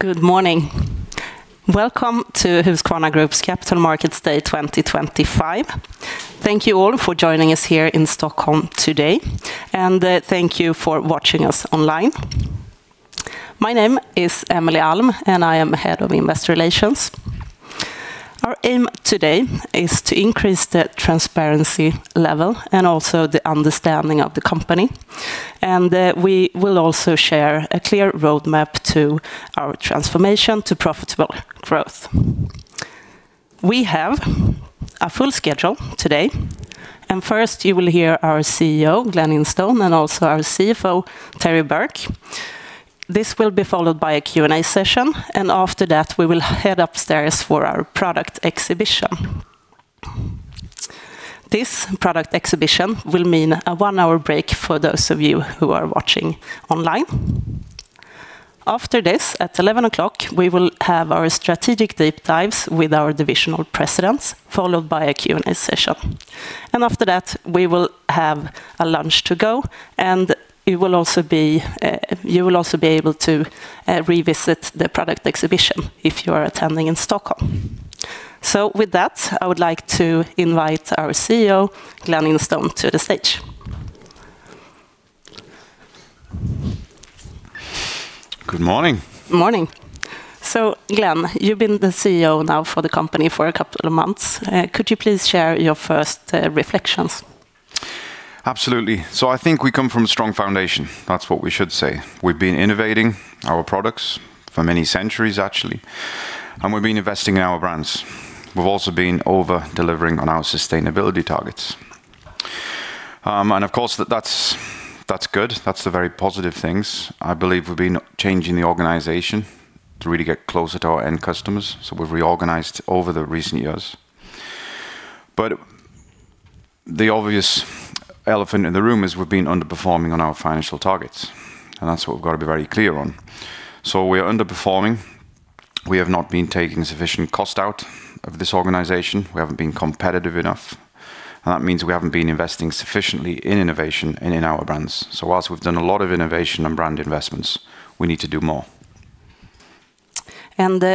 Good morning. Welcome to Husqvarna Group's Capital Markets Day 2025. Thank you all for joining us here in Stockholm today, and thank you for watching us online. My name is Emelie Alm, and I am Head of Investor Relations. Our aim today is to increase the transparency level and also the understanding of the company. And we will also share a clear roadmap to our transformation to profitable growth. We have a full schedule today. And first, you will hear our CEO, Glen Instone, and also our CFO, Terry Burke. This will be followed by a Q&A session. And after that, we will head upstairs for our product exhibition. This product exhibition will mean a one-hour break for those of you who are watching online. After this, at 11:00 o'clock, we will have our strategic deep dives with our divisional presidents, followed by a Q&A session. And after that, we will have a lunch to go, and you will also be able to revisit the product exhibition if you are attending in Stockholm. So with that, I would like to invite our CEO, Glen Instone, to the stage. Good morning. Morning. So, Glen, you've been the CEO now for the company for a couple of months. Could you please share your first reflections? Absolutely. So I think we come from a strong foundation. That's what we should say. We've been innovating our products for many centuries, actually. And we've been investing in our brands. We've also been over-delivering on our sustainability targets. And of course, that's good. That's the very positive things. I believe we've been changing the organization to really get closer to our end customers. So we've reorganized over the recent years. But the obvious elephant in the room is we've been underperforming on our financial targets. And that's what we've got to be very clear on. So we are underperforming. We have not been taking sufficient cost out of this organization. We haven't been competitive enough. And that means we haven't been investing sufficiently in innovation and in our brands. So whilst we've done a lot of innovation and brand investments, we need to do more.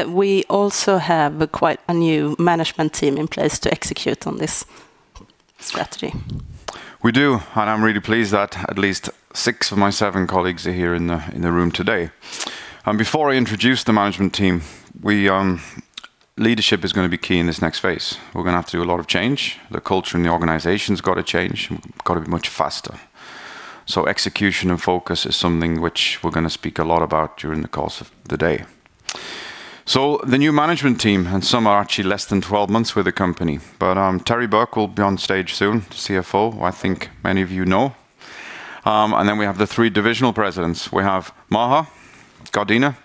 We also have quite a new management team in place to execute on this strategy. We do. And I'm really pleased that at least six of my seven colleagues are here in the room today. And before I introduce the management team, leadership is going to be key in this next phase. We're going to have to do a lot of change. The culture in the organization has got to change. We've got to be much faster. So execution and focus is something which we're going to speak a lot about during the course of the day. So the new management team, and some are actually less than 12 months with the company. But Terry Burke will be on stage soon, the CFO, who I think many of you know. And then we have the three divisional presidents. We have Maha, Gardena,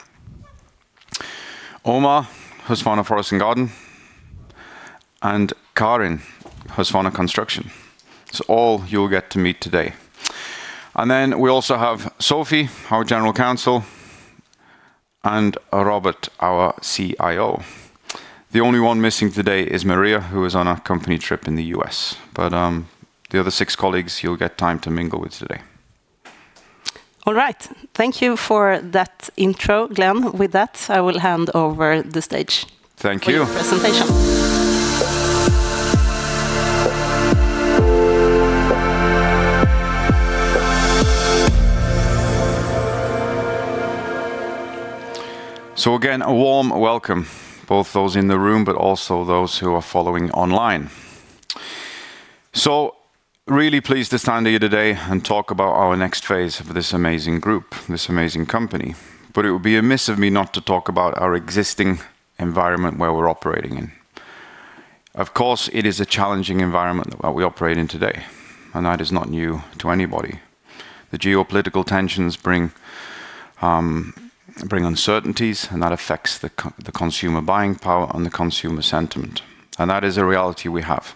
Omar, Husqvarna Forest & Garden, and Karin, Husqvarna Construction. It's all you'll get to meet today. And then we also have Sophie, our General Counsel, and Robert, our CIO. The only one missing today is Maria, who is on a company trip in the U.S. But the other six colleagues, you'll get time to mingle with today. All right. Thank you for that intro, Glen. With that, I will hand over the stage. Thank you. For the presentation. So again, a warm welcome, both those in the room, but also those who are following online. So really pleased to stand here today and talk about our next phase of this amazing group, this amazing company. But it would be amiss of me not to talk about our existing environment where we're operating in. Of course, it is a challenging environment that we operate in today. And that is not new to anybody. The geopolitical tensions bring uncertainties, and that affects the consumer buying power and the consumer sentiment and that is a reality we have.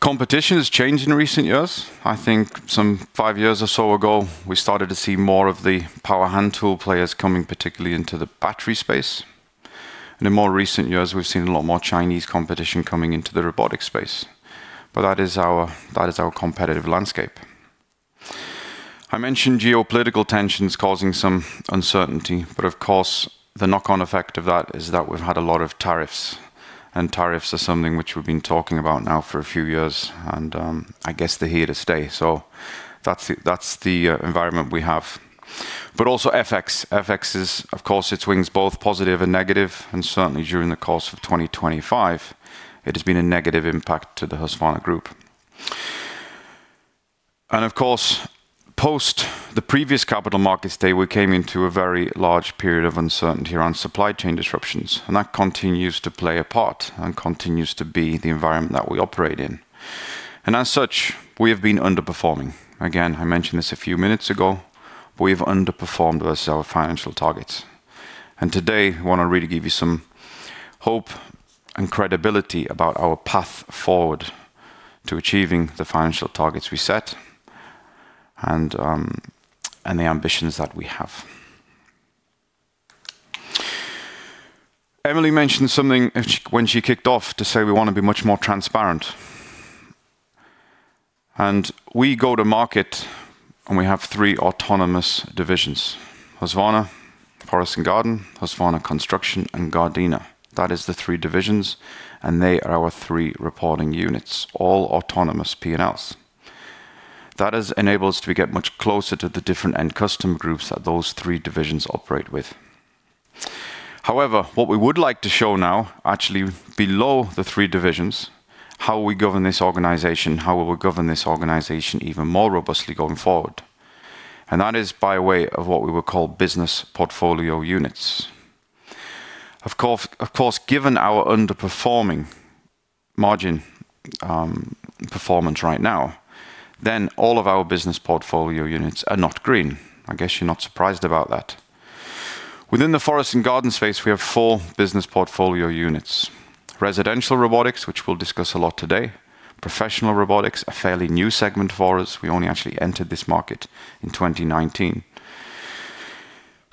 Competition has changed in recent years. I think some five years or so ago, we started to see more of the power hand tool players coming, particularly into the battery space. And in more recent years, we've seen a lot more Chinese competition coming into the robotics space. But that is our competitive landscape. I mentioned geopolitical tensions causing some uncertainty. But of course, the knock-on effect of that is that we've had a lot of tariffs. And tariffs are something which we've been talking about now for a few years. And I guess they're here to stay. So that's the environment we have. But also FX. FX is, of course, it swings, both positive and negative. And certainly during the course of 2025, it has been a negative impact to the Husqvarna Group. And of course, post the previous capital markets day, we came into a very large period of uncertainty around supply chain disruptions and that continues to play a part and continues to be the environment that we operate in. And as such, we have been underperforming. Again, I mentioned this a few minutes ago. We have underperformed versus our financial targets. Today, I want to really give you some hope and credibility about our path forward to achieving the financial targets we set and the ambitions that we have. Emelie mentioned something when she kicked off to say we want to be much more transparent. We go to market, and we have three autonomous divisions: Husqvarna Forest & Garden, Husqvarna Construction, and Gardena. That is the three divisions. They are our three reporting units, all autonomous P&Ls. That has enabled us to get much closer to the different end customer groups that those three divisions operate with. However, what we would like to show now, actually below the three divisions, how we govern this organization, how we will govern this organization even more robustly going forward. That is by way of what we will call business portfolio units. Of course, given our underperforming margin performance right now, then all of our business portfolio units are not green. I guess you're not surprised about that. Within the forest and garden space, we have four business portfolio units: Residential Robotics, which we'll discuss a lot today. Professional robotics, a fairly new segment for us. We only actually entered this market in 2019.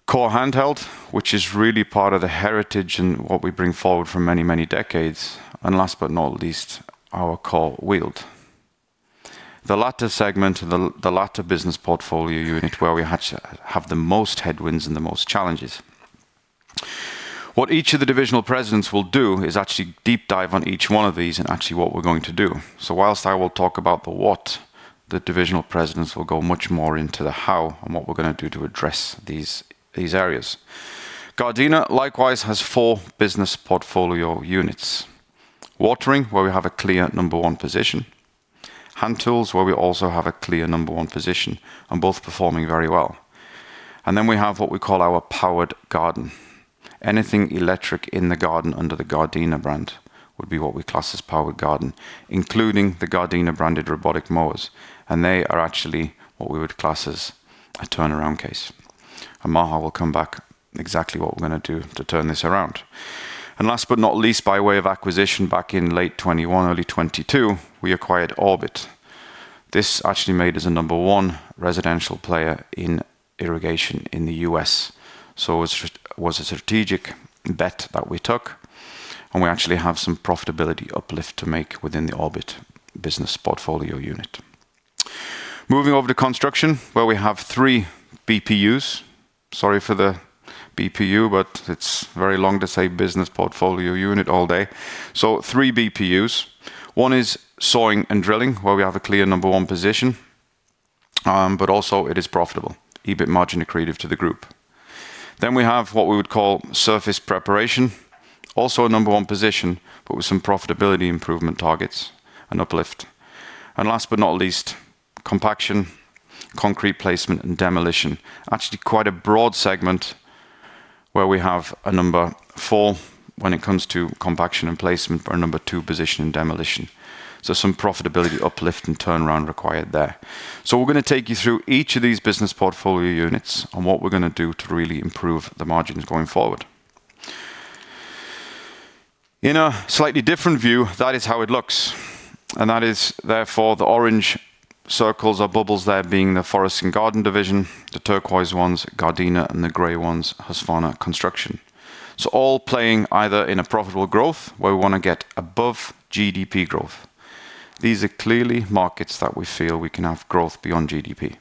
Core Handheld, which is really part of the heritage and what we bring forward for many, many decades, and last but not least, our Core Wheeled. The latter segment, the latter business portfolio unit, where we have the most headwinds and the most challenges. What each of the divisional presidents will do is actually deep dive on each one of these and actually what we're going to do. So whilst I will talk about the what, the divisional presidents will go much more into the how and what we're going to do to address these areas. Gardena likewise has four business portfolio units: Watering, where we have a clear number one position. Hand Tools, where we also have a clear number one position, and both performing very well. And then we have what we call our Powered Garden. Anything electric in the garden under the Gardena brand would be what we class as powered garden, including the Gardena branded robotic mowers. And they are actually what we would class as a turnaround case. And Maha will come back exactly what we're going to do to turn this around. And last but not least, by way of acquisition back in late 2021, early 2022, we acquired Orbit. This actually made us a number one residential player in irrigation in the U.S., so it was a strategic bet that we took, and we actually have some profitability uplift to make within the Orbit Business Portfolio Unit. Moving over to construction, where we have three BPUs. Sorry for the BPU, but it's very long to say Business Portfolio Unit all day, so three BPUs. One is Sawing & Drilling, where we have a clear number one position, but also, it is profitable, even margin accretive to the group, then we have what we would call Surface Preparation, also a number one position, but with some profitability improvement targets and uplift, and last but not least, Compaction, Concrete Placement, and Demolition, actually quite a broad segment where we have a number four when it comes to compaction and placement, but a number two position in demolition. So some profitability uplift and turnaround required there. So we're going to take you through each of these business portfolio units and what we're going to do to really improve the margins going forward. In a slightly different view, that is how it looks. And that is therefore the orange circles are bubbles there being the Forest & Garden division, the turquoise ones Gardena, and the gray ones Husqvarna Construction. So all playing either in a profitable growth where we want to get above GDP growth. These are clearly markets that we feel we can have growth beyond GDP.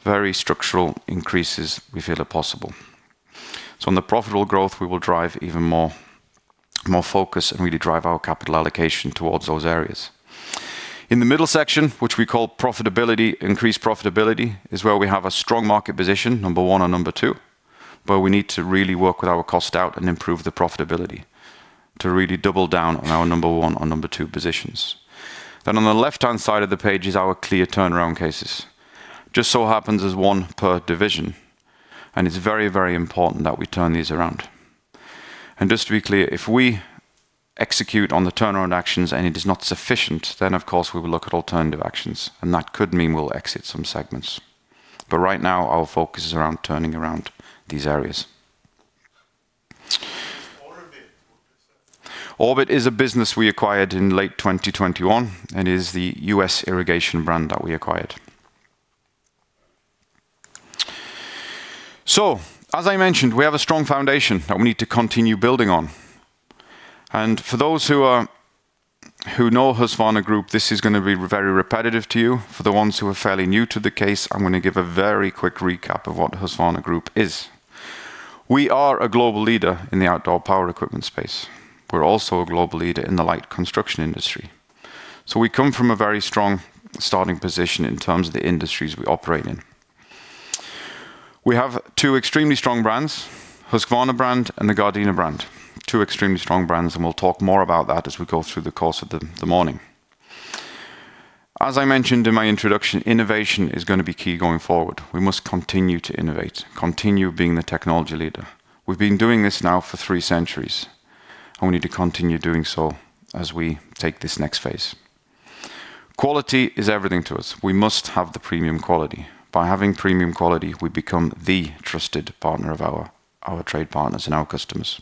Very structural increases we feel are possible. So on the profitable growth, we will drive even more focus and really drive our capital allocation towards those areas. In the middle section, which we call profitability, increased profitability is where we have a strong market position, number one or number two, where we need to really work with our cost out and improve the profitability to really double down on our number one or number two positions. And on the left-hand side of the page is our clear turnaround cases. Just so happens there's one per division. And it's very, very important that we turn these around. And just to be clear, if we execute on the turnaround actions and it is not sufficient, then of course we will look at alternative actions. And that could mean we'll exit some segments. But right now, our focus is around turning around these areas. Orbit is a business we acquired in late 2021 and is the U.S. irrigation brand that we acquired. So as I mentioned, we have a strong foundation that we need to continue building on. And for those who know Husqvarna Group, this is going to be very repetitive to you. For the ones who are fairly new to the case, I'm going to give a very quick recap of what Husqvarna Group is. We are a global leader in the outdoor power equipment space. We're also a global leader in the Light Construction industry. So we come from a very strong starting position in terms of the industries we operate in. We have two extremely strong brands, Husqvarna brand and the Gardena brand. Two extremely strong brands, and we'll talk more about that as we go through the course of the morning. As I mentioned in my introduction, innovation is going to be key going forward. We must continue to innovate, continue being the technology leader. We've been doing this now for three centuries, and we need to continue doing so as we take this next phase. Quality is everything to us. We must have the premium quality. By having premium quality, we become the trusted partner of our trade partners and our customers,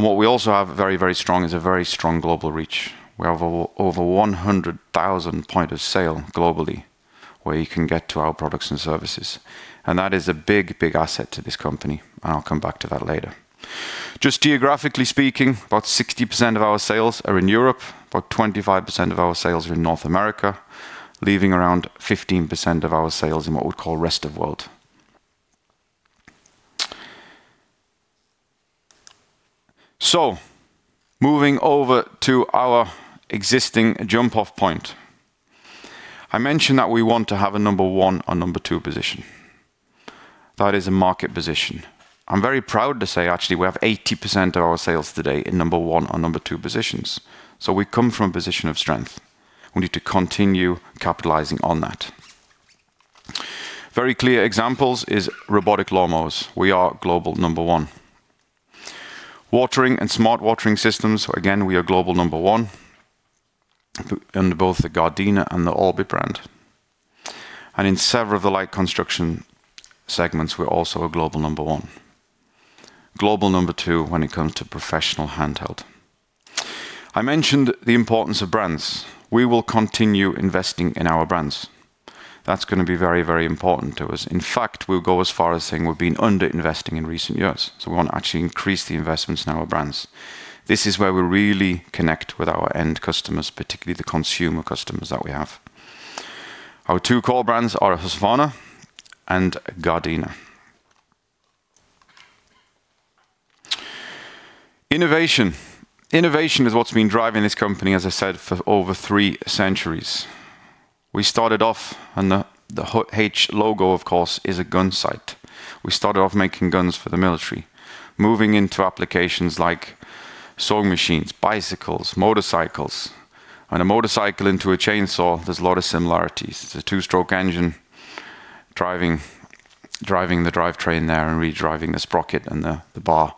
and what we also have very, very strong is a very strong global reach. We have over 100,000 points of sale globally where you can get to our products and services, and that is a big, big asset to this company, and I'll come back to that later. Just geographically speaking, about 60% of our sales are in Europe, about 25% of our sales are in North America, leaving around 15% of our sales in what we call rest of world. So moving over to our existing jump-off point, I mentioned that we want to have a number one or number two position. That is a market position. I'm very proud to say actually we have 80% of our sales today in number one or number two positions. So we come from a position of strength. We need to continue capitalizing on that. Very clear examples is robotic lawn mowers. We are global number one. Watering and Smart Watering systems, again, we are global number one under both the Gardena and the Orbit brand. And in several of the Light Construction segments, we're also a global number one. Global number two when it comes to Professional Handheld. I mentioned the importance of brands. We will continue investing in our brands. That's going to be very, very important to us. In fact, we'll go as far as saying we've been underinvesting in recent years. So we want to actually increase the investments in our brands. This is where we really connect with our end customers, particularly the consumer customers that we have. Our two core brands are Husqvarna and Gardena. Innovation. Innovation is what's been driving this company, as I said, for over three centuries. We started off, and the H logo, of course, is a gun sight. We started off making guns for the military, moving into applications like sewing machines, bicycles, motorcycles. And a motorcycle into a chainsaw, there's a lot of similarities. It's a two-stroke engine driving the drivetrain there and redriving the sprocket and the bar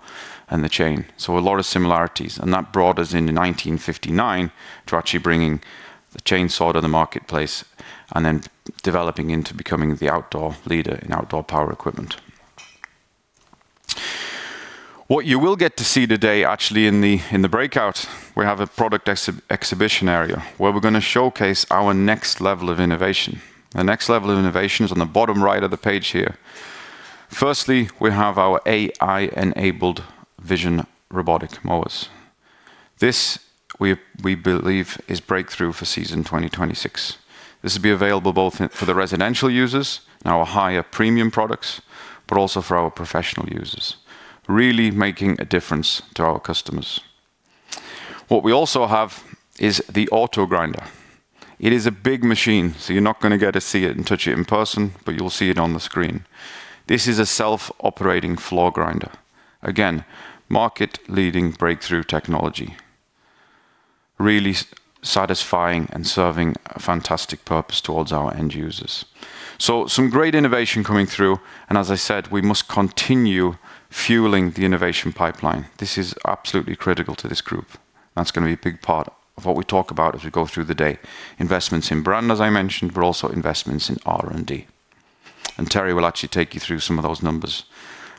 and the chain. So a lot of similarities. And that brought us in 1959 to actually bringing the chainsaw to the marketplace and then developing into becoming the outdoor leader in outdoor power equipment. What you will get to see today, actually in the breakout, we have a product exhibition area where we're going to showcase our next level of innovation. The next level of innovation is on the bottom right of the page here. Firstly, we have our AI-enabled vision robotic mowers. This, we believe, is breakthrough for season 2026. This will be available both for the residential users and our higher premium products, but also for our professional users, really making a difference to our customers. What we also have is the Autogrinder. It is a big machine, so you're not going to get to see it and touch it in person, but you'll see it on the screen. This is a self-operating floor grinder. Again, market-leading breakthrough technology, really satisfying and serving a fantastic purpose toward our end users. So some great innovation coming through. And as I said, we must continue fueling the innovation pipeline. This is absolutely critical to this group. That's going to be a big part of what we talk about as we go through the day: investments in brand, as I mentioned, but also investments in R&D. And Terry will actually take you through some of those numbers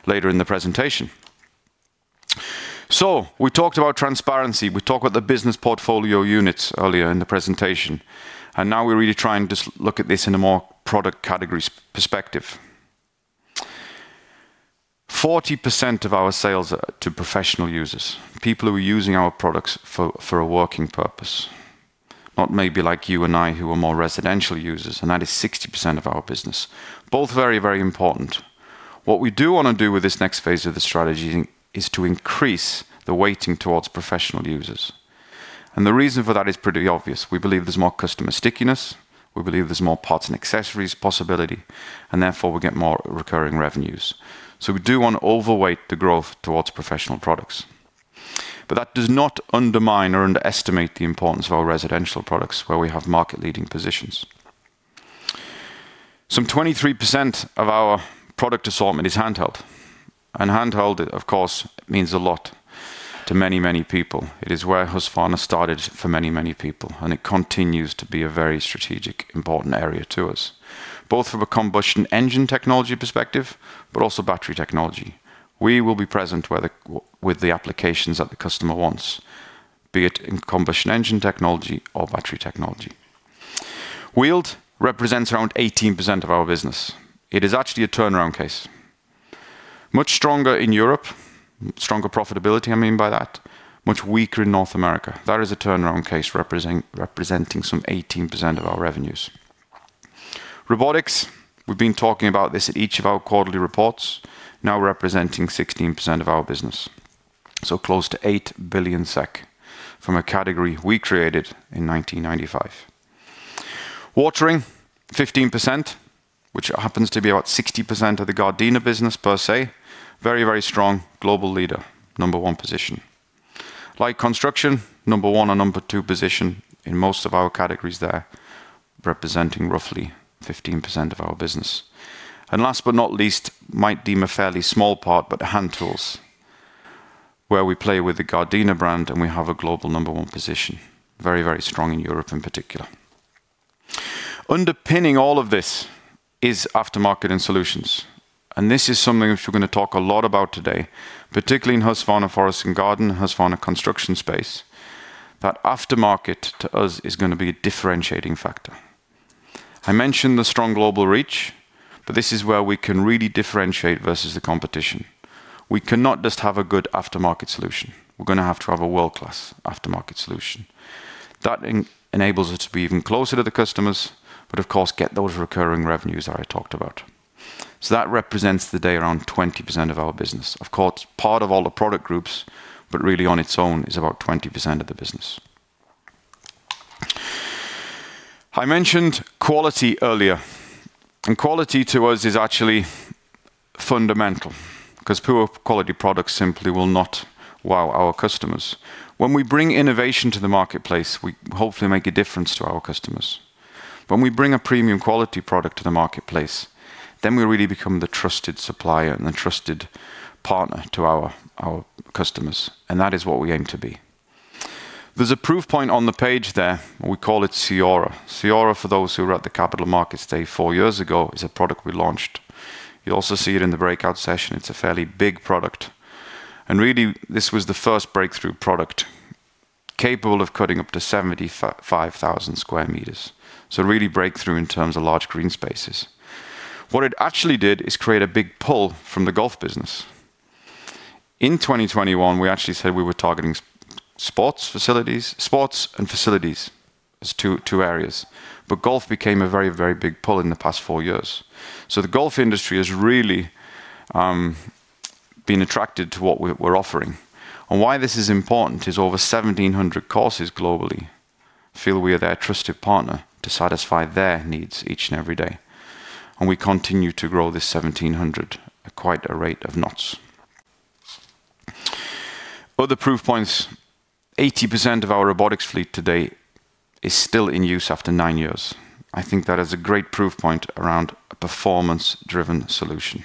later in the presentation. So we talked about transparency. We talked about the business portfolio units earlier in the presentation. And now we're really trying to look at this in a more product category perspective. 40% of our sales are to professional users, people who are using our products for a working purpose, not maybe like you and I who are more residential users. And that is 60% of our business. Both very, very important. What we do want to do with this next phase of the strategy is to increase the weighting towards professional users, and the reason for that is pretty obvious. We believe there's more customer stickiness. We believe there's more parts and accessories possibility, and therefore, we get more recurring revenues, so we do want to overweight the growth towards professional products, but that does not undermine or underestimate the importance of our residential products where we have market-leading positions. Some 23% of our product assortment is Handheld, and Handheld, of course, means a lot to many, many people. It is where Husqvarna started for many, many people, and it continues to be a very strategic, important area to us, both from a combustion engine technology perspective, but also battery technology. We will be present with the applications that the customer wants, be it in combustion engine technology or battery technology. Wheeled represents around 18% of our business. It is actually a turnaround case. Much stronger in Europe, stronger profitability, I mean by that, much weaker in North America. That is a turnaround case representing some 18% of our revenues. Robotics, we've been talking about this in each of our quarterly reports, now representing 16% of our business. So close to 8 billion SEK from a category we created in 1995. Watering, 15%, which happens to be about 60% of the Gardena business per se, very, very strong global leader, number one position. Light Construction, number one or number two position in most of our categories there, representing roughly 15% of our business. And last but not least, what might seem a fairly small part, but Hand Tools, where we play with the Gardena brand and we have a global number one position, very, very strong in Europe in particular. Underpinning all of this is Aftermarket and Solutions. And this is something which we're going to talk a lot about today, particularly in Husqvarna Forest & Garden, Husqvarna Construction space, that aftermarket to us is going to be a differentiating factor. I mentioned the strong global reach, but this is where we can really differentiate versus the competition. We cannot just have a good aftermarket solution. We're going to have to have a world-class aftermarket solution that enables us to be even closer to the customers, but of course, get those recurring revenues that I talked about. So that represents today around 20% of our business. Of course, part of all the product groups, but really on its own is about 20% of the business. I mentioned quality earlier, and quality to us is actually fundamental because poor quality products simply will not wow our customers. When we bring innovation to the marketplace, we hopefully make a difference to our customers. When we bring a premium quality product to the marketplace, then we really become the trusted supplier and the trusted partner to our customers, and that is what we aim to be. There's a proof point on the page there. We call it CEORA. CEORA, for those who were at the Capital Markets Day four years ago, is a product we launched. You'll also see it in the breakout session. It's a fairly big product, and really, this was the first breakthrough product capable of cutting up to 75,000 sq m. So, really breakthrough in terms of large green spaces. What it actually did is create a big pull from the golf business. In 2021, we actually said we were targeting sports and facilities as two areas, but golf became a very, very big pull in the past four years, so the golf industry has really been attracted to what we're offering, and why this is important is over 1,700 courses globally feel we are their trusted partner to satisfy their needs each and every day, and we continue to grow this 1,700 at quite a rate of knots. Other proof points: 80% of our robotics fleet today is still in use after nine years. I think that is a great proof point around a performance-driven solution.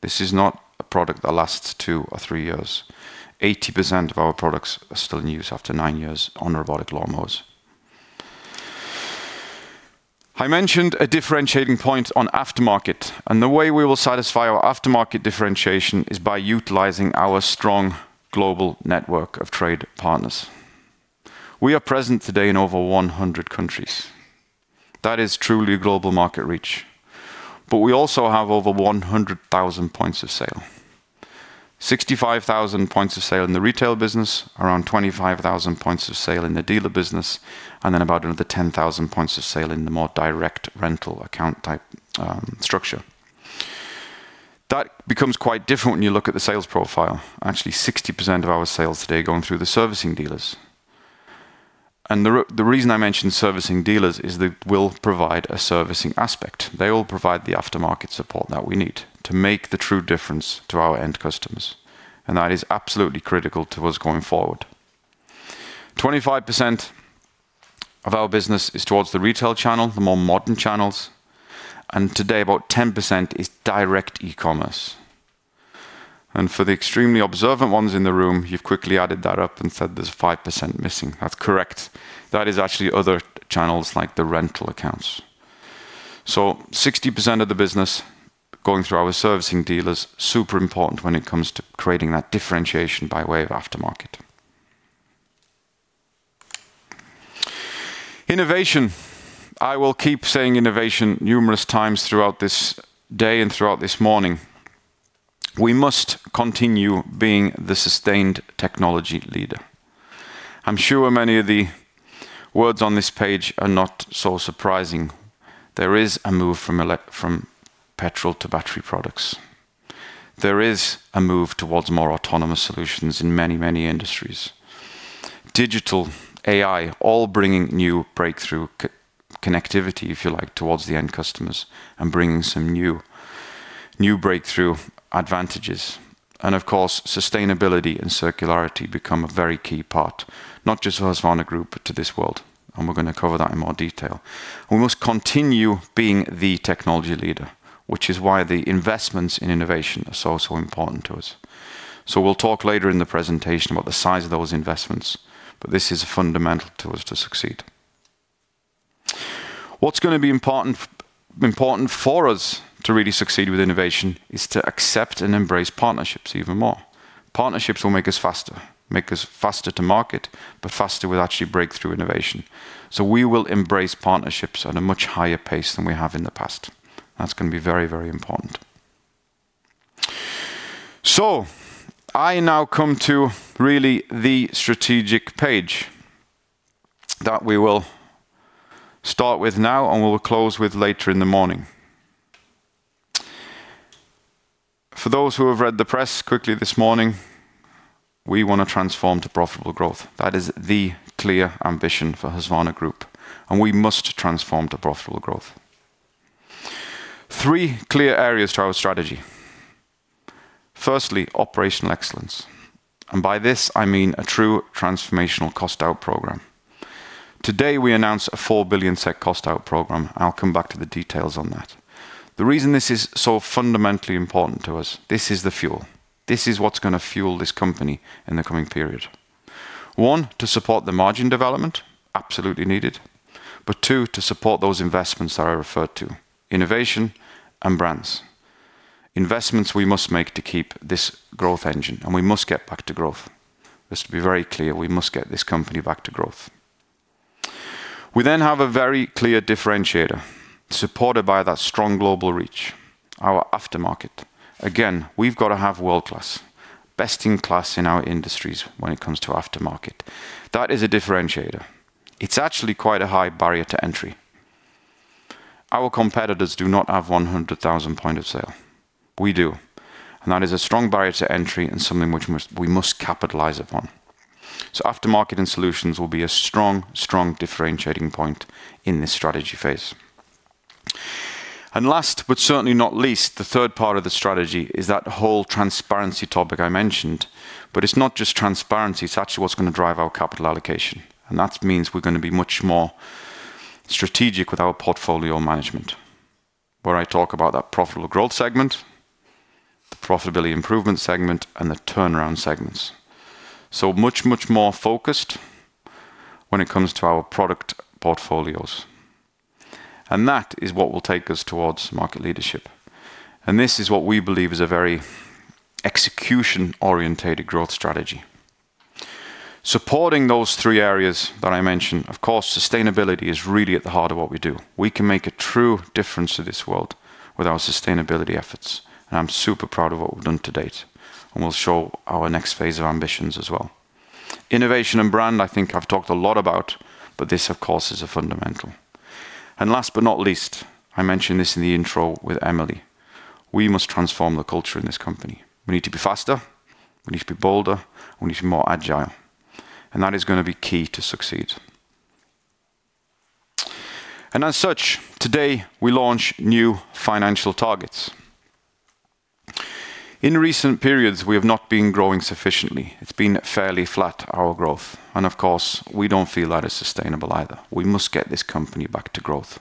This is not a product that lasts two or three years. 80% of our products are still in use after nine years on robotic lawn mowers. I mentioned a differentiating point on aftermarket. And the way we will satisfy our aftermarket differentiation is by utilizing our strong global network of trade partners. We are present today in over 100 countries. That is truly a global market reach. But we also have over 100,000 points of sale, 65,000 points of sale in the retail business, around 25,000 points of sale in the dealer business, and then about another 10,000 points of sale in the more direct rental account type structure. That becomes quite different when you look at the sales profile. Actually, 60% of our sales today are going through the servicing dealers. And the reason I mentioned servicing dealers is that we'll provide a servicing aspect. They will provide the aftermarket support that we need to make the true difference to our end customers, and that is absolutely critical to what's going forward. 25% of our business is towards the retail channel, the more modern channels, and today, about 10% is direct e-commerce, and for the extremely observant ones in the room, you've quickly added that up and said there's 5% missing. That's correct. That is actually other channels like the rental accounts, so 60% of the business going through our servicing dealers, super important when it comes to creating that differentiation by way of aftermarket. Innovation. I will keep saying innovation numerous times throughout this day and throughout this morning. We must continue being the sustained technology leader. I'm sure many of the words on this page are not so surprising. There is a move from petrol to battery products. There is a move towards more autonomous solutions in many, many industries. Digital, AI, all bringing new breakthrough connectivity, if you like, towards the end customers and bringing some new breakthrough advantages. And of course, sustainability and circularity become a very key part, not just for Husqvarna Group, but to this world. And we're going to cover that in more detail. We must continue being the technology leader, which is why the investments in innovation are so, so important to us. So we'll talk later in the presentation about the size of those investments, but this is fundamental to us to succeed. What's going to be important for us to really succeed with innovation is to accept and embrace partnerships even more. Partnerships will make us faster, make us faster to market, but faster with actually breakthrough innovation. So we will embrace partnerships at a much higher pace than we have in the past. That's going to be very, very important. So I now come to really the strategic page that we will start with now and we'll close with later in the morning. For those who have read the press quickly this morning, we want to transform to profitable growth. That is the clear ambition for Husqvarna Group. And we must transform to profitable growth. Three clear areas to our strategy. Firstly, operational excellence. And by this, I mean a true transformational cost-out program. Today, we announced a 4 billion SEK cost-out program. I'll come back to the details on that. The reason this is so fundamentally important to us, this is the fuel. This is what's going to fuel this company in the coming period. One, to support the margin development, absolutely needed. But two, to support those investments that I referred to: innovation and brands. Investments we must make to keep this growth engine. And we must get back to growth. Let's be very clear. We must get this company back to growth. We then have a very clear differentiator supported by that strong global reach, our aftermarket. Again, we've got to have world-class, best-in-class in our industries when it comes to aftermarket. That is a differentiator. It's actually quite a high barrier to entry. Our competitors do not have 100,000 points of sale. We do. And that is a strong barrier to entry and something which we must capitalize upon. So Aftermarket and Solutions will be a strong, strong differentiating point in this strategy phase. And last, but certainly not least, the third part of the strategy is that whole transparency topic I mentioned. But it's not just transparency. It's actually what's going to drive our capital allocation. And that means we're going to be much more strategic with our portfolio management, where I talk about that profitable growth segment, the profitability improvement segment, and the turnaround segments. So much, much more focused when it comes to our product portfolios. And that is what will take us towards market leadership. And this is what we believe is a very execution-orientated growth strategy. Supporting those three areas that I mentioned, of course, sustainability is really at the heart of what we do. We can make a true difference to this world with our sustainability efforts and I'm super proud of what we've done to date. And we'll show our next phase of ambitions as well. Innovation and brand, I think I've talked a lot about, but this, of course, is a fundamental. And last but not least, I mentioned this in the intro with Emelie. We must transform the culture in this company. We need to be faster. We need to be bolder. We need to be more agile. And that is going to be key to succeed. And as such, today, we launch new financial targets. In recent periods, we have not been growing sufficiently. It's been fairly flat, our growth. And of course, we don't feel that is sustainable either. We must get this company back to growth.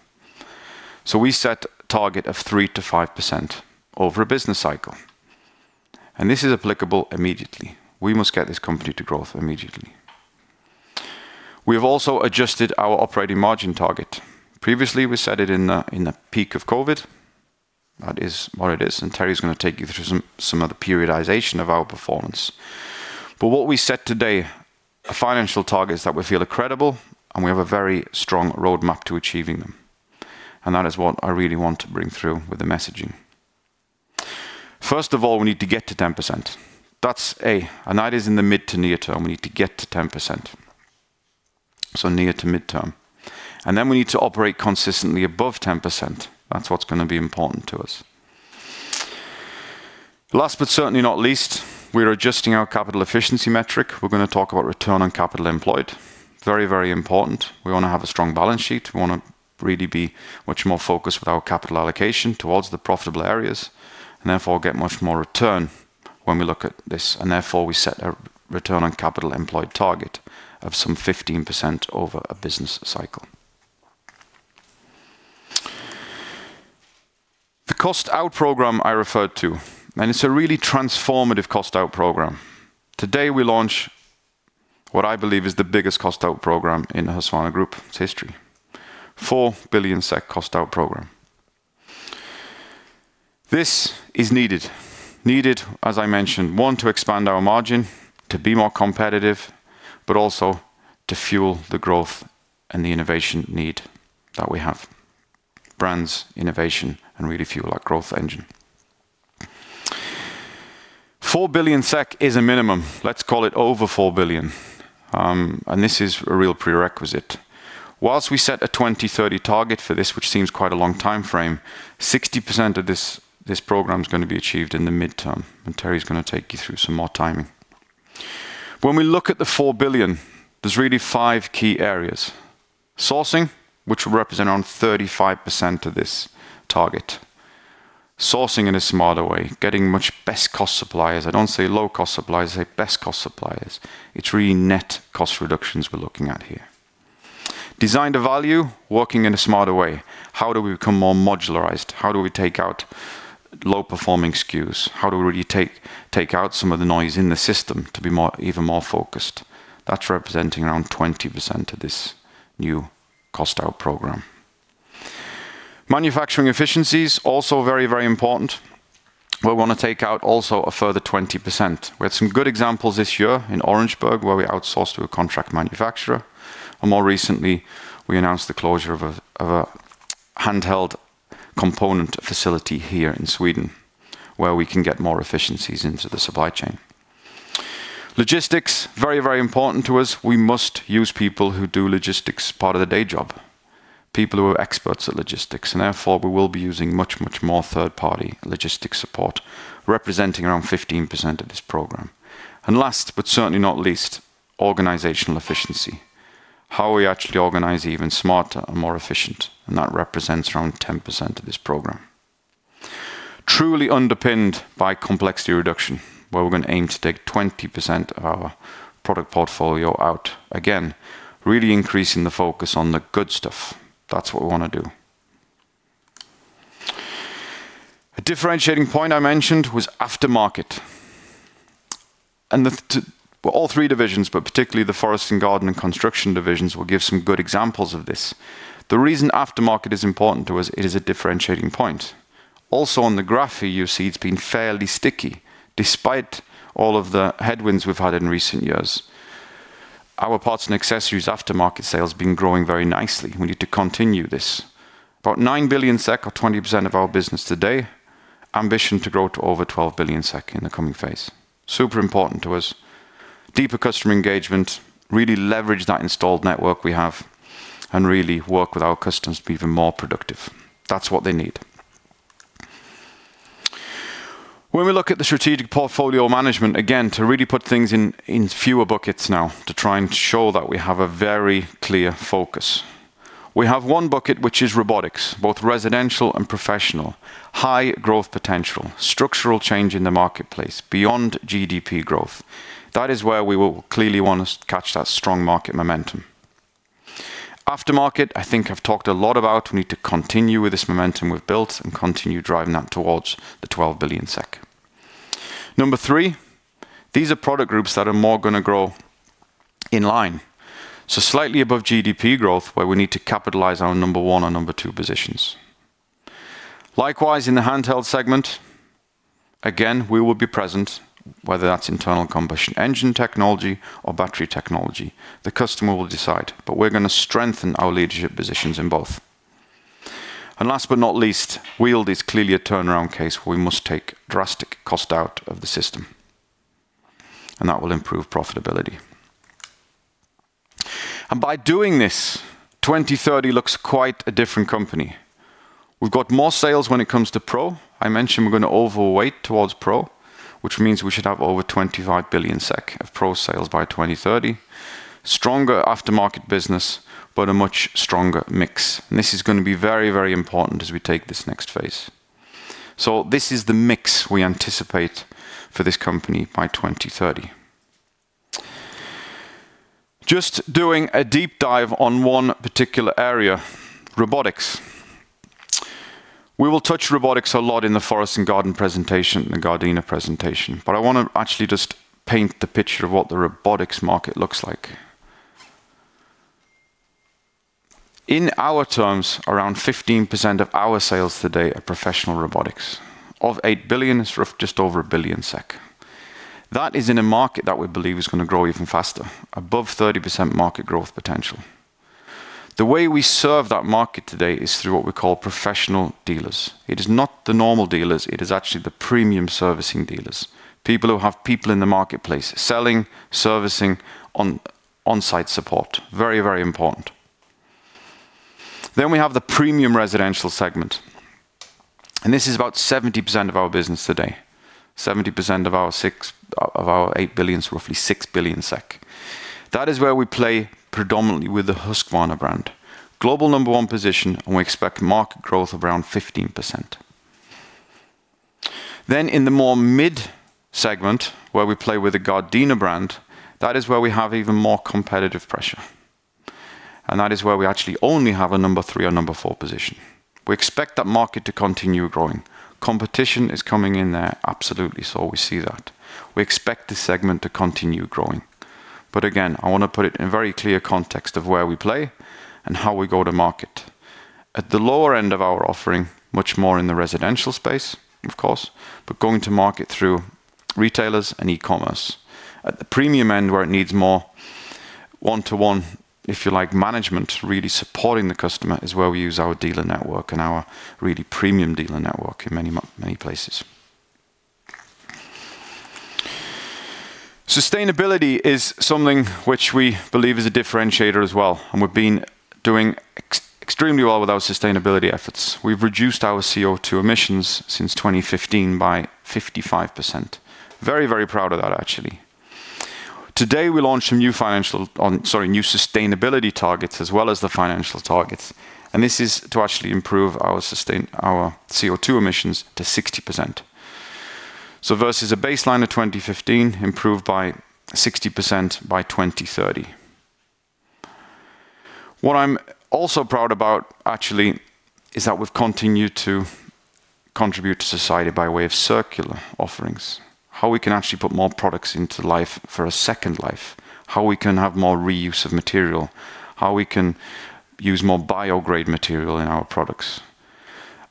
So we set a target of 3%-5% over a business cycle. And this is applicable immediately. We must get this company to growth immediately. We have also adjusted our operating margin target. Previously, we set it in the peak of COVID. That is what it is. And Terry is going to take you through some of the periodization of our performance. But what we set today, financial targets that we feel are credible, and we have a very strong roadmap to achieving them. And that is what I really want to bring through with the messaging. First of all, we need to get to 10%. That's A. And that is in the mid to near term. We need to get to 10%. So near to mid term. And then we need to operate consistently above 10%. That's what's going to be important to us. Last but certainly not least, we are adjusting our capital efficiency metric. We're going to talk about Return on Capital Employed. Very, very important. We want to have a strong balance sheet. We want to really be much more focused with our capital allocation towards the profitable areas and therefore get much more return when we look at this, and therefore we set a return on capital employed target of some 15% over a business cycle. The cost-out program I referred to, and it's a really transformative cost-out program. Today, we launch what I believe is the biggest cost-out program in Husqvarna Group's history, 4 billion SEK cost-out program. This is needed, needed, as I mentioned, one, to expand our margin, to be more competitive, but also to fuel the growth and the innovation need that we have. Brands, innovation, and really fuel our growth engine. 4 billion SEK is a minimum. Let's call it over 4 billion, and this is a real prerequisite. While we set a 2030 target for this, which seems quite a long time frame, 60% of this program is going to be achieved in the mid term, and Terry is going to take you through some more timing. When we look at the 4 billion, there's really five key areas. Sourcing, which will represent around 35% of this target. Sourcing in a smarter way, getting much best-cost suppliers. I don't say low-cost suppliers. I say best-cost suppliers. It's really net cost reductions we're looking at here. Design to Value, working in a smarter way. How do we become more modularized? How do we take out low-performing SKUs? How do we really take out some of the noise in the system to be even more focused? That's representing around 20% of this new cost-out program. Manufacturing Efficiencies also very, very important. We're going to take out also a further 20%. We had some good examples this year in Orangeburg, where we outsourced to a contract manufacturer. And more recently, we announced the closure of a Handheld component facility here in Sweden, where we can get more efficiencies into the supply chain. Logistics, very, very important to us. We must use people who do logistics part of the day job, people who are experts at logistics. And therefore, we will be using much, much more third-party logistics support, representing around 15% of this program. And last, but certainly not least, Organizational Efficiency. How are we actually organized even smarter and more efficient? And that represents around 10% of this program. Truly underpinned by complexity reduction, where we're going to aim to take 20% of our product portfolio out again, really increasing the focus on the good stuff. That's what we want to do. A differentiating point I mentioned was aftermarket. And all three divisions, but particularly the Forest & Garden and construction divisions, will give some good examples of this. The reason aftermarket is important to us, it is a differentiating point. Also, on the graph here, you see it's been fairly sticky despite all of the headwinds we've had in recent years. Our parts and accessories aftermarket sales have been growing very nicely. We need to continue this. About 9 billion SEK or 20% of our business today, ambition to grow to over 12 billion SEK in the coming phase. Super important to us. Deeper customer engagement, really leverage that installed network we have and really work with our customers to be even more productive. That's what they need. When we look at the strategic portfolio management, again, to really put things in fewer buckets now, to try and show that we have a very clear focus. We have one bucket, which is robotics, both residential and professional, high growth potential, structural change in the marketplace beyond GDP growth. That is where we will clearly want to catch that strong market momentum. Aftermarket, I think I've talked a lot about. We need to continue with this momentum we've built and continue driving that towards the 12 billion SEK. Number three, these are product groups that are more going to grow in line, so slightly above GDP growth, where we need to capitalize our number one and number two positions. Likewise, in the Handheld segment, again, we will be present, whether that's internal combustion engine technology or battery technology. The customer will decide, but we're going to strengthen our leadership positions in both, and last but not least, Wheeled is clearly a turnaround case where we must take drastic cost out of the system, and that will improve profitability, and by doing this, 2030 looks quite a different company. We've got more sales when it comes to pro. I mentioned we're going to overweight towards pro, which means we should have over 25 billion SEK of pro sales by 2030, stronger aftermarket business, but a much stronger mix, and this is going to be very, very important as we take this next phase, so this is the mix we anticipate for this company by 2030. Just doing a deep dive on one particular area, robotics. We will touch robotics a lot in the Forest & Garden presentation, the Gardena presentation. But I want to actually just paint the picture of what the robotics market looks like. In our terms, around 15% of our sales today are Professional Robotics. Of 8 billion, it's just over 1 billion SEK. That is in a market that we believe is going to grow even faster, above 30% market growth potential. The way we serve that market today is through what we call professional dealers. It is not the normal dealers. It is actually the premium servicing dealers, people who have people in the marketplace selling, servicing, on-site support. Very, very important. Then we have the premium residential segment. And this is about 70% of our business today. 70% of our 8 billion is roughly 6 billion SEK. That is where we play predominantly with the Husqvarna brand, global number one position, and we expect market growth of around 15%. Then in the more mid segment, where we play with the Gardena brand, that is where we have even more competitive pressure. And that is where we actually only have a number three or number four position. We expect that market to continue growing. Competition is coming in there absolutely. So we see that. We expect the segment to continue growing. But again, I want to put it in very clear context of where we play and how we go to market. At the lower end of our offering, much more in the residential space, of course, but going to market through retailers and e-commerce. At the premium end, where it needs more one-to-one, if you like, management really supporting the customer, is where we use our dealer network and our really premium dealer network in many places. Sustainability is something which we believe is a differentiator as well. We've been doing extremely well with our sustainability efforts. We've reduced our CO2 emissions since 2015 by 55%. Very, very proud of that, actually. Today, we launched some new financial, sorry, new sustainability targets as well as the financial targets. This is to actually improve our CO2 emissions to 60%. Versus a baseline of 2015, improved by 60% by 2030. What I'm also proud about, actually, is that we've continued to contribute to society by way of circular offerings, how we can actually put more products into life for a Second Life, how we can have more reuse of material, how we can use more bio-grade material in our products.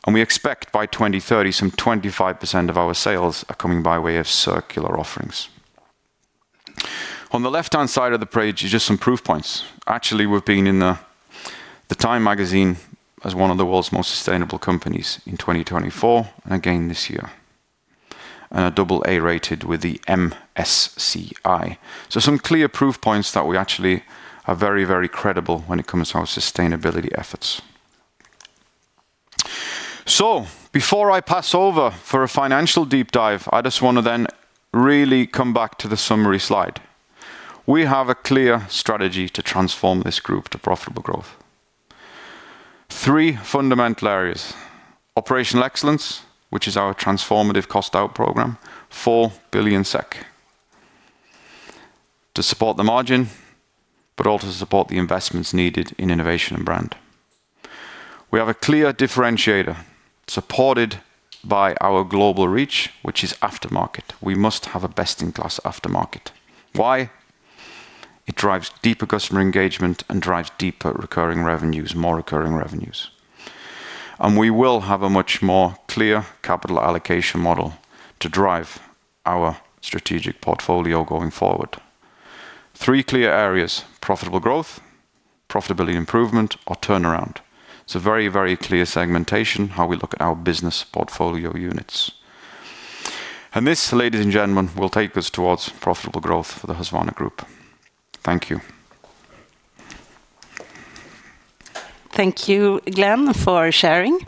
We expect by 2030, some 25% of our sales are coming by way of circular offerings. On the left-hand side of the page, just some proof points. Actually, we've been in the TIME magazine as one of the world's most sustainable companies in 2024 and again this year, and a AA rated with the MSCI, so some clear proof points that we actually are very, very credible when it comes to our sustainability efforts, so before I pass over for a financial deep dive, I just want to then really come back to the summary slide. We have a clear strategy to transform this group to profitable growth. Three fundamental areas: operational excellence, which is our transformative cost-out program, 4 billion SEK to support the margin, but also to support the investments needed in innovation and brand. We have a clear differentiator supported by our global reach, which is aftermarket. We must have a best-in-class aftermarket. Why? It drives deeper customer engagement and drives deeper recurring revenues, more recurring revenues. And we will have a much more clear capital allocation model to drive our strategic portfolio going forward. Three clear areas: profitable growth, profitability improvement, or turnaround. It's a very, very clear segmentation how we look at our business portfolio units. And this, ladies and gentlemen, will take us towards profitable growth for the Husqvarna Group. Thank you. Thank you, Glen, for sharing.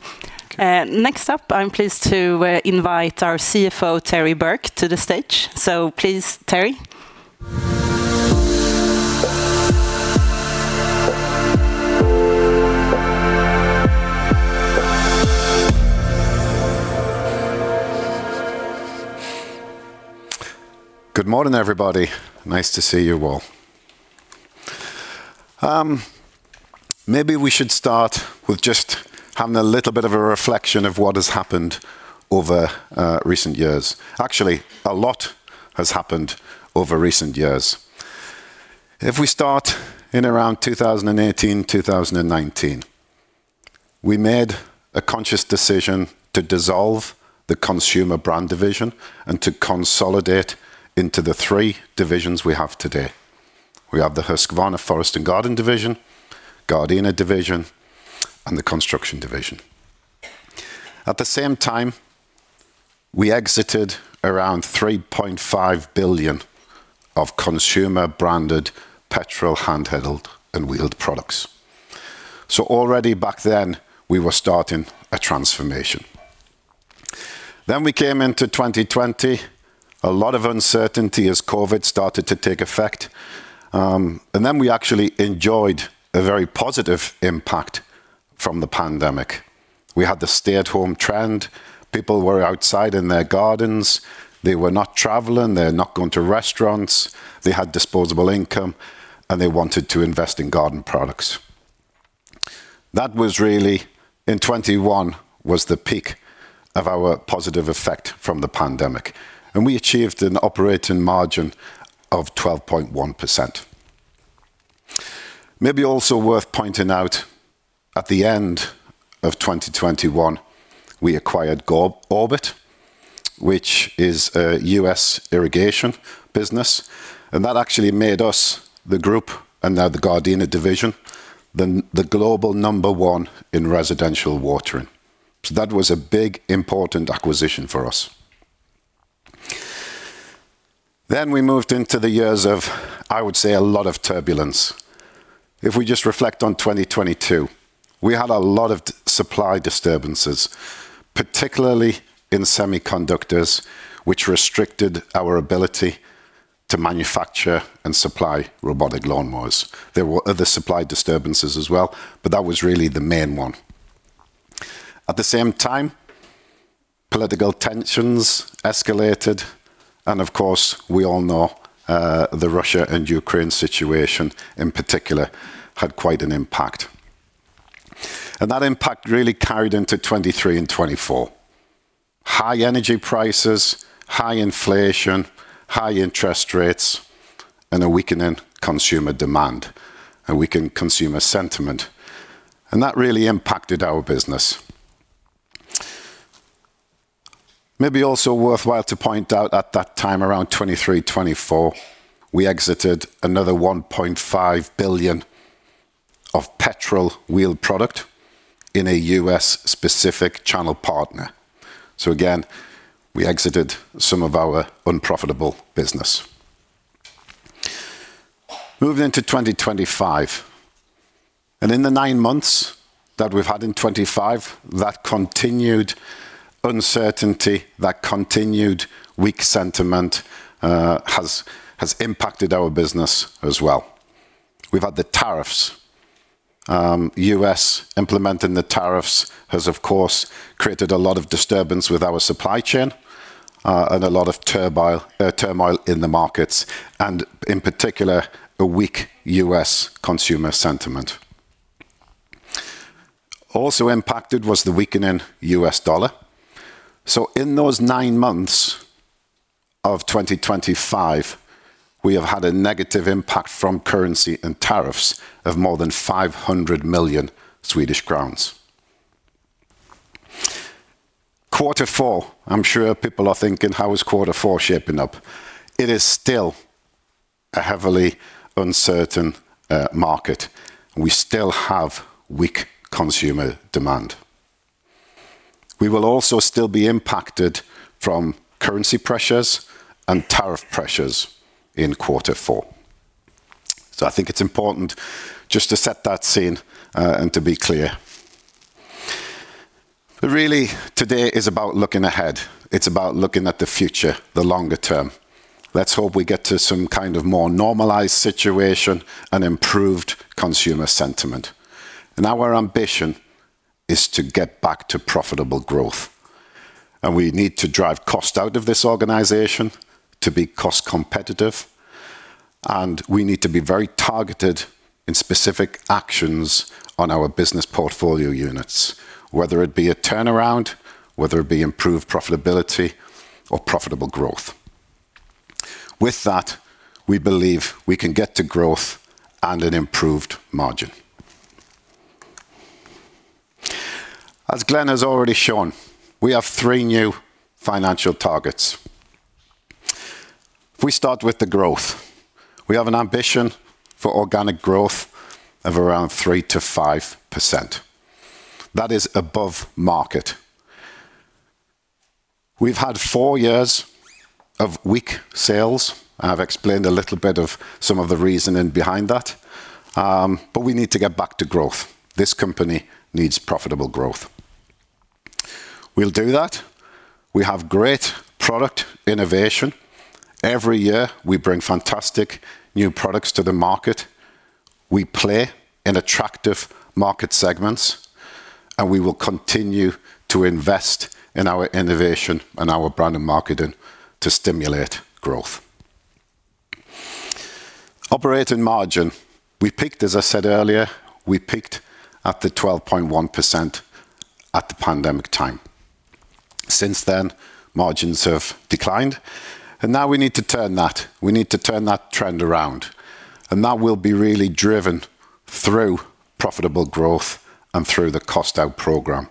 Next up, I'm pleased to invite our CFO, Terry Burke, to the stage. So please, Terry. Good morning, everybody. Nice to see you all. Maybe we should start with just having a little bit of a reflection of what has happened over recent years. Actually, a lot has happened over recent years. If we start in around 2018, 2019, we made a conscious decision to dissolve the consumer brand division and to consolidate into the three divisions we have today. We have the Husqvarna Forest & Garden division, Gardena division, and the construction division. At the same time, we exited around 3.5 billion of consumer-branded petrol, Handheld, and Wheeled products. So already back then, we were starting a transformation. Then we came into 2020, a lot of uncertainty as COVID started to take effect. And then we actually enjoyed a very positive impact from the pandemic. We had the stay-at-home trend. People were outside in their gardens. They were not traveling. They're not going to restaurants. They had disposable income, and they wanted to invest in garden products. That was really in 2021, was the peak of our positive effect from the pandemic. And we achieved an operating margin of 12.1%. Maybe also worth pointing out, at the end of 2021, we acquired Orbit, which is a U.S. irrigation business. And that actually made us, the group, and now the Gardena division, the global number one in residential watering. So that was a big, important acquisition for us. Then we moved into the years of, I would say, a lot of turbulence. If we just reflect on 2022, we had a lot of supply disturbances, particularly in semiconductors, which restricted our ability to manufacture and supply robotic lawnmowers. There were other supply disturbances as well, but that was really the main one. At the same time, political tensions escalated. And of course, we all know the Russia and Ukraine situation in particular had quite an impact. And that impact really carried into 2023 and 2024. High energy prices, high inflation, high interest rates, and a weakening consumer demand and weakened consumer sentiment. And that really impacted our business. Maybe also worthwhile to point out at that time, around 2023, 2024, we exited another 1.5 billion of petrol Wheeled product in a U.S.-specific channel partner, so again, we exited some of our unprofitable business. Moving into 2025 and in the nine months that we've had in 2025, that continued uncertainty, that continued weak sentiment has impacted our business as well. We've had the tariffs. U.S. implementing the tariffs has, of course, created a lot of disturbance with our supply chain and a lot of turmoil in the markets, and in particular, a weak U.S. consumer sentiment. Also impacted was the weakening U.S. dollar, so in those nine months of 2025, we have had a negative impact from currency and tariffs of more than 500 million Swedish crowns. Quarter four, I'm sure people are thinking, how is quarter four shaping up? It is still a heavily uncertain market. We still have weak consumer demand. We will also still be impacted from currency pressures and tariff pressures in quarter four. So I think it's important just to set that scene and to be clear. But really, today is about looking ahead. It's about looking at the future, the longer term. Let's hope we get to some kind of more normalized situation and improved consumer sentiment. And our ambition is to get back to profitable growth. And we need to drive cost out of this organization to be cost competitive. And we need to be very targeted in specific actions on our business portfolio units, whether it be a turnaround, whether it be improved profitability, or profitable growth. With that, we believe we can get to growth and an improved margin. As Glen has already shown, we have three new financial targets. If we start with the growth, we have an ambition for organic growth of around 3%-5%. That is above market. We've had four years of weak sales. I've explained a little bit of some of the reasoning behind that, but we need to get back to growth. This company needs profitable growth. We'll do that. We have great product innovation. Every year, we bring fantastic new products to the market. We play in attractive market segments, and we will continue to invest in our innovation and our brand and marketing to stimulate growth. Operating margin, we picked, as I said earlier, we picked at the 12.1% at the pandemic time. Since then, margins have declined, and now we need to turn that. We need to turn that trend around, and that will be really driven through profitable growth and through the cost-out program.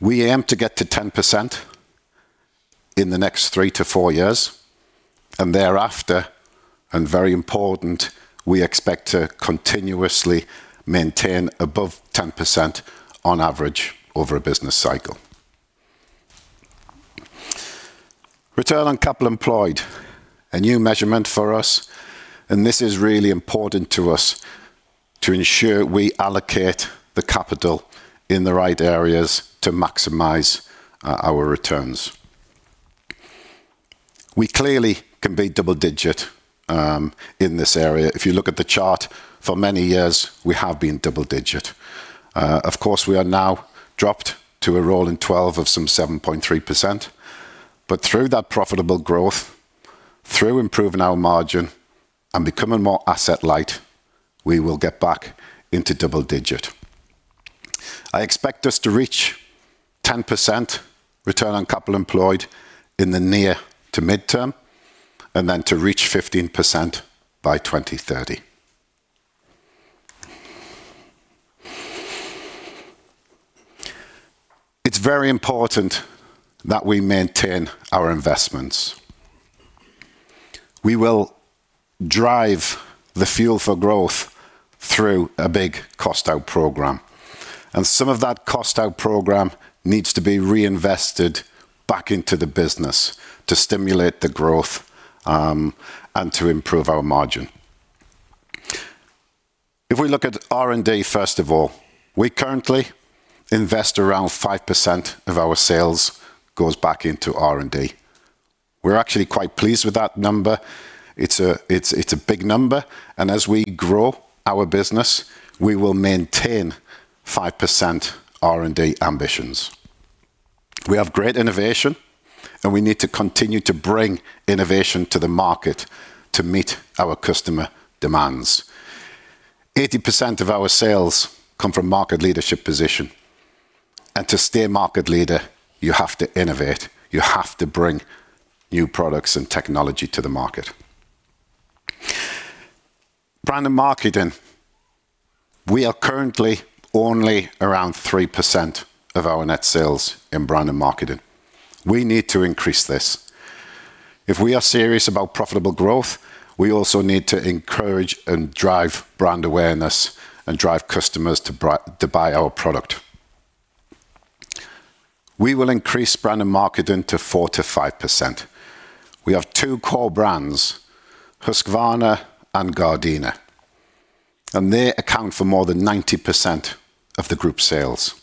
We aim to get to 10% in the next three to four years. And thereafter, and very important, we expect to continuously maintain above 10% on average over a business cycle. Return on Capital Employed, a new measurement for us. And this is really important to us to ensure we allocate the capital in the right areas to maximize our returns. We clearly can be double-digit in this area. If you look at the chart, for many years, we have been double-digit. Of course, we are now dropped to a rolling 12 of some 7.3%. But through that profitable growth, through improving our margin and becoming more asset-light, we will get back into double-digit. I expect us to reach 10% Return on Capital Employed in the near to mid-term, and then to reach 15% by 2030. It's very important that we maintain our investments. We will drive the Fuel for Growth through a big cost-out program. And some of that cost-out program needs to be reinvested back into the business to stimulate the growth and to improve our margin. If we look at R&D, first of all, we currently invest around 5% of our sales goes back into R&D. We're actually quite pleased with that number. It's a big number. And as we grow our business, we will maintain 5% R&D ambitions. We have great innovation, and we need to continue to bring innovation to the market to meet our customer demands. 80% of our sales come from market leadership position. And to stay a market leader, you have to innovate. You have to bring new products and technology to the market. Brand and marketing, we are currently only around 3% of our net sales in brand and marketing. We need to increase this. If we are serious about profitable growth, we also need to encourage and drive brand awareness and drive customers to buy our product. We will increase brand and marketing to 4%-5%. We have two core brands, Husqvarna and Gardena, and they account for more than 90% of the group sales,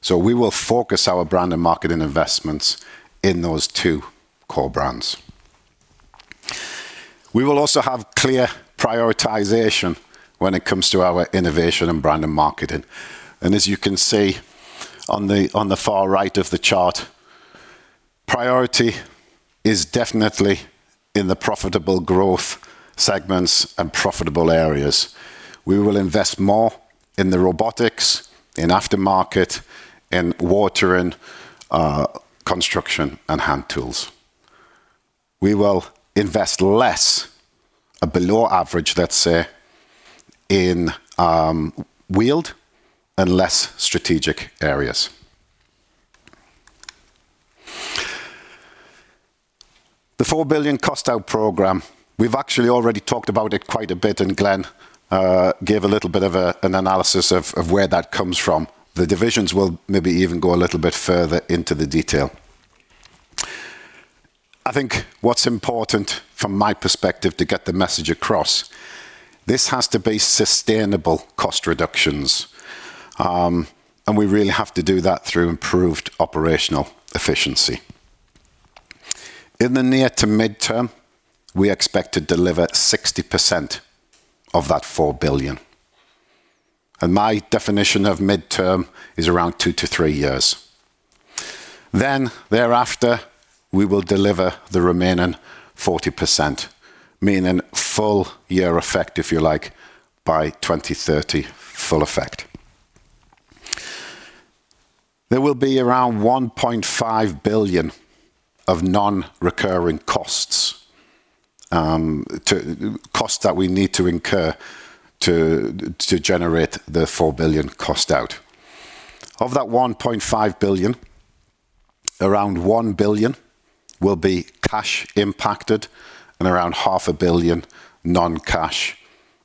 so we will focus our brand and marketing investments in those two core brands. We will also have clear prioritization when it comes to our innovation and brand and marketing, and as you can see on the far right of the chart, priority is definitely in the profitable growth segments and profitable areas. We will invest more in the Robotics, in Aftermarket, in Watering, Construction, and Hand Tools. We will invest less, below average, let's say, in Wheeled and less strategic areas. The 4 billion cost-out program, we've actually already talked about it quite a bit, and Glen gave a little bit of an analysis of where that comes from. The divisions will maybe even go a little bit further into the detail. I think what's important from my perspective to get the message across, this has to be sustainable cost reductions, and we really have to do that through improved operational efficiency. In the near to mid-term, we expect to deliver 60% of that 4 billion, and my definition of mid-term is around two to three years, then thereafter, we will deliver the remaining 40%, meaning full year effect, if you like, by 2030, full effect. There will be around 1.5 billion of non-recurring costs, costs that we need to incur to generate the 4 billion cost-out. Of that 1.5 billion, around 1 billion will be cash impacted and around 500 million non-cash,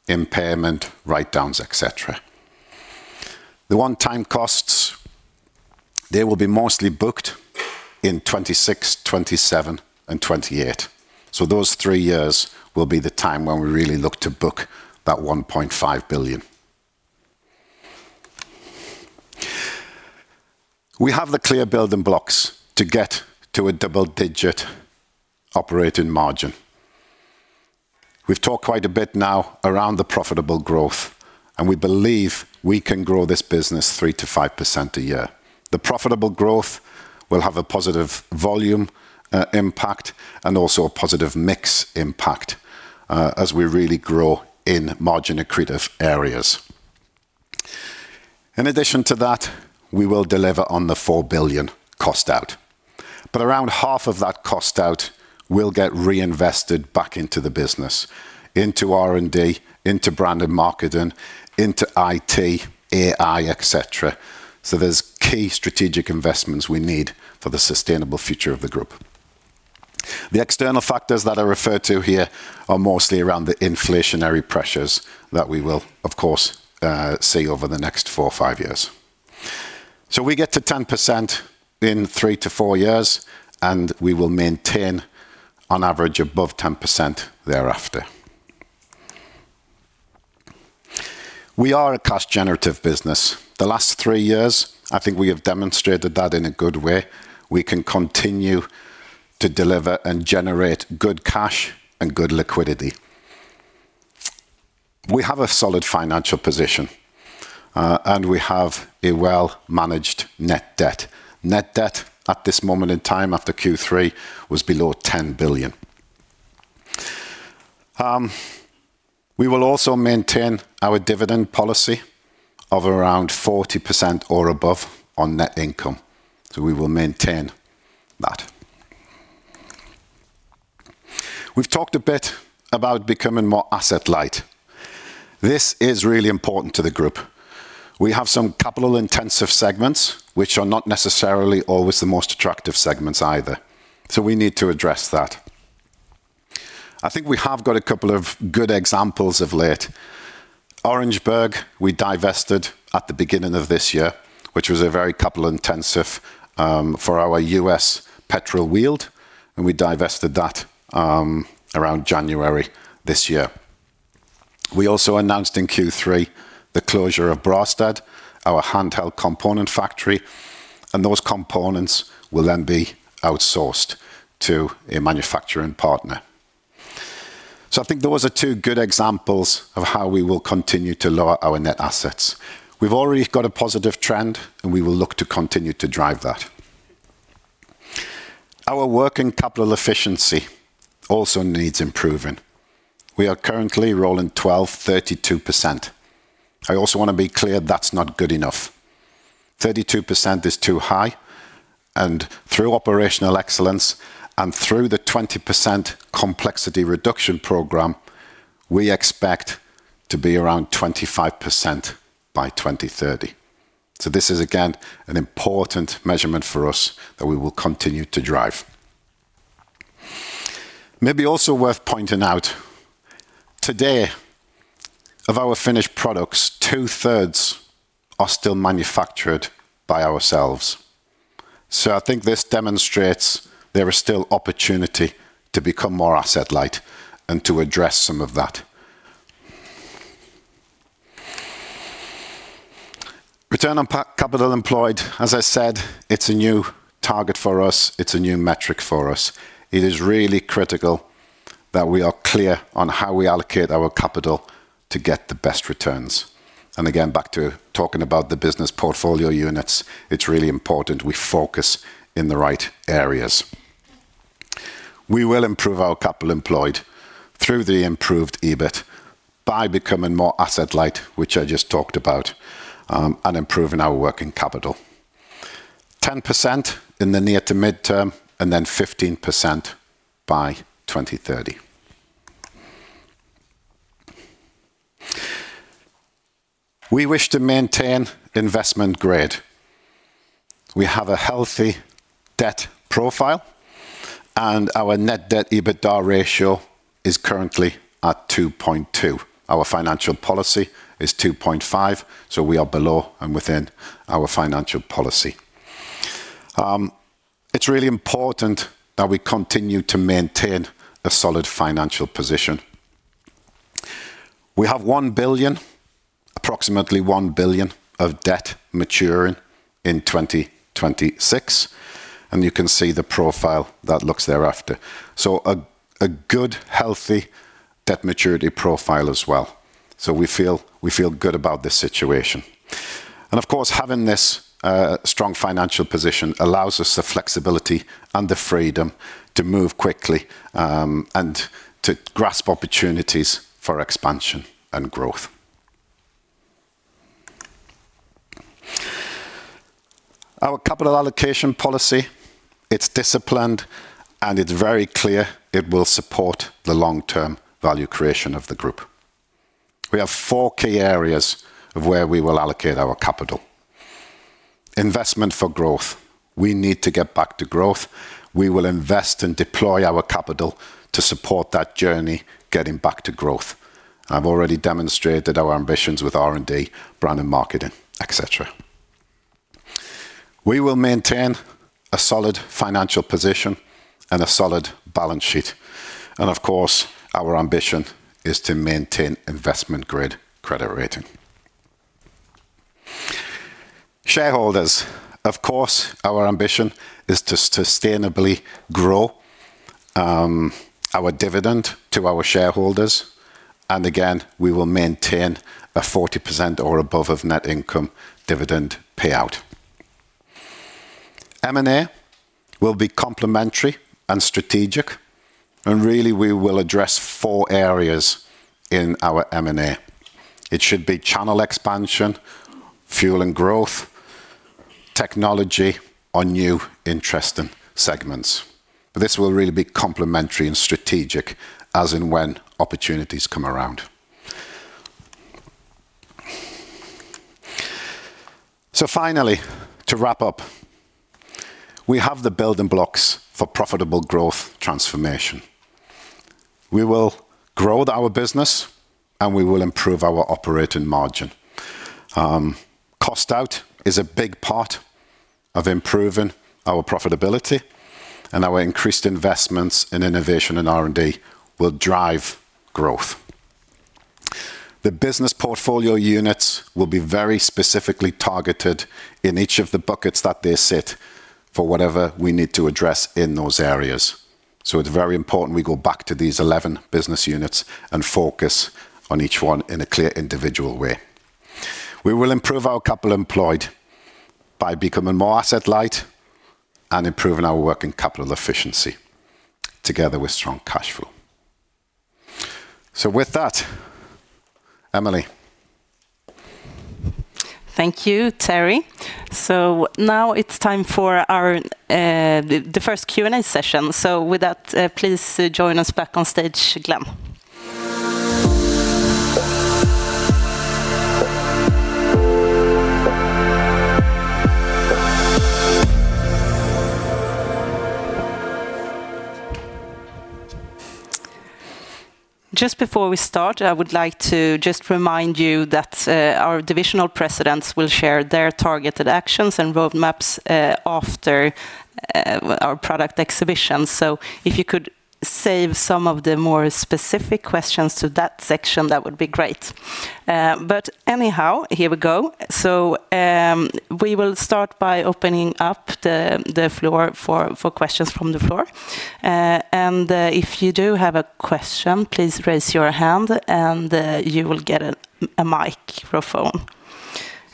impairment, write-downs, etc. The one-time costs, they will be mostly booked in 2026, 2027, and 2028. So those three years will be the time when we really look to book that 1.5 billion. We have the clear building blocks to get to a double-digit operating margin. We've talked quite a bit now around the profitable growth, and we believe we can grow this business 3%-5% a year. The profitable growth will have a positive volume impact and also a positive mix impact as we really grow in margin accretive areas. In addition to that, we will deliver on the 4 billion cost-out. But around half of that cost-out will get reinvested back into the business, into R&D, into brand and marketing, into IT, AI, etc. So there's key strategic investments we need for the sustainable future of the group. The external factors that I refer to here are mostly around the inflationary pressures that we will, of course, see over the next four or five years. So we get to 10% in three to four years, and we will maintain, on average, above 10% thereafter. We are a cash-generative business. The last three years, I think we have demonstrated that in a good way. We can continue to deliver and generate good cash and good liquidity. We have a solid financial position, and we have a well-managed net debt. Net debt at this moment in time after Q3 was below 10 billion. We will also maintain our dividend policy of around 40% or above on net income. So we will maintain that. We've talked a bit about becoming more asset-light. This is really important to the group. We have some capital-intensive segments, which are not necessarily always the most attractive segments either. So we need to address that. I think we have got a couple of good examples of late. Orangeburg, we divested at the beginning of this year, which was a very capital-intensive for our U.S. petrol Wheeled, and we divested that around January this year. We also announced in Q3 the closure of Brastad, our Handheld component factory. And those components will then be outsourced to a manufacturing partner. So I think those are two good examples of how we will continue to lower our net assets. We've already got a positive trend, and we will look to continue to drive that. Our working capital efficiency also needs improving. We are currently rolling 12, 32%. I also want to be clear that's not good enough. 32% is too high. And through operational excellence and through the 20% complexity reduction program, we expect to be around 25% by 2030. So this is, again, an important measurement for us that we will continue to drive. Maybe also worth pointing out, today, of our finished products, two-thirds are still manufactured by ourselves. So I think this demonstrates there is still opportunity to become more asset-light and to address some of that. Return on Capital Employed, as I said, it's a new target for us. It's a new metric for us. It is really critical that we are clear on how we allocate our capital to get the best returns. And again, back to talking about the business portfolio units, it's really important we focus in the right areas. We will improve our capital employed through the improved EBIT by becoming more asset-light, which I just talked about, and improving our working capital. 10% in the near to mid-term and then 15% by 2030. We wish to maintain investment grade. We have a healthy debt profile, and our net debt EBITDA ratio is currently at 2.2. Our financial policy is 2.5, so we are below and within our financial policy. It's really important that we continue to maintain a solid financial position. We have 1 billion, approximately 1 billion of debt maturing in 2026, and you can see the profile that looks thereafter, so a good, healthy debt maturity profile as well, so we feel good about this situation, and of course, having this strong financial position allows us the flexibility and the freedom to move quickly and to grasp opportunities for expansion and growth. Our capital allocation policy, it's disciplined, and it's very clear it will support the long-term value creation of the group. We have four key areas of where we will allocate our capital. Investment for growth. We need to get back to growth. We will invest and deploy our capital to support that journey getting back to growth. I've already demonstrated our ambitions with R&D, brand and marketing, etc. We will maintain a solid financial position and a solid balance sheet, and of course, our ambition is to maintain investment-grade credit rating. Shareholders, of course, our ambition is to sustainably grow our dividend to our shareholders, and again, we will maintain a 40% or above of net income dividend payout. M&A will be complementary and strategic, and really, we will address four areas in our M&A. It should be channel expansion, fuel and growth, technology, or new interesting segments. This will really be complementary and strategic, as in when opportunities come around. So finally, to wrap up, we have the building blocks for profitable growth transformation. We will grow our business, and we will improve our operating margin. Cost-out is a big part of improving our profitability, and our increased investments in innovation and R&D will drive growth. The business portfolio units will be very specifically targeted in each of the buckets that they sit for whatever we need to address in those areas. So it's very important we go back to these 11 business units and focus on each one in a clear individual way. We will improve our capital employed by becoming more asset-light and improving our working capital efficiency together with strong cash flow. So with that, Emelie. Thank you, Terry. So now it's time for the first Q&A session. With that, please join us back on stage, Glen. Just before we start, I would like to just remind you that our divisional presidents will share their targeted actions and roadmaps after our product exhibition. So if you could save some of the more specific questions to that section, that would be great. But anyhow, here we go. So we will start by opening up the floor for questions from the floor. And if you do have a question, please raise your hand, and you will get a microphone.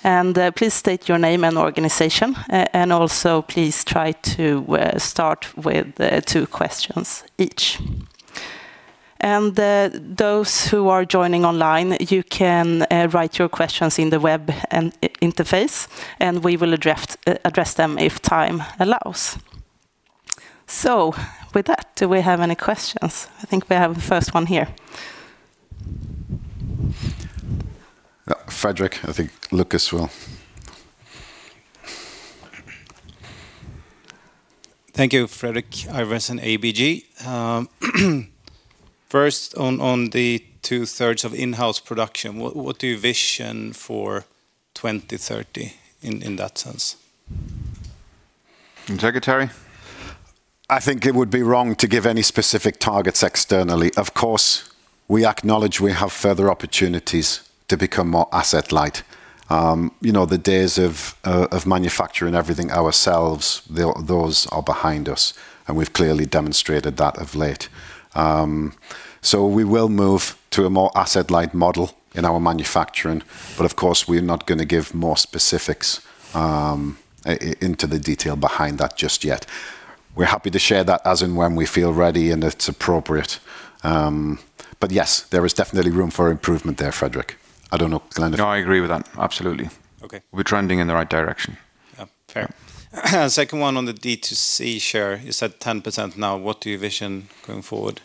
And please state your name and organization. And also, please try to start with two questions each. And those who are joining online, you can write your questions in the web interface, and we will address them if time allows. So with that, do we have any questions? I think we have the first one here. Fredrik, I think Lucas will. Thank you, Fredrik Ivarsson, ABG. First, on the two-thirds of in-house production, what do you envision for 2030 in that sense? Fredrik, I think it would be wrong to give any specific targets externally. Of course, we acknowledge we have further opportunities to become more asset-light. The days of manufacturing everything ourselves, those are behind us, and we've clearly demonstrated that of late. So we will move to a more asset-light model in our manufacturing. But of course, we're not going to give more specifics into the detail behind that just yet. We're happy to share that as and when we feel ready and it's appropriate. But yes, there is definitely room for improvement there, Fredrik. I don't know, Glen. No, I agree with that. Absolutely. We'll be trending in the right direction. Fair. Second one on the D2C share, you said 10% now. What do you envision going forward?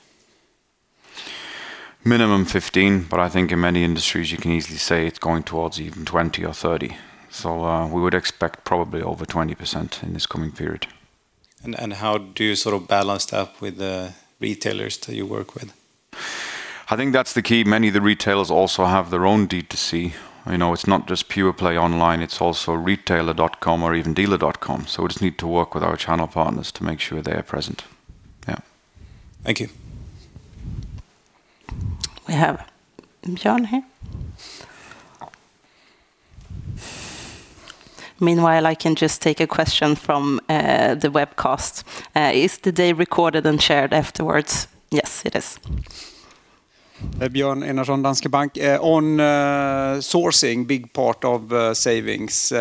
Minimum 15, but I think in many industries, you can easily say it's going towards even 20 or 30. So we would expect probably over 20% in this coming period. And how do you sort of balance that with the retailers that you work with? I think that's the key. Many of the retailers also have their own D2C. It's not just pure-play online. It's also retailer.com or even dealer.com. So we just need to work with our channel partners to make sure they are present. Yeah. Thank you. We have Björn here. Meanwhile, I can just take a question from the webcast. Is the day recorded and shared afterwards? Yes, it is. Björn Enarson, Danske Bank. On sourcing, big part of savings.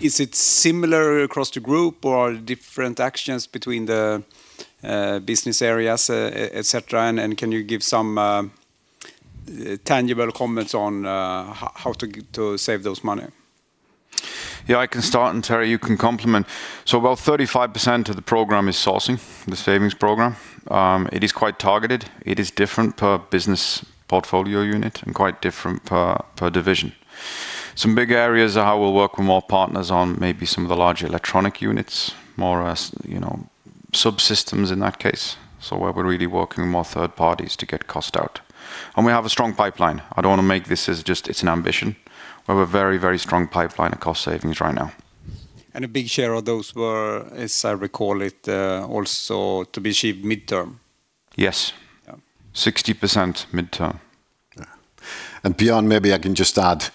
Is it similar across the group, or are there different actions between the business areas, etc.? And can you give some tangible comments on how to save those money? Yeah, I can start, and Terry, you can complement. So about 35% of the program is sourcing, the savings program. It is quite targeted. It is different per business portfolio unit and quite different per division. Some big areas are how we'll work with more partners on maybe some of the larger electronic units, more subsystems in that case. So where we're really working with more third parties to get cost out. And we have a strong pipeline. I don't want to make this as just, it's an ambition. We have a very, very strong pipeline of cost savings right now. And a big share of those were, as I recall it, also to be achieved mid-term. Yes. 60% mid-term. And beyond, maybe I can just add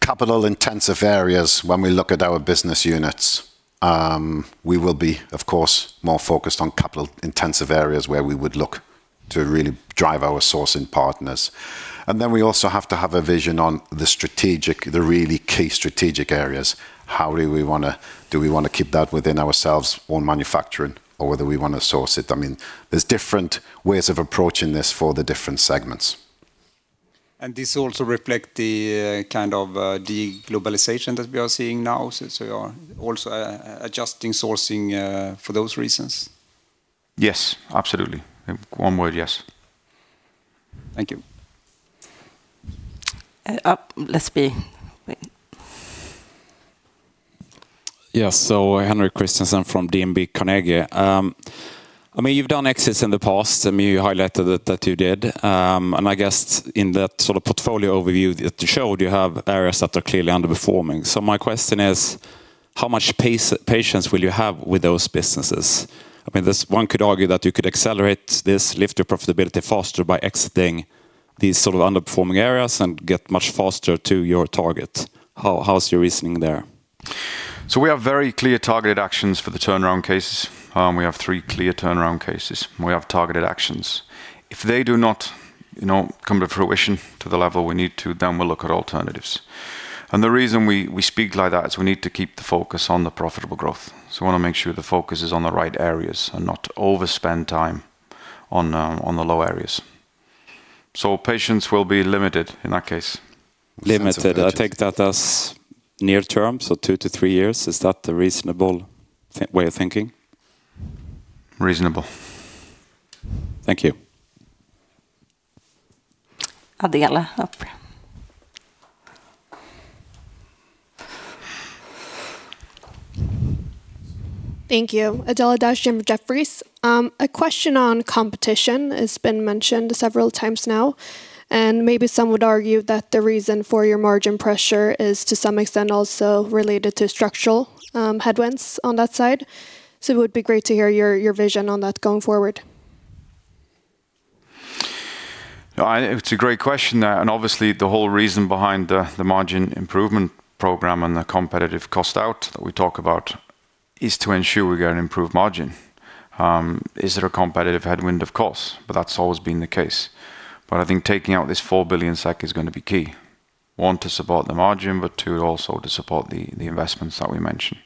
capital-intensive areas. When we look at our business units, we will be, of course, more focused on capital-intensive areas where we would look to really drive our sourcing partners. And then we also have to have a vision on the strategic, the really key strategic areas. How do we want to, do we want to keep that within ourselves or manufacturing, or whether we want to source it? I mean, there's different ways of approaching this for the different segments. And this also reflects the kind of deglobalization that we are seeing now. So you are also adjusting sourcing for those reasons. Yes, absolutely. One word, yes. Thank you. Let's be. Yes, so Henrik Nilsson from DNB Carnegie. I mean, you've done exits in the past, and you highlighted that you did. And I guess in that sort of portfolio overview that you showed, you have areas that are clearly underperforming. So my question is, how much patience will you have with those businesses? I mean, one could argue that you could accelerate this, lift your profitability faster by exiting these sort of underperforming areas and get much faster to your target. How's your reasoning there? So we have very clear targeted actions for the turnaround cases. We have three clear turnaround cases. We have targeted actions. If they do not come to fruition to the level we need to, then we'll look at alternatives. And the reason we speak like that is we need to keep the focus on the profitable growth. So we want to make sure the focus is on the right areas and not overspend time on the low areas. So patience will be limited in that case limited. I take that as near-term, so two to three years. Is that a reasonable way of thinking? Reasonable. Thank you. Adela up. Thank you. Adela Dashian, Jefferies. A question on competition has been mentioned several times now. And maybe some would argue that the reason for your margin pressure is to some extent also related to structural headwinds on that side. So it would be great to hear your vision on that going forward. It's a great question. And obviously, the whole reason behind the margin improvement program and the competitive cost out that we talk about is to ensure we get an improved margin. Is there a competitive headwind? Of course, but that's always been the case. But I think taking out this 4 billion is going to be key. One, to support the margin, but two, also to support the investments that we mentioned.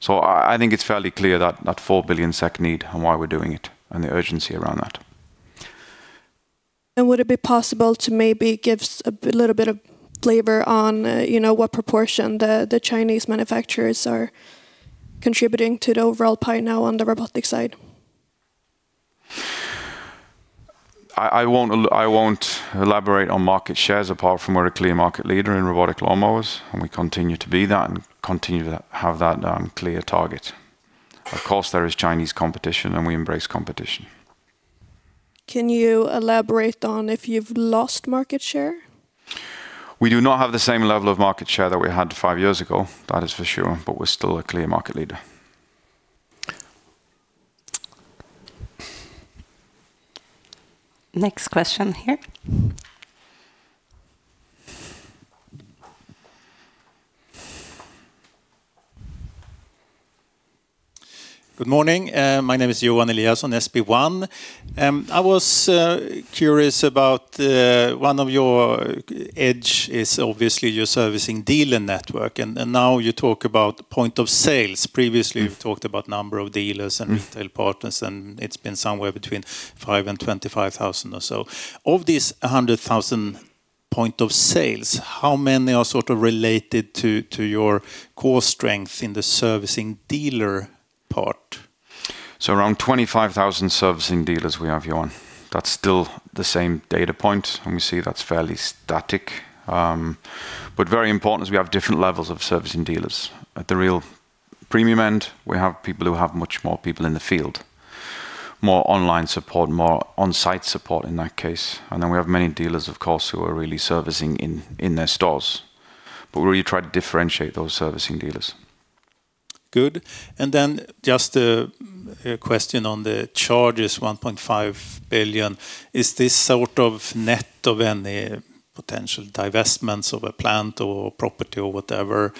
So I think it's fairly clear that 4 billion SEK need and why we're doing it and the urgency around that. And would it be possible to maybe give a little bit of flavor on what proportion the Chinese manufacturers are contributing to the overall pipe now on the robotic side? I won't elaborate on market shares apart from we're a clear market leader in robotic lawnmowers. And we continue to be that and continue to have that clear target. Of course, there is Chinese competition, and we embrace competition. Can you elaborate on if you've lost market share? We do not have the same level of market share that we had five years ago. That is for sure. But we're still a clear market leader. Next question here. Good morning. My name is Johan Eliason, SB1. I was curious about one of your edges is obviously your servicing dealer network. And now you talk about point of sales. Previously, you've talked about number of dealers and retail partners, and it's been somewhere between 5,000 and 25,000 or so. Of these 100,000 point of sales, how many are sort of related to your core strength in the servicing dealer part? So around 25,000 servicing dealers we have, Johan. That's still the same data point. And we see that's fairly static. But very important is we have different levels of servicing dealers. At the real premium end, we have people who have much more people in the field, more online support, more on-site support in that case. And then we have many dealers, of course, who are really servicing in their stores. But we really try to differentiate those servicing dealers. Good. And then just a question on the charges, 1.5 billion. Is this sort of net of any potential divestments of a plant or property or whatever?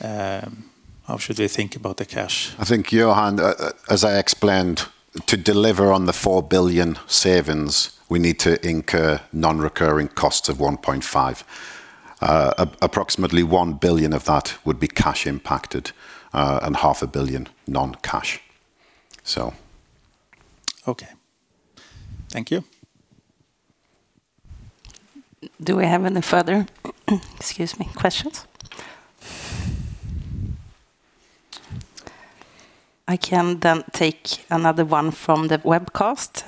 How should we think about the cash. I think, Johan, as I explained, to deliver on the 4 billion savings, we need to incur non-recurring costs of 1.5 billion. Approximately 1 billion of that would be cash impacted and 0.5 billion non-cash. So. Okay. Thank you. Do we have any further, excuse me, questions? I can then take another one from the webcast.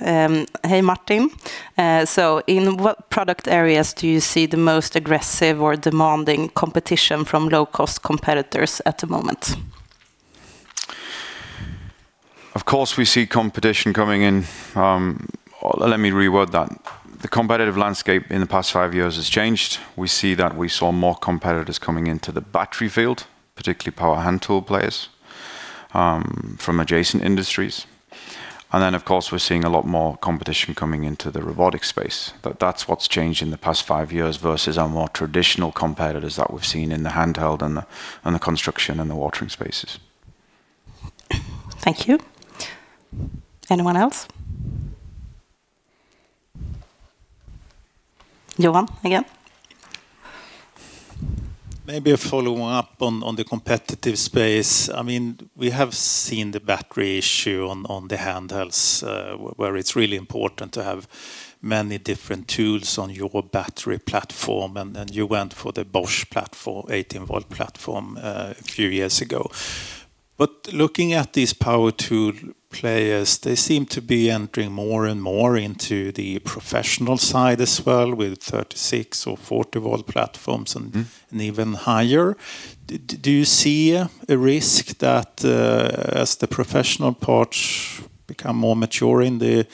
Hey, Martin. So in what product areas do you see the most aggressive or demanding competition from low-cost competitors at the moment? Of course, we see competition coming in. Let me reword that. The competitive landscape in the past five years has changed. We see that we saw more competitors coming into the battery field, particularly power hand tool players from adjacent industries. And then, of course, we're seeing a lot more competition coming into the robotic space. That's what's changed in the past five years versus our more traditional competitors that we've seen in the Handheld and the construction and the watering spaces. Thank you. Anyone else? Johan again. Maybe a follow-up on the competitive space. I mean, we have seen the battery issue on the Handhelds, where it's really important to have many different tools on your battery platform. And you went for the Bosch platform, 18 V platform, a few years ago. But looking at these power tool players, they seem to be entering more and more into the professional side as well, with 36 V or 40 V platforms and even higher. Do you see a risk that as the professional parts become more mature in the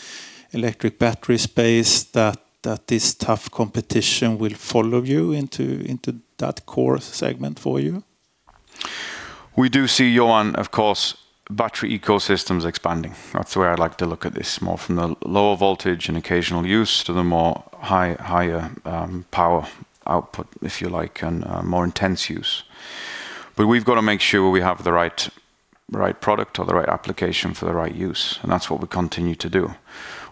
electric battery space, that this tough competition will follow you into that core segment for you? We do see, Johan, of course, battery ecosystems expanding. That's where I'd like to look at this more from the lower voltage and occasional use to the more higher power output, if you like, and more intense use. But we've got to make sure we have the right product or the right application for the right use. And that's what we continue to do.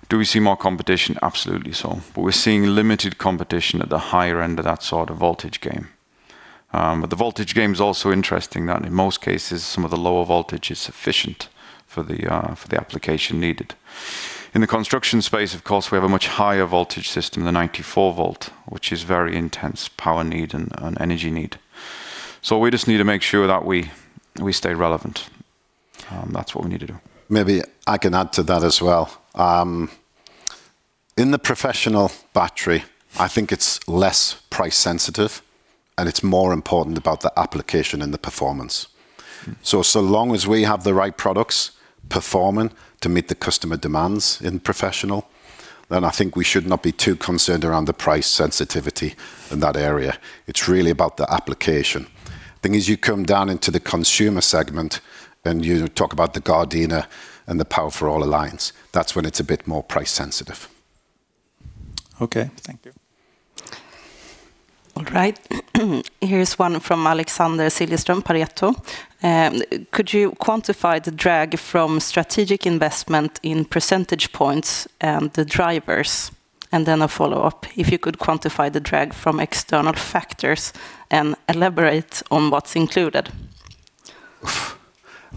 Do we see more competition? Absolutely so. But we're seeing limited competition at the higher end of that sort of voltage game. But the voltage game is also interesting that in most cases, some of the lower voltage is sufficient for the application needed. In the construction space, of course, we have a much higher voltage system, the 94 V, which is very intense power need and energy need, so we just need to make sure that we stay relevant. That's what we need to do. Maybe I can add to that as well. In the professional battery, I think it's less price sensitive, and it's more important about the application and the performance. So long as we have the right products performing to meet the customer demands in professional, then I think we should not be too concerned around the price sensitivity in that area. It's really about the application. The thing is, you come down into the consumer segment, and you talk about the Gardena and the Power for All Alliance. That's when it's a bit more price sensitive. Okay. Thank you. All right. Here's one from Alexander Siljeström, Pareto. Could you quantify the drag from strategic investment in percentage points and the drivers? And then a follow-up. If you could quantify the drag from external factors and elaborate on what's included.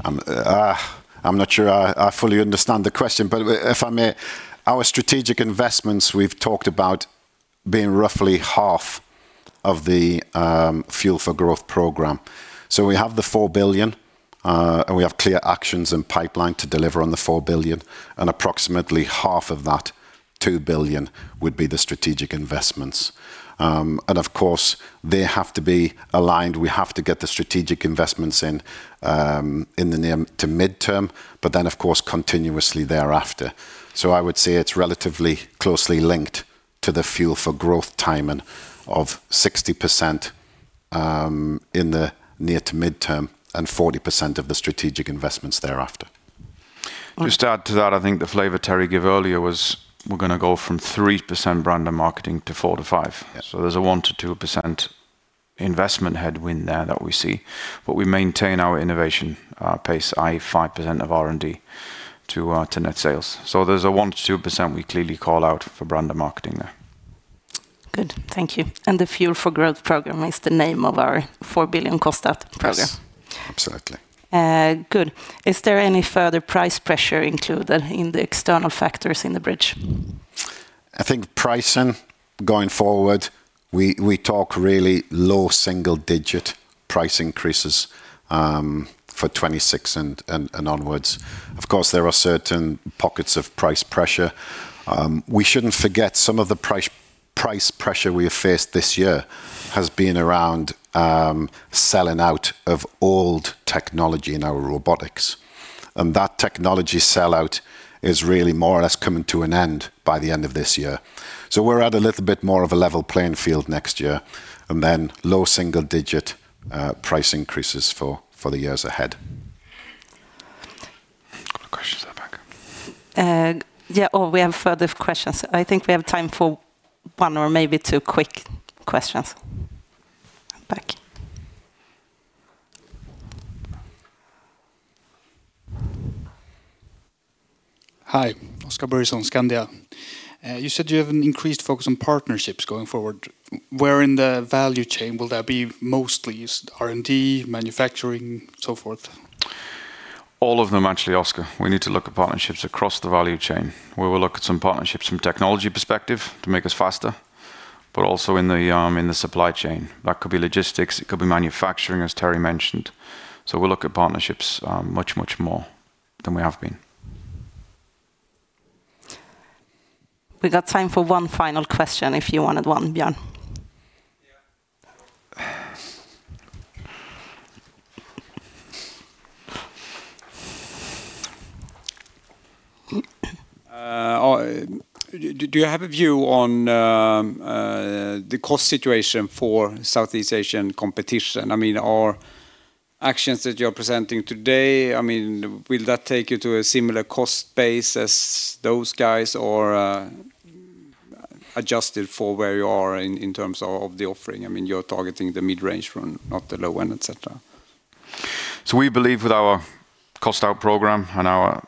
I'm not sure I fully understand the question, but if I may, our strategic investments, we've talked about being roughly half of the Fuel for Growth program. So we have the 4 billion, and we have clear actions and pipeline to deliver on the 4 billion. And approximately half of that, 2 billion, would be the strategic investments. And of course, they have to be aligned. We have to get the strategic investments in the near to mid-term, but then, of course, continuously thereafter. So I would say it's relatively closely linked to the Fuel for Growth timing of 60% in the near to mid-term and 40% of the strategic investments thereafter. To start to that, I think the flavor Terry gave earlier was we're going to go from 3% brand and marketing to 4%-5%. So there's a 1-2% investment headwind there that we see. But we maintain our innovation pace, i.e., 5% of R&D to net sales. So there's a 1%SEK -2% we clearly call out for brand and marketing there. Good. Thank you. And the Fuel for Growth program is the name of our 4 billion cost out program. Absolutely. Good. Is there any further price pressure included in the external factors in the bridge? I think pricing going forward, we talk really low single-digit price increases for 2026 and onwards. Of course, there are certain pockets of price pressure. We shouldn't forget some of the price pressure we have faced this year has been around selling out of old technology in our robotics. And that technology sell-out is really more or less coming to an end by the end of this year. So we're at a little bit more of a level playing field next year. And then low single-digit price increases for the years ahead. Questions in the back? Yeah, or we have further questions. I think we have time for one or maybe two quick questions. Back. Hi, Oskar Börjesson, Skandia. You said you have an increased focus on partnerships going forward. Where in the value chain will that be mostly used? R&D, manufacturing, so forth? All of them, actually, Oscar. We need to look at partnerships across the value chain. We will look at some partnerships from a technology perspective to make us faster, but also in the supply chain. That could be logistics. It could be manufacturing, as Terry mentioned. So we'll look at partnerships much, much more than we have been. We got time for one final question if you wanted one, Björn. Do you have a view on the cost situation for Southeast Asian competition? I mean, are actions that you're presenting today, I mean, will that take you to a similar cost base as those guys or adjusted for where you are in terms of the offering? I mean, you're targeting the mid-range run, not the low end, etc. So we believe with our cost-out program and our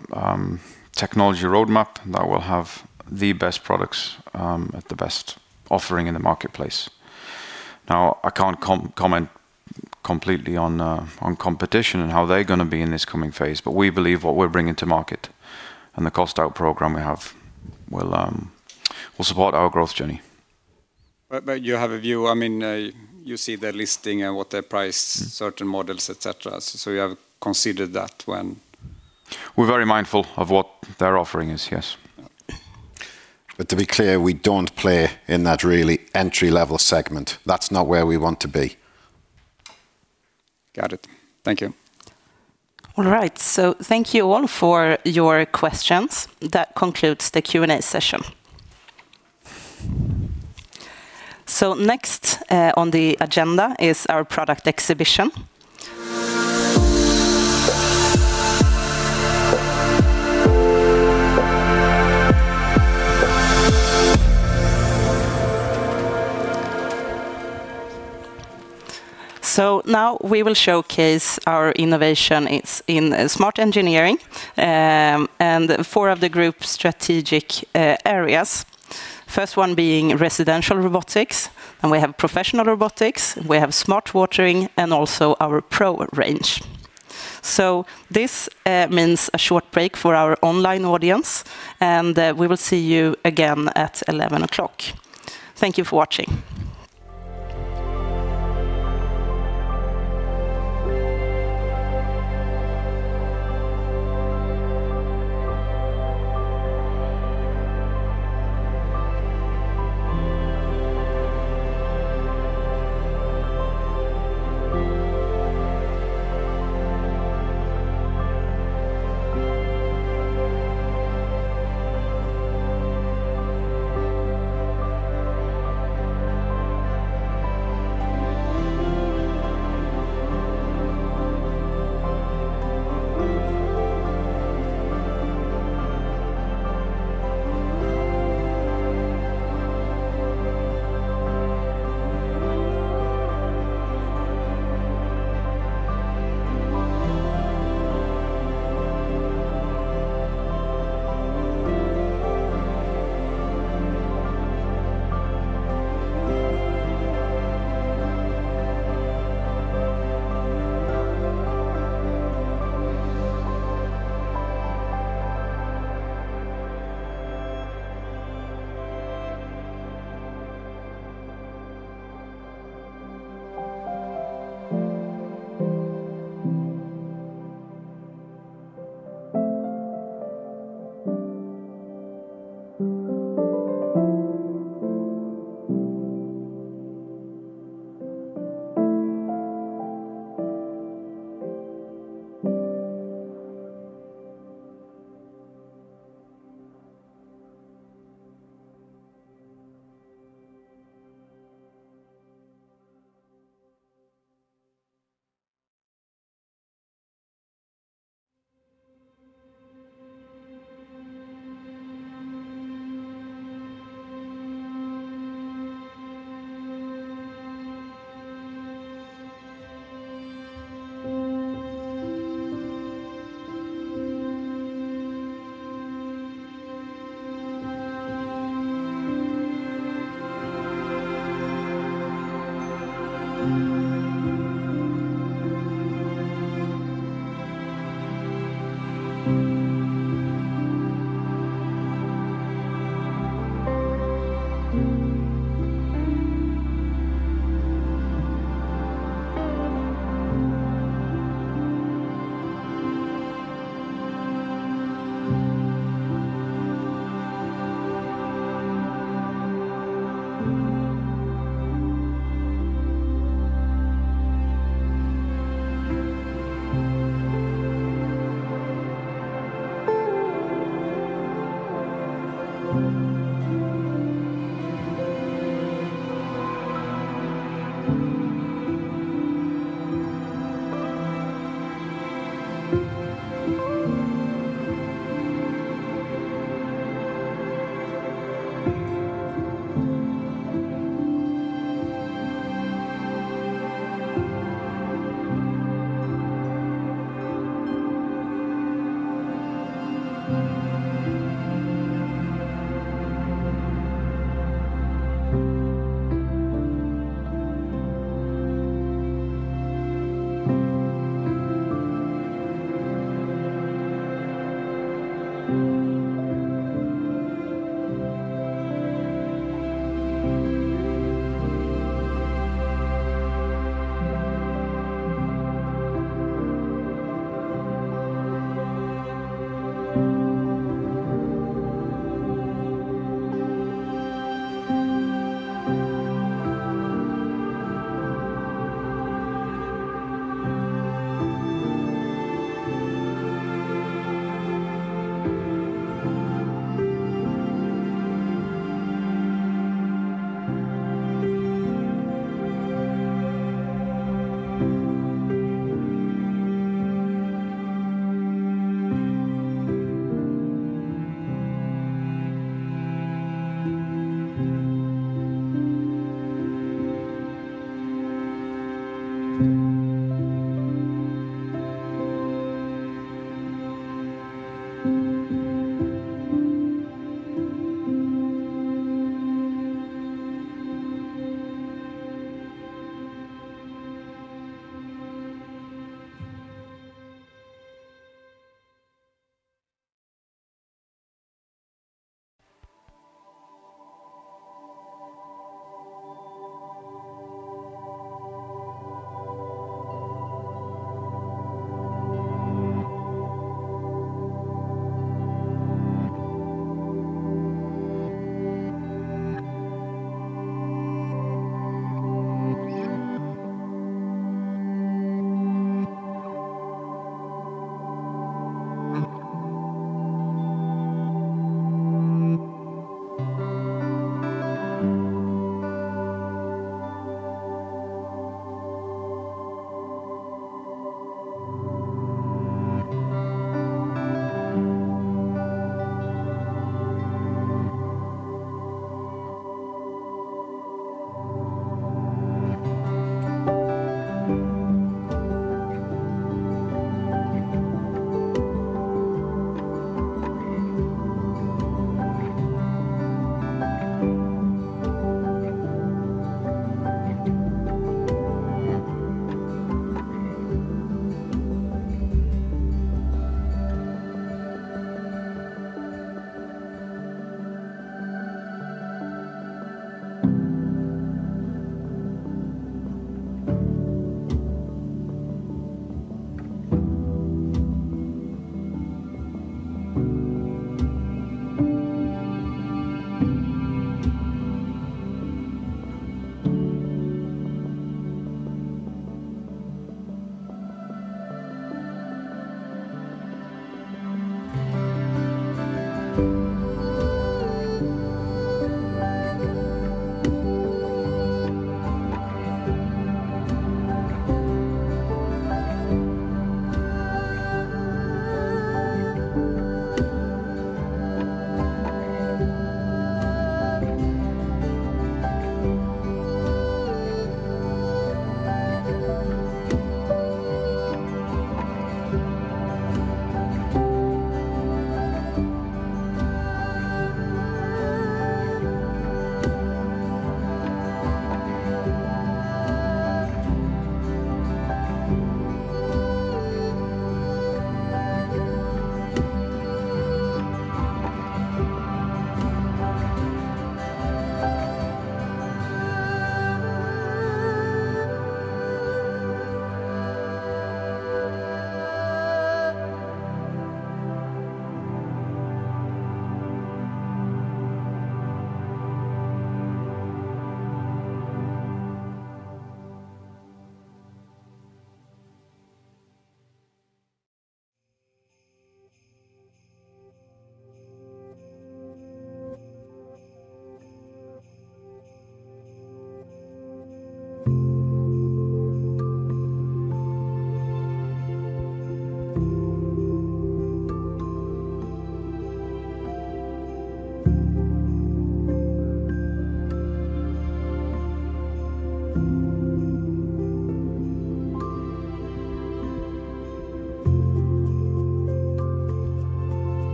technology roadmap that we'll have the best products at the best offering in the marketplace. Now, I can't comment completely on competition and how they're going to be in this coming phase, but we believe what we're bringing to market and the cost-out program we have will support our growth journey. But you have a view, I mean, you see the listing and what they're priced, certain models, etc. So you have considered that when? We're very mindful of what they're offering, yes. But to be clear, we don't play in that really entry-level segment. That's not where we want to be. Got it. Thank you. All right. So thank you all for your questions. That concludes the Q&A session. So next on the agenda is our product exhibition. So now we will showcase our innovation in smart engineering and four of the group's strategic areas. First one being Residential Robotics. And we have Professional Robotics. We have Smart Watering and also our pro range. So this means a short break for our online audience. And we will see you again at 11:00 o'clock. Thank you for watching.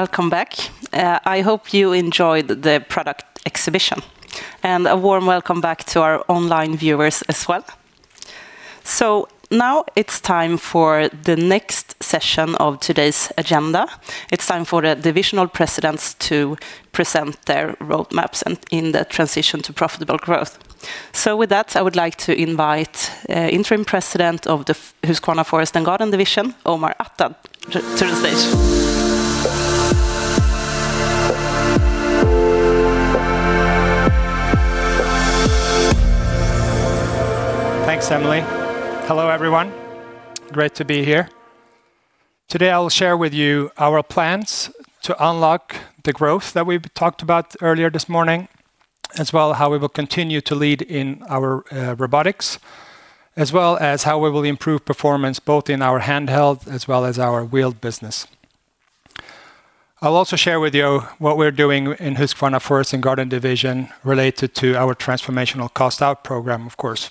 Welcome back. I hope you enjoyed the product exhibition. A warm welcome back to our online viewers as well. Now it's time for the next session of today's agenda. It's time for the divisional presidents to present their roadmaps in the transition to profitable growth. With that, I would like to invite Interim President of the Husqvarna Forest & Garden Division, Omar Attar to the stage. Thanks, Emelie. Hello, everyone. Great to be here. Today I'll share with you our plans to unlock the growth that we've talked about earlier this morning, as well as how we will continue to lead in our robotics, as well as how we will improve performance both in our Handheld as well as our Wheeled business. I'll also share with you what we're doing in Husqvarna Forest & Garden Division related to our transformational cost-out program, of course.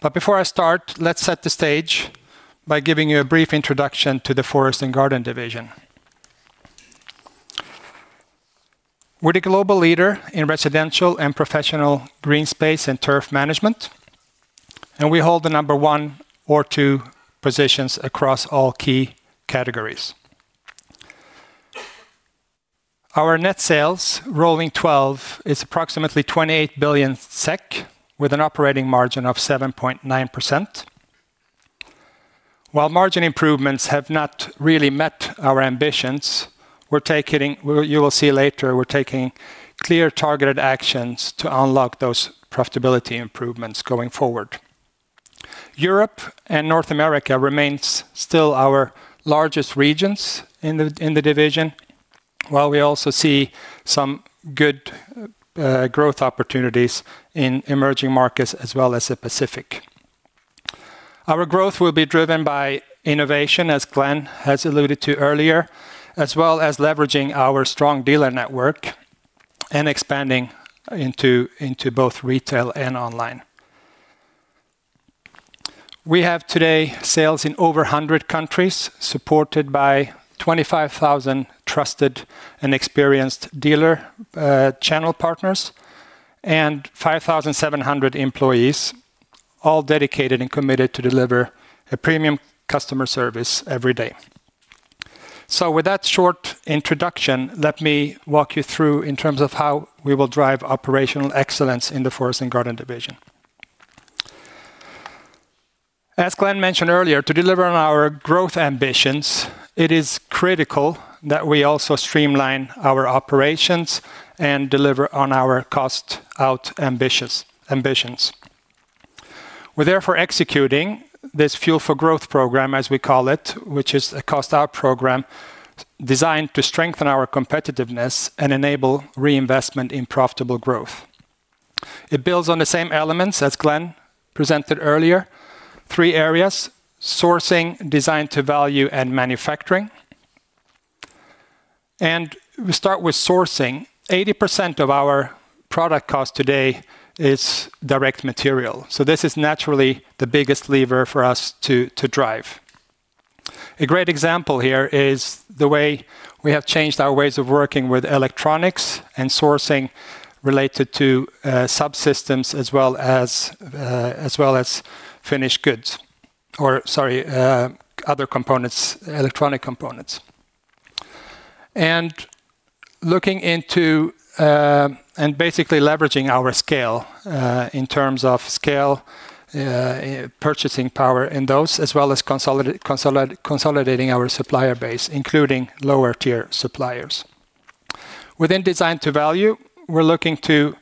But before I start, let's set the stage by giving you a brief introduction to the Forest & Garden Division. We're the global leader in residential and professional green space and turf management, and we hold the number one or two positions across all key categories. Our net sales, rolling 12, is approximately 28 billion SEK, with an operating margin of 7.9%. While margin improvements have not really met our ambitions, we're taking, you will see later, we're taking clear targeted actions to unlock those profitability improvements going forward. Europe and North America remain still our largest regions in the division, while we also see some good growth opportunities in emerging markets as well as the Pacific. Our growth will be driven by innovation, as Glen has alluded to earlier, as well as leveraging our strong dealer network and expanding into both retail and online. We have today sales in over 100 countries, supported by 25,000 trusted and experienced dealer channel partners and 5,700 employees, all dedicated and committed to deliver a premium customer service every day. So with that short introduction, let me walk you through in terms of how we will drive Operational Excellence in the Forest & Garden Division. As Glen mentioned earlier, to deliver on our growth ambitions, it is critical that we also streamline our operations and deliver on our cost-out ambitions. We're therefore executing this Fuel for Growth program, as we call it, which is a cost-out program designed to strengthen our competitiveness and enable reinvestment in profitable growth. It builds on the same elements as Glen presented earlier, three areas: sourcing, Design to Value, and manufacturing. And we start with sourcing. 80% of our product cost today is direct material. So this is naturally the biggest lever for us to drive. A great example here is the way we have changed our ways of working with electronics and sourcing related to subsystems as well as finished goods, or sorry, other components, electronic components. And looking into and basically leveraging our scale in terms of scale, purchasing power in those, as well as consolidating our supplier base, including lower-tier suppliers. Within Design to Value, we're looking to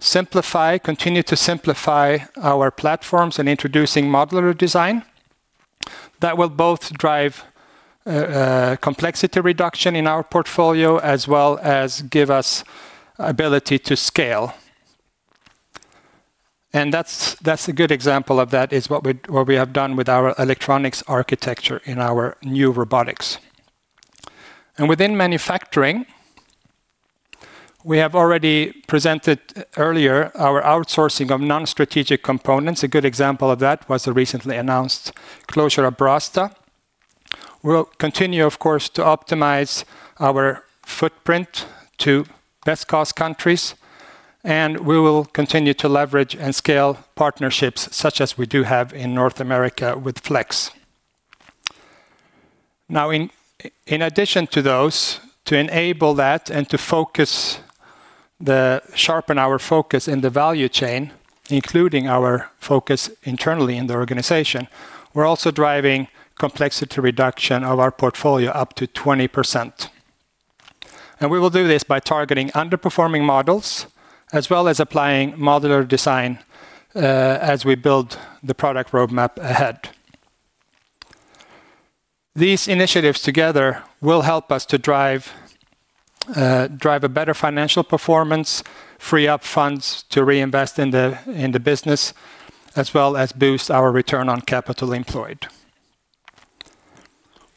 simplify, continue to simplify our platforms and introducing modular design. That will both drive complexity reduction in our portfolio as well as give us ability to scale. And that's a good example of that is what we have done with our electronics architecture in our new robotics. And within manufacturing, we have already presented earlier our outsourcing of non-strategic components. A good example of that was the recently announced closure of Brastad. We'll continue, of course, to optimize our footprint to best cost countries, and we will continue to leverage and scale partnerships such as we do have in North America with Flex. Now, in addition to those, to enable that and to sharpen our focus in the value chain, including our focus internally in the organization, we're also driving complexity reduction of our portfolio up to 20%, and we will do this by targeting underperforming models as well as applying modular design as we build the product roadmap ahead. These initiatives together will help us to drive a better financial performance, free up funds to reinvest in the business, as well as boost our return on capital employed.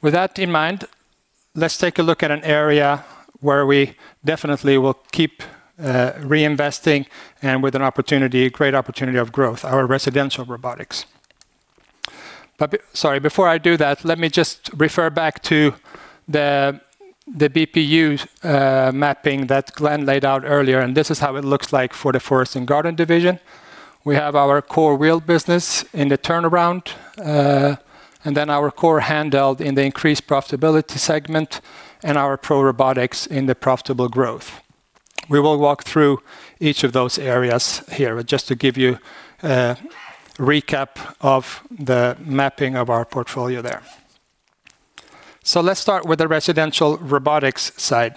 With that in mind, let's take a look at an area where we definitely will keep reinvesting, with an opportunity, a great opportunity of growth, our Residential Robotics. Sorry, before I do that, let me just refer back to the BPU mapping that Glen laid out earlier, and this is how it looks like for the Forest & Garden Division. We have our Core Wheeled business in the turnaround, and then our Core Handheld in the increased profitability segment, and our pro robotics in the profitable growth. We will walk through each of those areas here just to give you a recap of the mapping of our portfolio there. So let's start with the Residential Robotics side.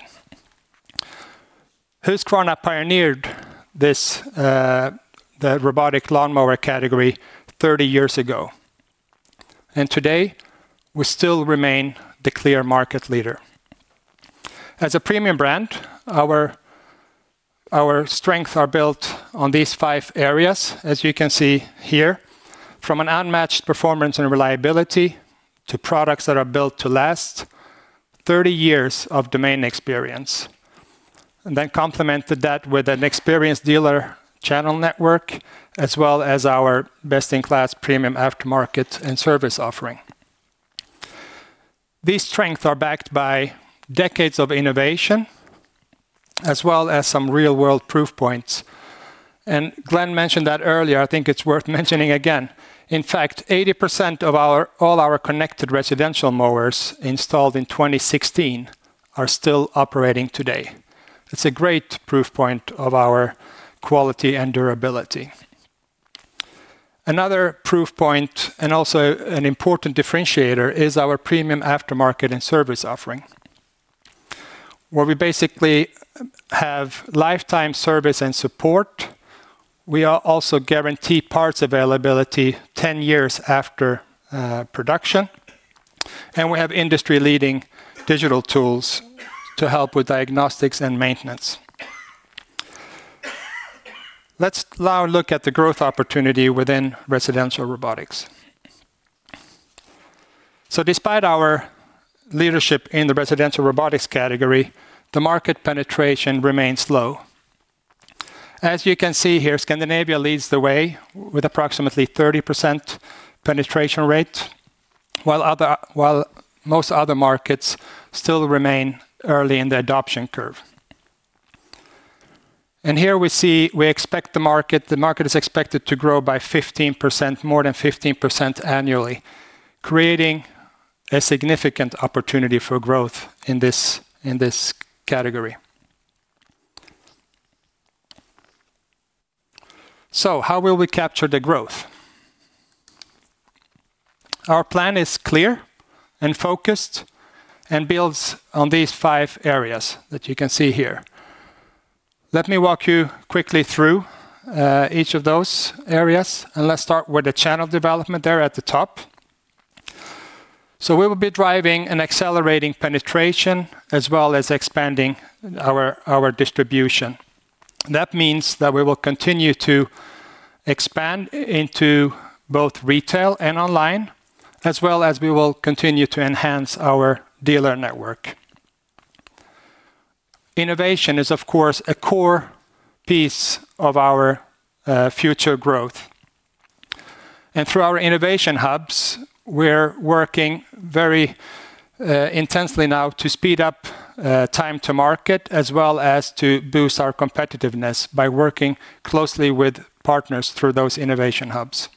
Husqvarna pioneered the robotic lawnmower category 30 years ago, and today we still remain the clear market leader. As a premium brand, our strengths are built on these five areas, as you can see here, from an unmatched performance and reliability to products that are built to last, 30 years of domain experience, and then complemented that with an experienced dealer channel network, as well as our best-in-class premium aftermarket and service offering. These strengths are backed by decades of innovation, as well as some real-world proof points, and Glen mentioned that earlier. I think it's worth mentioning again. In fact, 80% of all our connected residential mowers installed in 2016 are still operating today. It's a great proof point of our quality and durability. Another proof point, and also an important differentiator, is our premium aftermarket and service offering, where we basically have lifetime service and support. We also guarantee parts availability 10 years after production, and we have industry-leading digital tools to help with diagnostics and maintenance. Let's now look at the growth opportunity within Residential Robotics, so despite our leadership in the Residential Robotics category, the market penetration remains low. As you can see here, Scandinavia leads the way with approximately 30% penetration rate, while most other markets still remain early in the adoption curve, and here we see we expect the market is expected to grow by 15%, more than 15% annually, creating a significant opportunity for growth in this category, so how will we capture the growth? Our plan is clear and focused and builds on these five areas that you can see here. Let me walk you quickly through each of those areas, and let's start with the channel development there at the top. So we will be driving an accelerating penetration as well as expanding our distribution. That means that we will continue to expand into both retail and online, as well as we will continue to enhance our dealer network. Innovation is, of course, a core piece of our future growth. And through our innovation hubs, we're working very intensely now to speed up time to market, as well as to boost our competitiveness by working closely with partners through those innovation hubs.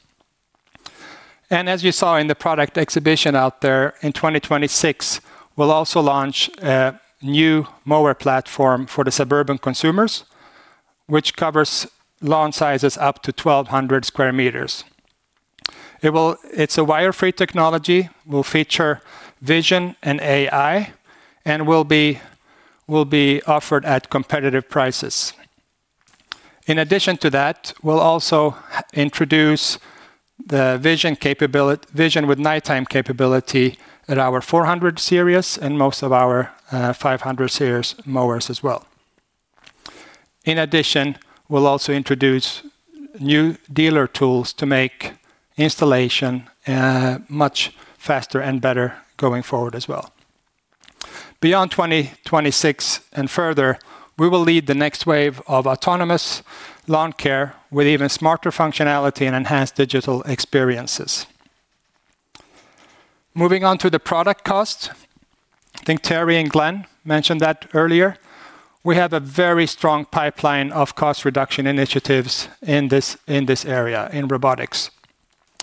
And as you saw in the product exhibition out there, in 2026, we'll also launch a new mower platform for the suburban consumers, which covers lawn sizes up to 1,200 sq m. It's a wire-free technology, will feature vision and AI, and will be offered at competitive prices. In addition to that, we'll also introduce the vision with nighttime capability at our 400 series and most of our 500 series mowers as well. In addition, we'll also introduce new dealer tools to make installation much faster and better going forward as well. Beyond 2026 and further, we will lead the next wave of autonomous lawn care with even smarter functionality and enhanced digital experiences. Moving on to the product cost, I think Terry and Glen mentioned that earlier. We have a very strong pipeline of cost reduction initiatives in this area, in robotics,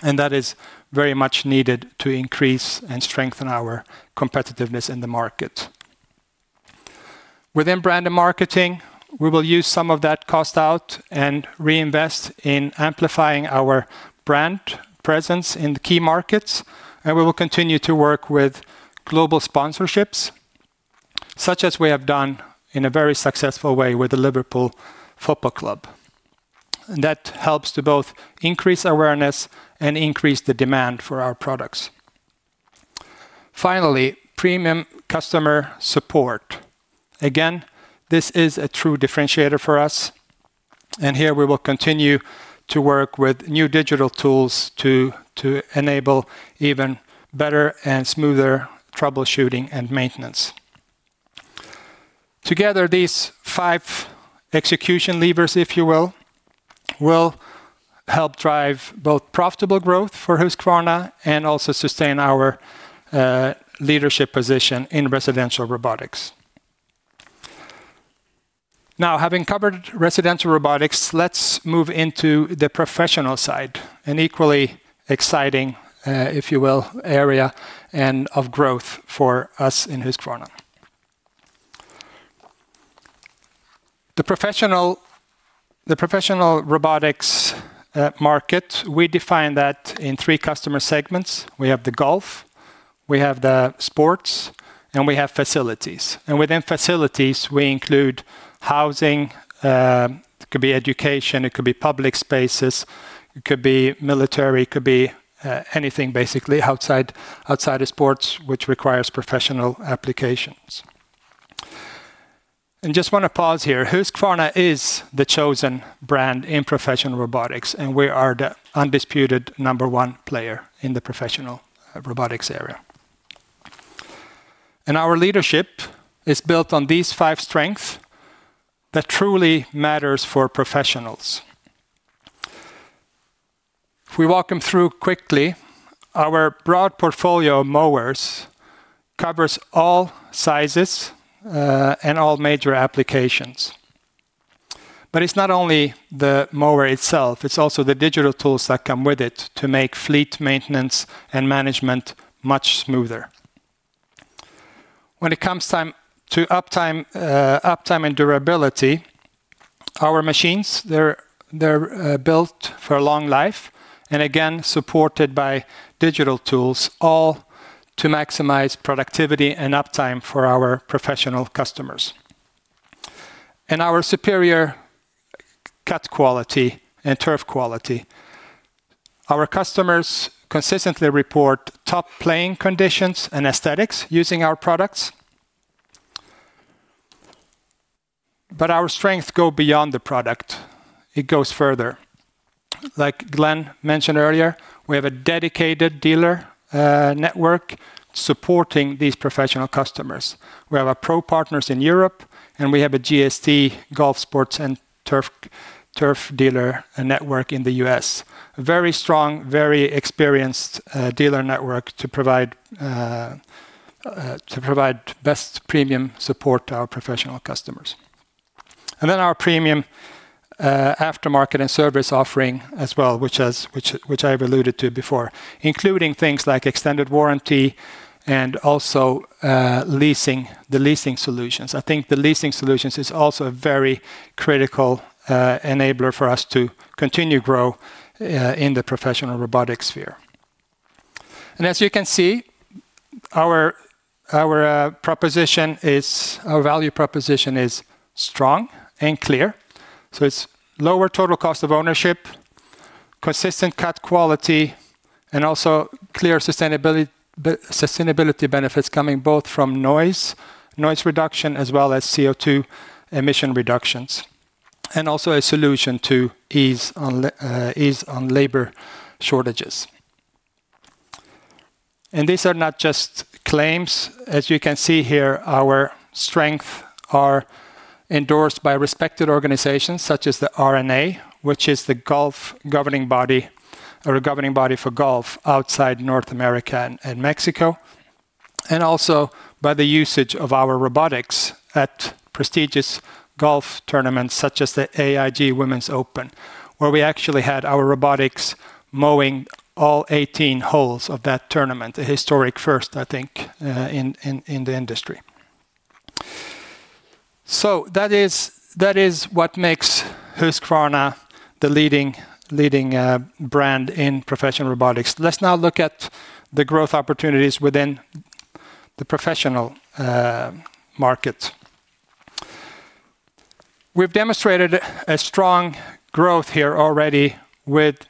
and that is very much needed to increase and strengthen our competitiveness in the market. Within brand and marketing, we will use some of that cost out and reinvest in amplifying our brand presence in the key markets, and we will continue to work with global sponsorships, such as we have done in a very successful way with the Liverpool Football Club, and that helps to both increase awareness and increase the demand for our products. Finally, premium customer support. Again, this is a true differentiator for us, and here we will continue to work with new digital tools to enable even better and smoother troubleshooting and maintenance. Together, these five execution levers, if you will, will help drive both profitable growth for Husqvarna and also sustain our leadership position in Residential Robotics. Now, having covered Residential Robotics, let's move into the professional side, an equally exciting, if you will, area and of growth for us in Husqvarna. The Professional Robotics market, we define that in three customer segments. We have the golf, we have the sports, and we have facilities, and within facilities, we include housing. It could be education, it could be public spaces, it could be military, it could be anything basically outside of sports, which requires professional applications, and just want to pause here. Husqvarna is the chosen brand in Professional Robotics, and we are the undisputed number one player in the Professional Robotics area, and our leadership is built on these five strengths that truly matter for professionals. If we walk them through quickly, our broad portfolio of mowers covers all sizes and all major applications, but it's not only the mower itself, it's also the digital tools that come with it to make fleet maintenance and management much smoother. When it comes to uptime and durability, our machines, they're built for a long life and again supported by digital tools, all to maximize productivity and uptime for our professional customers. And our superior cut quality and turf quality, our customers consistently report top playing conditions and aesthetics using our products. But our strengths go beyond the product. It goes further. Like Glen mentioned earlier, we have a dedicated dealer network supporting these professional customers. We have pro partners in Europe, and we have a GST, Golf Sports and Turf dealer network in the U.S. A very strong, very experienced dealer network to provide best premium support to our professional customers. And then our premium aftermarket and service offering as well, which I've alluded to before, including things like extended warranty and also the leasing solutions. I think the leasing solutions is also a very critical enabler for us to continue to grow in the Professional Robotics sphere. And as you can see, our value proposition is strong and clear. So it's lower total cost of ownership, consistent cut quality, and also clear sustainability benefits coming both from noise reduction as well as CO2 emission reductions, and also a solution to ease on labor shortages. And these are not just claims. As you can see here, our strengths are endorsed by respected organizations such as the R&A, which is the governing body for golf outside North America and Mexico, and also by the usage of our robotics at prestigious golf tournaments such as the AIG Women's Open, where we actually had our robotics mowing all 18 holes of that tournament, a historic first, I think, in the industry. So that is what makes Husqvarna the leading brand in Professional Robotics. Let's now look at the growth opportunities within the professional market. We've demonstrated a strong growth here already with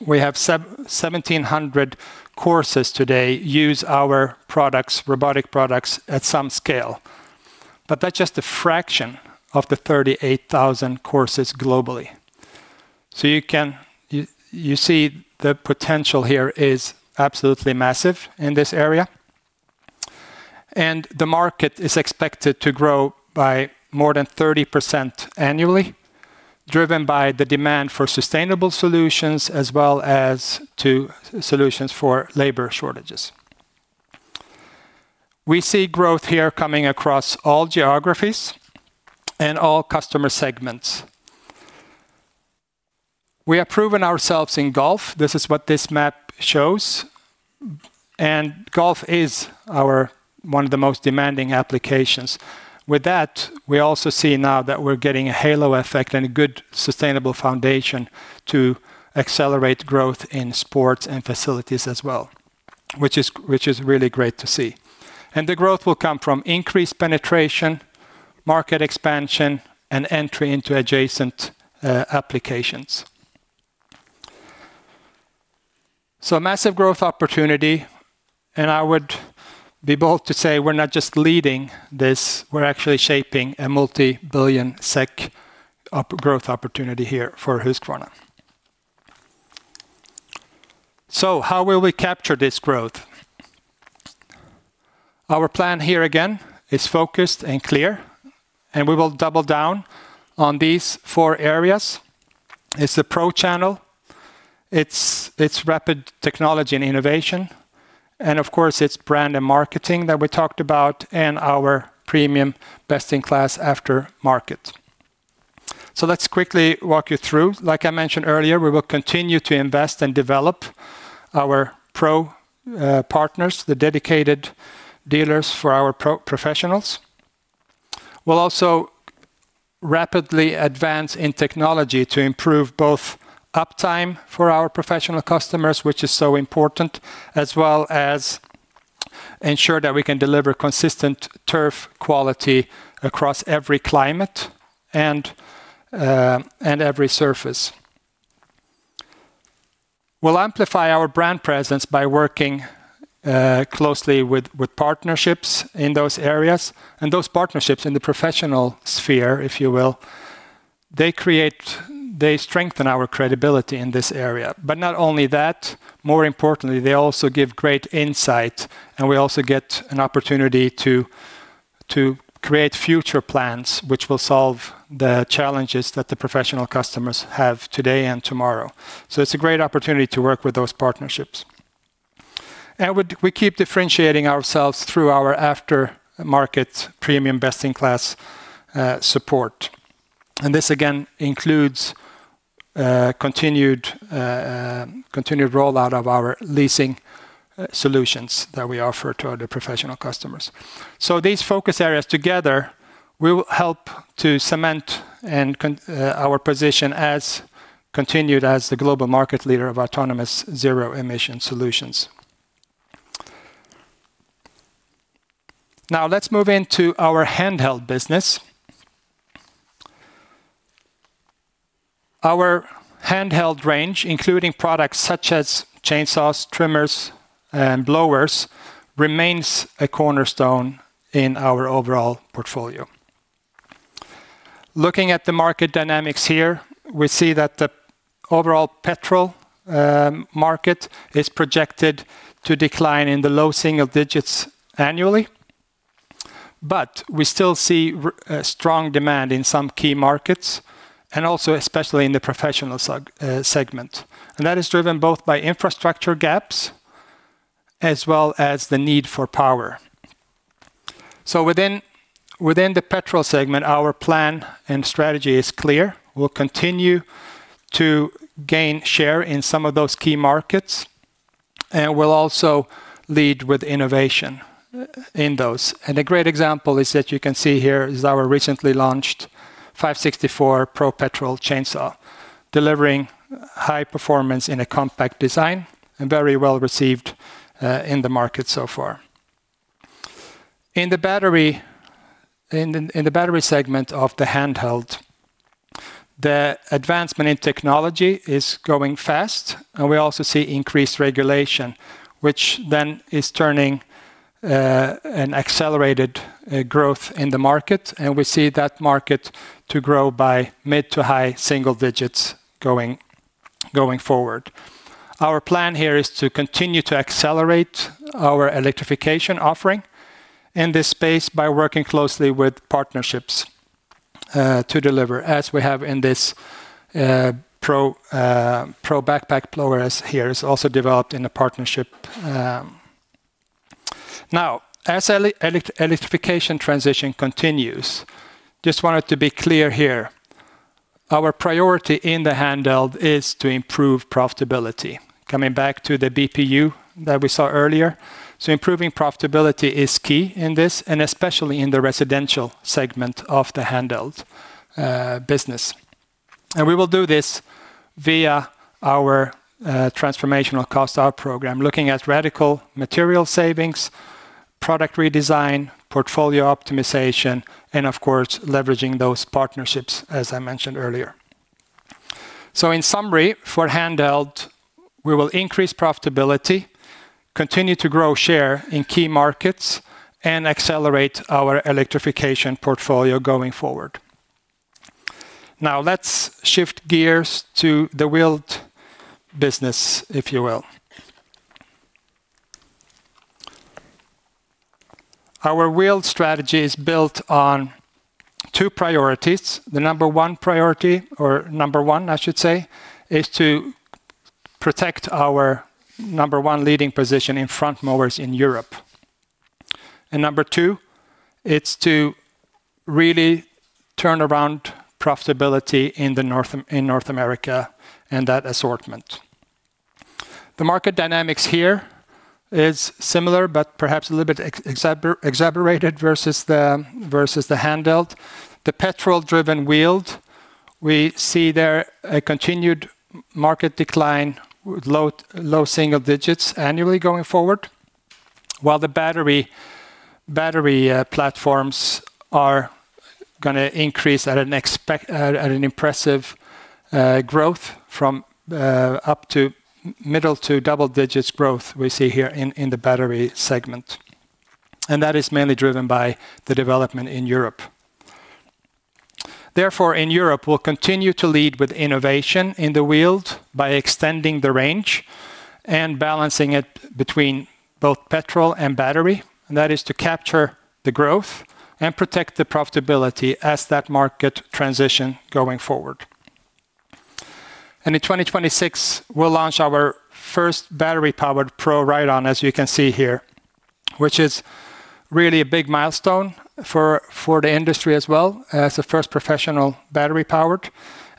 we have 1,700 courses today use our products, robotic products at some scale. But that's just a fraction of the 38,000 courses globally, so you see the potential here is absolutely massive in this area, and the market is expected to grow by more than 30% annually, driven by the demand for sustainable solutions as well as solutions for labor shortages. We see growth here coming across all geographies and all customer segments. We have proven ourselves in golf. This is what this map shows, and golf is one of the most demanding applications. With that, we also see now that we're getting a halo effect and a good sustainable foundation to accelerate growth in sports and facilities as well, which is really great to see, and the growth will come from increased penetration, market expansion, and entry into adjacent applications, so massive growth opportunity, and I would be bold to say we're not just leading this. We're actually shaping a multi-billion SEK growth opportunity here for Husqvarna, so how will we capture this growth? Our plan here again is focused and clear, and we will double down on these four areas. It's the pro channel, it's rapid technology and innovation, and of course, it's brand and marketing that we talked about and our premium best-in-class aftermarket, so let's quickly walk you through. Like I mentioned earlier, we will continue to invest and develop our pro partners, the dedicated dealers for our professionals. We'll also rapidly advance in technology to improve both uptime for our professional customers, which is so important, as well as ensure that we can deliver consistent turf quality across every climate and every surface. We'll amplify our brand presence by working closely with partnerships in those areas, and those partnerships in the professional sphere, if you will, they strengthen our credibility in this area, but not only that, more importantly, they also give great insight, and we also get an opportunity to create future plans, which will solve the challenges that the professional customers have today and tomorrow, so it's a great opportunity to work with those partnerships, and we keep differentiating ourselves through our aftermarket premium best-in-class support, and this again includes continued rollout of our leasing solutions that we offer to other professional customers. So these focus areas together will help to cement our position as the continued global market leader of autonomous zero-emission solutions. Now let's move into our Handheld business. Our Handheld range, including products such as chainsaws, trimmers, and blowers, remains a cornerstone in our overall portfolio. Looking at the market dynamics here, we see that the overall petrol market is projected to decline in the low single digits annually. But we still see strong demand in some key markets, and also especially in the professional segment. And that is driven both by infrastructure gaps as well as the need for power. So within the petrol segment, our plan and strategy is clear. We'll continue to gain share in some of those key markets, and we'll also lead with innovation in those. And a great example is that you can see here is our recently launched 564 Pro Petrol chainsaw, delivering high performance in a compact design and very well received in the market so far. In the battery segment of the Handheld, the advancement in technology is going fast, and we also see increased regulation, which then is turning an accelerated growth in the market, and we see that market to grow by mid- to high-single digits going forward. Our plan here is to continue to accelerate our electrification offering in this space by working closely with partnerships to deliver, as we have in this Pro backpack blower here, is also developed in a partnership. Now, as electrification transition continues, just wanted to be clear here. Our priority in the Handheld is to improve profitability. Coming back to the BPU that we saw earlier, so improving profitability is key in this, and especially in the residential segment of the Handheld business. And we will do this via our transformational cost out program, looking at radical material savings, product redesign, portfolio optimization, and of course, leveraging those partnerships, as I mentioned earlier. So in summary, for Handheld, we will increase profitability, continue to grow share in key markets, and accelerate our electrification portfolio going forward. Now let's shift gears to the Wheeled business, if you will. Our Wheeled strategy is built on two priorities. The number one priority, or number one, I should say, is to protect our number one leading position in front mowers in Europe. And number two, it's to really turn around profitability in North America and that assortment. The market dynamics here is similar, but perhaps a little bit exaggerated versus the Handheld. The petrol-driven Wheeled, we see there a continued market decline with low single digits annually going forward, while the battery platforms are going to increase at an impressive growth from up to middle to double digits growth we see here in the battery segment, and that is mainly driven by the development in Europe. Therefore, in Europe, we'll continue to lead with innovation in the Wheeled by extending the range and balancing it between both petrol and battery, and that is to capture the growth and protect the profitability as that market transition going forward, and in 2026, we'll launch our first battery-powered Pro Ride-On, as you can see here, which is really a big milestone for the industry as well as the first professional battery-powered.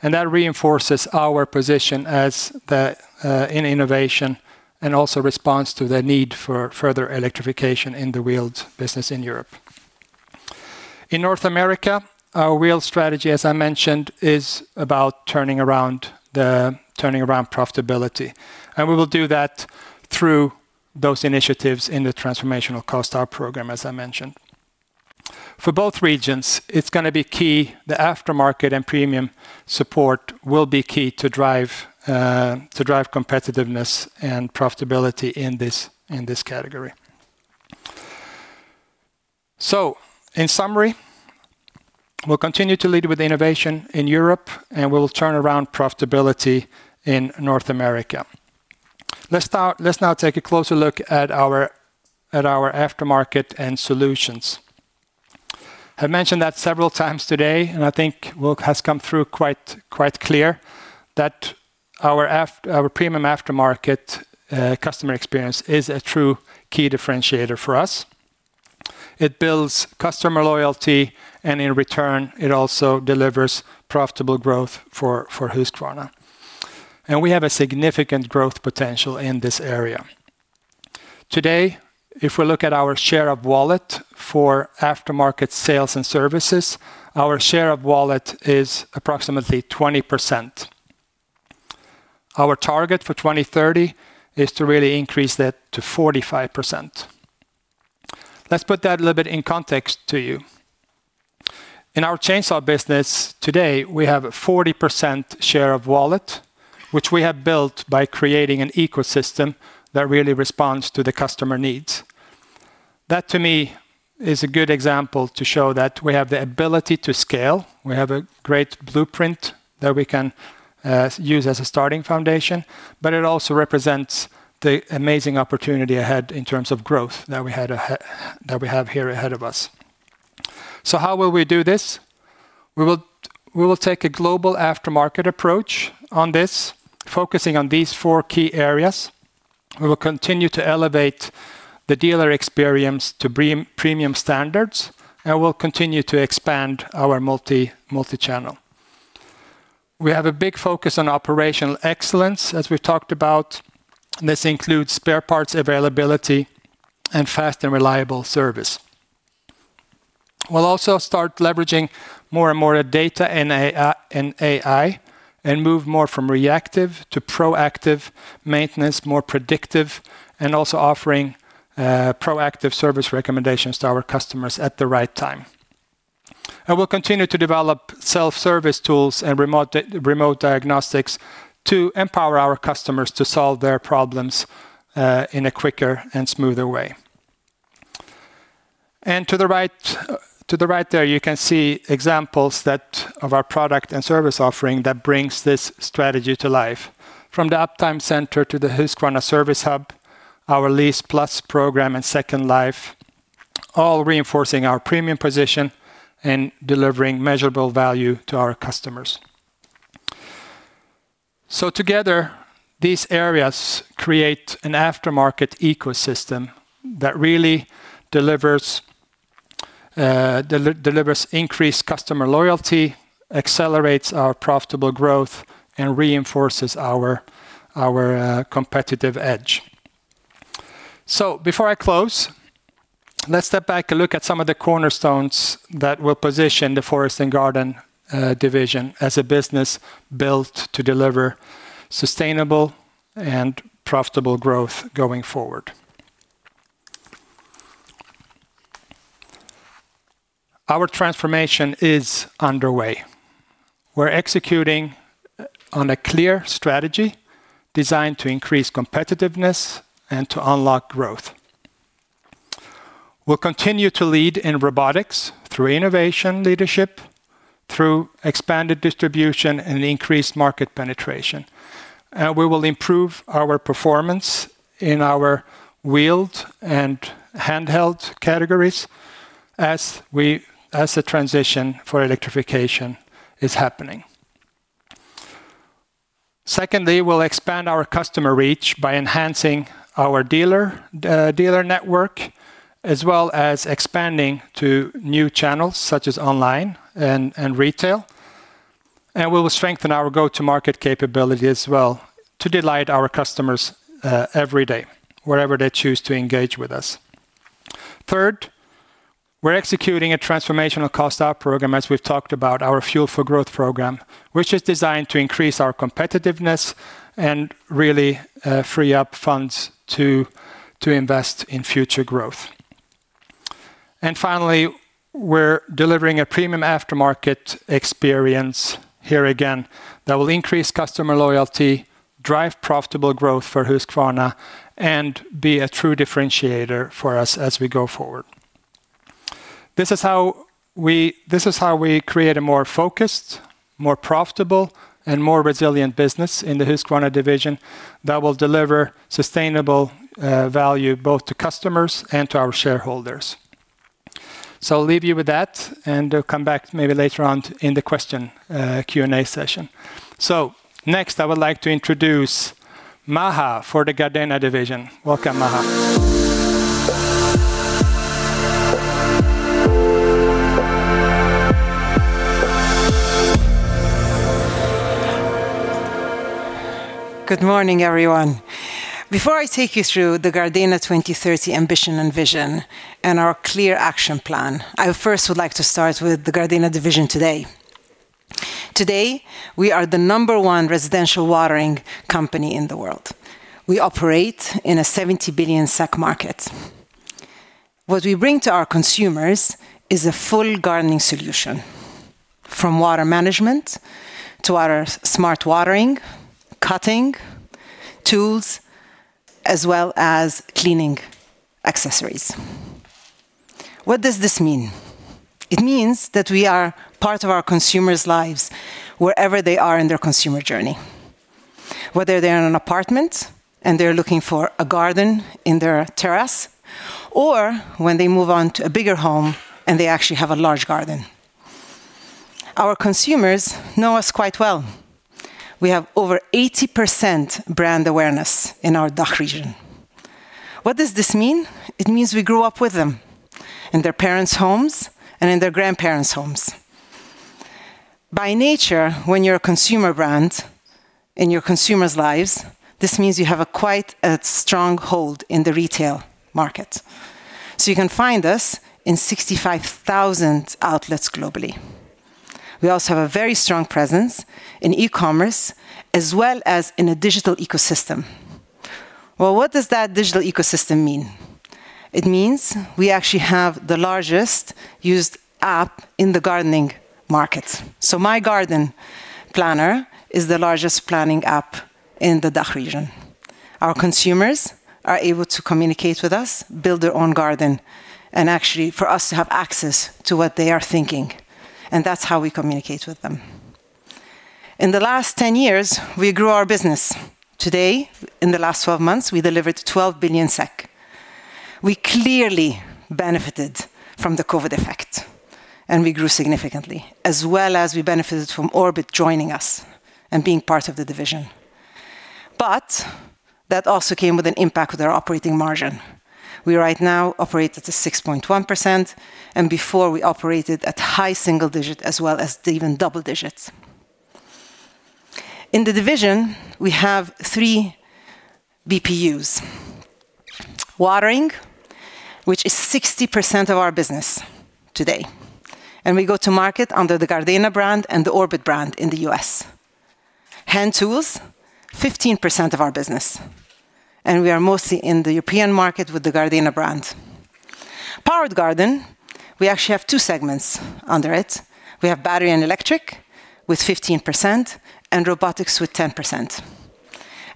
And that reinforces our position in innovation and also responds to the need for further electrification in the Wheeled business in Europe. In North America, our Wheeled strategy, as I mentioned, is about turning around profitability. And we will do that through those initiatives in the transformational cost out program, as I mentioned. For both regions, it's going to be key. The aftermarket and premium support will be key to drive competitiveness and profitability in this category. So in summary, we'll continue to lead with innovation in Europe, and we will turn around profitability in North America. Let's now take a closer look at our Aftermarket and Solutions. I've mentioned that several times today, and I think has come through quite clear that our premium aftermarket customer experience is a true key differentiator for us. It builds customer loyalty, and in return, it also delivers profitable growth for Husqvarna. We have a significant growth potential in this area. Today, if we look at our share of wallet for aftermarket sales and services, our share of wallet is approximately 20%. Our target for 2030 is to really increase that to 45%. Let's put that a little bit in context to you. In our chainsaw business today, we have a 40% share of wallet, which we have built by creating an ecosystem that really responds to the customer needs. That, to me, is a good example to show that we have the ability to scale. We have a great blueprint that we can use as a starting foundation, but it also represents the amazing opportunity ahead in terms of growth that we have here ahead of us. How will we do this? We will take a global aftermarket approach on this, focusing on these four key areas. We will continue to elevate the dealer experience to premium standards, and we'll continue to expand our multi-channel. We have a big focus on operational excellence, as we've talked about. This includes spare parts availability and fast and reliable service. We'll also start leveraging more and more data and AI and move more from reactive to proactive maintenance, more predictive, and also offering proactive service recommendations to our customers at the right time, and we'll continue to develop self-service tools and remote diagnostics to empower our customers to solve their problems in a quicker and smoother way, and to the right there, you can see examples of our product and service offering that brings this strategy to life. From the Uptime Center to the Husqvarna Service Hub, our Lease Plus program and Second Life, all reinforcing our premium position and delivering measurable value to our customers. So together, these areas create an aftermarket ecosystem that really delivers increased customer loyalty, accelerates our profitable growth, and reinforces our competitive edge. So before I close, let's step back and look at some of the cornerstones that will position the Forest & Garden division as a business built to deliver sustainable and profitable growth going forward. Our transformation is underway. We're executing on a clear strategy designed to increase competitiveness and to unlock growth. We'll continue to lead in robotics through innovation, leadership, through expanded distribution and increased market penetration. And we will improve our performance in our Wheeled and Handheld categories as the transition for electrification is happening. Secondly, we'll expand our customer reach by enhancing our dealer network, as well as expanding to new channels such as online and retail. And we will strengthen our go-to-market capability as well to delight our customers every day, wherever they choose to engage with us. Third, we're executing a transformational cost out program, as we've talked about, our Fuel for Growth program, which is designed to increase our competitiveness and really free up funds to invest in future growth. And finally, we're delivering a premium aftermarket experience here again that will increase customer loyalty, drive profitable growth for Husqvarna, and be a true differentiator for us as we go forward. This is how we create a more focused, more profitable, and more resilient business in the Husqvarna division that will deliver sustainable value both to customers and to our shareholders. So I'll leave you with that and come back maybe later on in the question Q&A session. So next, I would like to introduce Maha for the Gardena division. Welcome, Maha. Good morning, everyone. Before I take you through the Gardena 2030 ambition and vision and our clear action plan, I first would like to start with the Gardena division today. Today, we are the number one residential watering company in the world. We operate in a 70 billion SEK market. What we bring to our consumers is a full gardening solution, from water management to our Smart Watering, cutting, tools, as well as cleaning accessories. What does this mean? It means that we are part of our consumers' lives wherever they are in their consumer journey, whether they're in an apartment and they're looking for a garden in their terrace, or when they move on to a bigger home and they actually have a large garden. Our consumers know us quite well. We have over 80% brand awareness in our DACH region. What does this mean? It means we grew up with them in their parents' homes and in their grandparents' homes. By nature, when you're a consumer brand in your consumers' lives, this means you have quite a strong hold in the retail market. So you can find us in 65,000 outlets globally. We also have a very strong presence in e-commerce, as well as in a digital ecosystem. Well, what does that digital ecosystem mean? It means we actually have the largest used app in the gardening market. So My Garden Planner is the largest planning app in the DACH region. Our consumers are able to communicate with us, build their own garden, and actually for us to have access to what they are thinking. And that's how we communicate with them. In the last 10 years, we grew our business. Today, in the last 12 months, we delivered 12 billion SEK. We clearly benefited from the COVID effect, and we grew significantly, as well as we benefited from Orbit joining us and being part of the division, but that also came with an impact with our operating margin. We right now operate at a 6.1%, and before we operated at high single digits, as well as even double digits. In the division, we have three BPUs: watering, which is 60% of our business today, and we go to market under the Gardena brand and the Orbit brand in the U.S. Hand Tools, 15% of our business, and we are mostly in the European market with the Gardena brand. Powered Garden, we actually have two segments under it. We have Battery and Electric with 15% and robotics with 10%,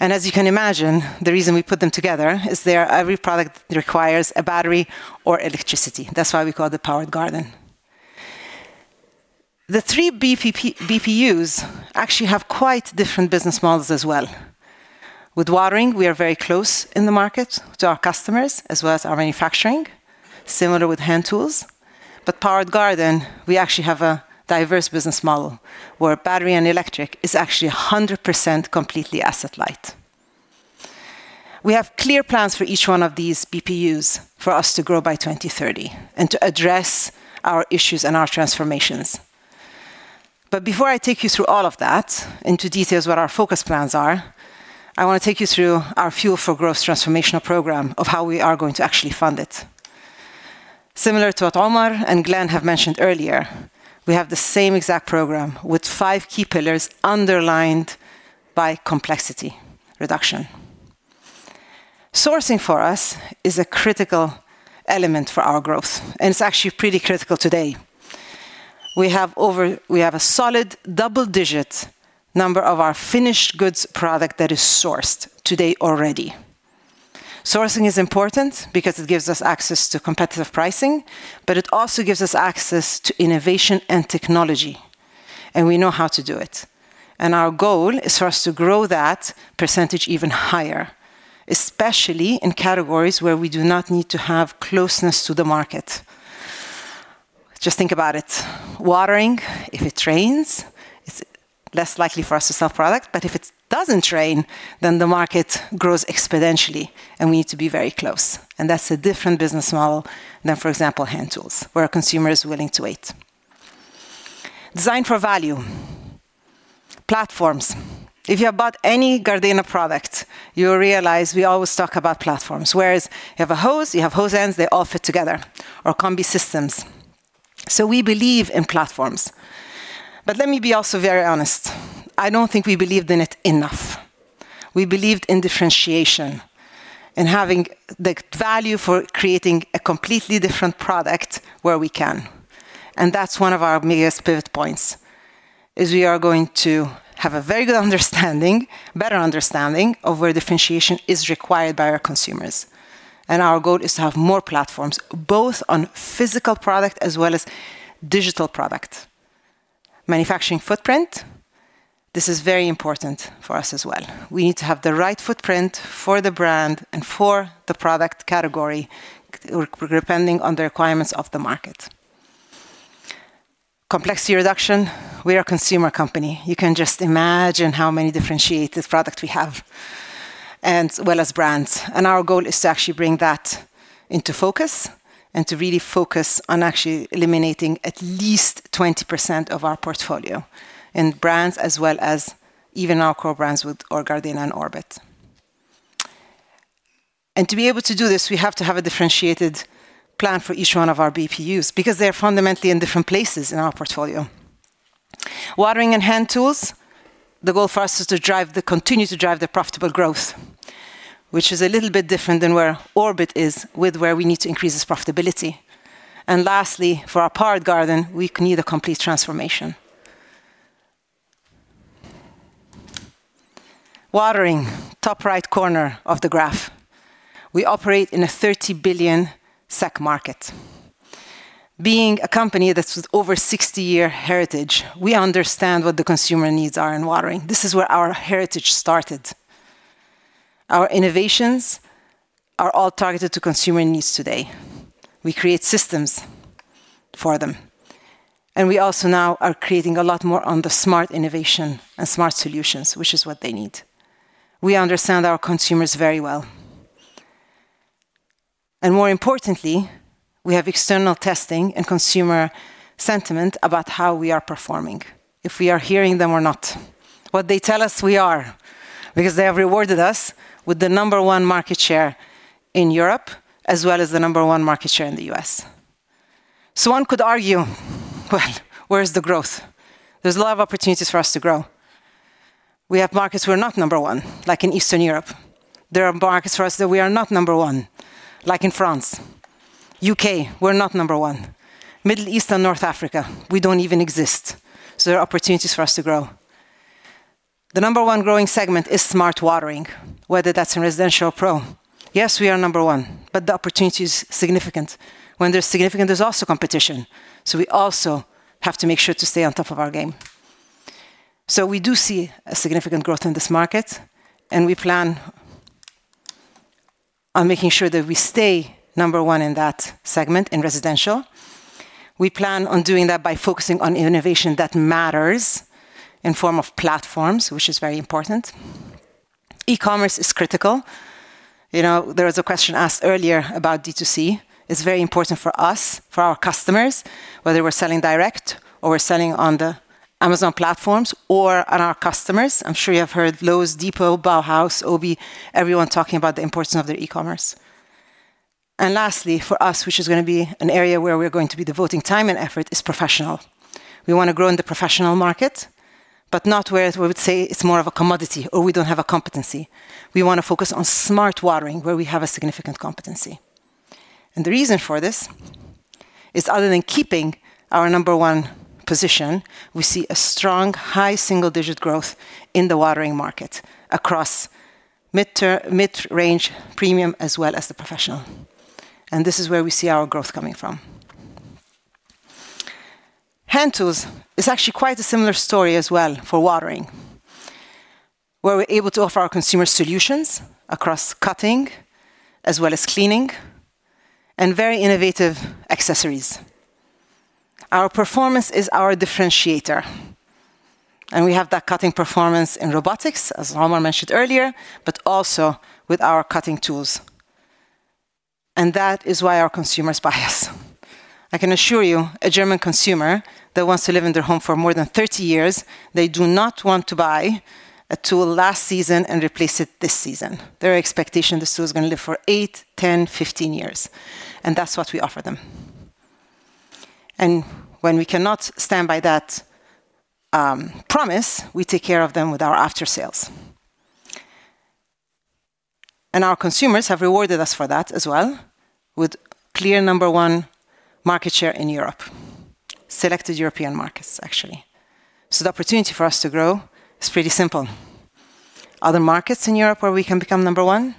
and as you can imagine, the reason we put them together is they are every product that requires a battery or electricity. That's why we call it Powered Garden. The three BPUs actually have quite different business models as well. With watering, we are very close in the market to our customers, as well as our manufacturing, similar with Hand Tools. But powered garden, we actually have a diverse business model where Battery and Electric is actually 100% completely asset-light. We have clear plans for each one of these BPUs for us to grow by 2030 and to address our issues and our transformations. But before I take you through all of that into details, what our focus plans are, I want to take you through our Fuel for Growth transformational program of how we are going to actually fund it. Similar to what Omar and Glen have mentioned earlier, we have the same exact program with five key pillars underlined by complexity reduction. Sourcing for us is a critical element for our growth, and it's actually pretty critical today. We have a solid double-digit number of our finished goods product that is sourced today already. Sourcing is important because it gives us access to competitive pricing, but it also gives us access to innovation and technology, and we know how to do it, and our goal is for us to grow that percentage even higher, especially in categories where we do not need to have closeness to the market. Just think about it. Watering, if it rains, it's less likely for us to sell product, but if it doesn't rain, then the market grows exponentially and we need to be very close, and that's a different business model than, for example, Hand Tools, where a consumer is willing to wait. Design to Value. Platforms. If you have bought any Gardena product, you realize we always talk about platforms. Whereas you have a hose, you have hose ends, they all fit together, or combi systems, so we believe in platforms, but let me be also very honest. I don't think we believed in it enough. We believed in differentiation and having the value for creating a completely different product where we can, and that's one of our biggest pivot points: we are going to have a very good understanding, better understanding of where differentiation is required by our consumers, and our goal is to have more platforms, both on physical product as well as digital product. Manufacturing footprint, this is very important for us as well. We need to have the right footprint for the brand and for the product category depending on the requirements of the market. Complexity reduction, we are a consumer company. You can just imagine how many differentiated products we have, as well as brands. And our goal is to actually bring that into focus and to really focus on actually eliminating at least 20% of our portfolio in brands, as well as even our core brands with our Gardena and Orbit. And to be able to do this, we have to have a differentiated plan for each one of our BPUs because they are fundamentally in different places in our portfolio. Watering and Hand Tools, the goal for us is to continue to drive the profitable growth, which is a little bit different than where Orbit is with where we need to increase its profitability. And lastly, for our Powered Garden, we need a complete transformation. Watering, top right corner of the graph. We operate in a 30 billion SEK market. Being a company that's with over 60-year heritage, we understand what the consumer needs are in watering. This is where our heritage started. Our innovations are all targeted to consumer needs today. We create systems for them, and we also now are creating a lot more on the smart innovation and smart solutions, which is what they need. We understand our consumers very well, and more importantly, we have external testing and consumer sentiment about how we are performing, if we are hearing them or not. What they tell us we are, because they have rewarded us with the number one market share in Europe, as well as the number one market share in the U.S., so one could argue, well, where's the growth? There's a lot of opportunities for us to grow. We have markets we're not number one, like in Eastern Europe. There are markets for us that we are not number one, like in France, U.K. We're not number one. Middle East and North Africa, we don't even exist, so there are opportunities for us to grow. The number one growing segment is Smart Watering, whether that's in residential or pro. Yes, we are number one, but the opportunity is significant. When they're significant, there's also competition, so we also have to make sure to stay on top of our game, so we do see a significant growth in this market, and we plan on making sure that we stay number one in that segment in residential. We plan on doing that by focusing on innovation that matters in form of platforms, which is very important. E-commerce is critical. There was a question asked earlier about D2C. It's very important for us, for our customers, whether we're selling direct or we're selling on the Amazon platforms or on our customers. I'm sure you have heard Lowe's, Depot, Bauhaus, OBI, everyone talking about the importance of their e-commerce, and lastly, for us, which is going to be an area where we're going to be devoting time and effort, is professional. We want to grow in the professional market, but not where we would say it's more of a commodity or we don't have a competency. We want to focus on Smart Watering, where we have a significant competency, and the reason for this is other than keeping our number one position, we see a strong, high single-digit growth in the watering market across mid-range, premium, as well as the professional, and this is where we see our growth coming from. Hand Tools is actually quite a similar story as well for watering, where we're able to offer our consumer solutions across cutting, as well as cleaning, and very innovative accessories. Our performance is our differentiator. And we have that cutting performance in robotics, as Omar mentioned earlier, but also with our cutting tools. And that is why our consumers buy us. I can assure you, a German consumer that wants to live in their home for more than 30 years, they do not want to buy a tool last season and replace it this season. Their expectation is this tool is going to live for eight, 10, 15 years. And that's what we offer them. And when we cannot stand by that promise, we take care of them with our after-sales. And our consumers have rewarded us for that as well, with clear number one market share in Europe, selected European markets, actually. So the opportunity for us to grow is pretty simple. Other markets in Europe where we can become number one,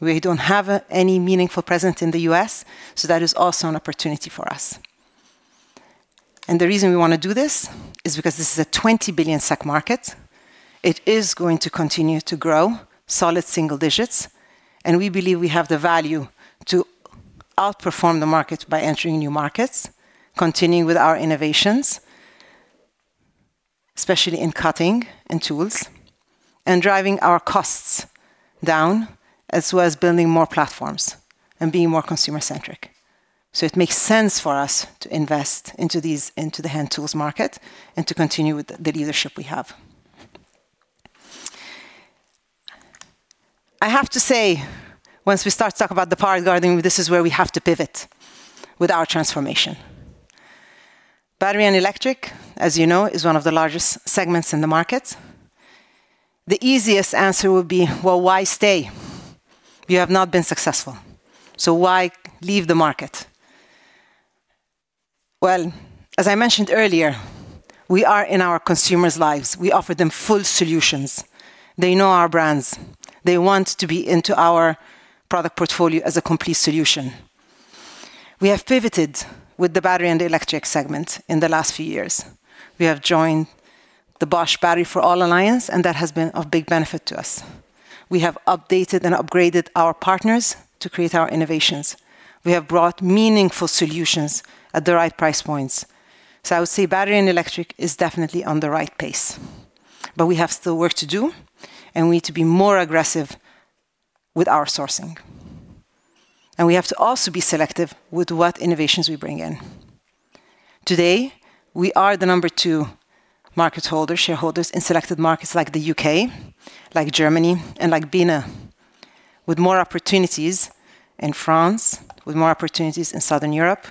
we don't have any meaningful presence in the U.S., so that is also an opportunity for us. And the reason we want to do this is because this is a 20 billion SEK market. It is going to continue to grow solid single digits, and we believe we have the value to outperform the market by entering new markets, continuing with our innovations, especially in cutting and tools, and driving our costs down, as well as building more platforms and being more consumer-centric. So it makes sense for us to invest into the Hand Tools market and to continue with the leadership we have. I have to say, once we start to talk about the powered garden, this is where we have to pivot with our transformation. Battery and Electric, as you know, is one of the largest segments in the market. The easiest answer would be, well, why stay? You have not been successful. So why leave the market? Well, as I mentioned earlier, we are in our consumers' lives. We offer them full solutions. They know our brands. They want to be into our product portfolio as a complete solution. We have pivoted with the Battery and the Electric segment in the last few years. We have joined the Bosch Power for All Alliance, and that has been of big benefit to us. We have updated and upgraded our partners to create our innovations. We have brought meaningful solutions at the right price points. So I would say Battery and Electric is definitely on the right pace. But we have still work to do, and we need to be more aggressive with our sourcing. And we have to also be selective with what innovations we bring in. Today, we are the number two market-share holders in selected markets like the U.K., like Germany, and like Benelux, with more opportunities in France, with more opportunities in Southern Europe.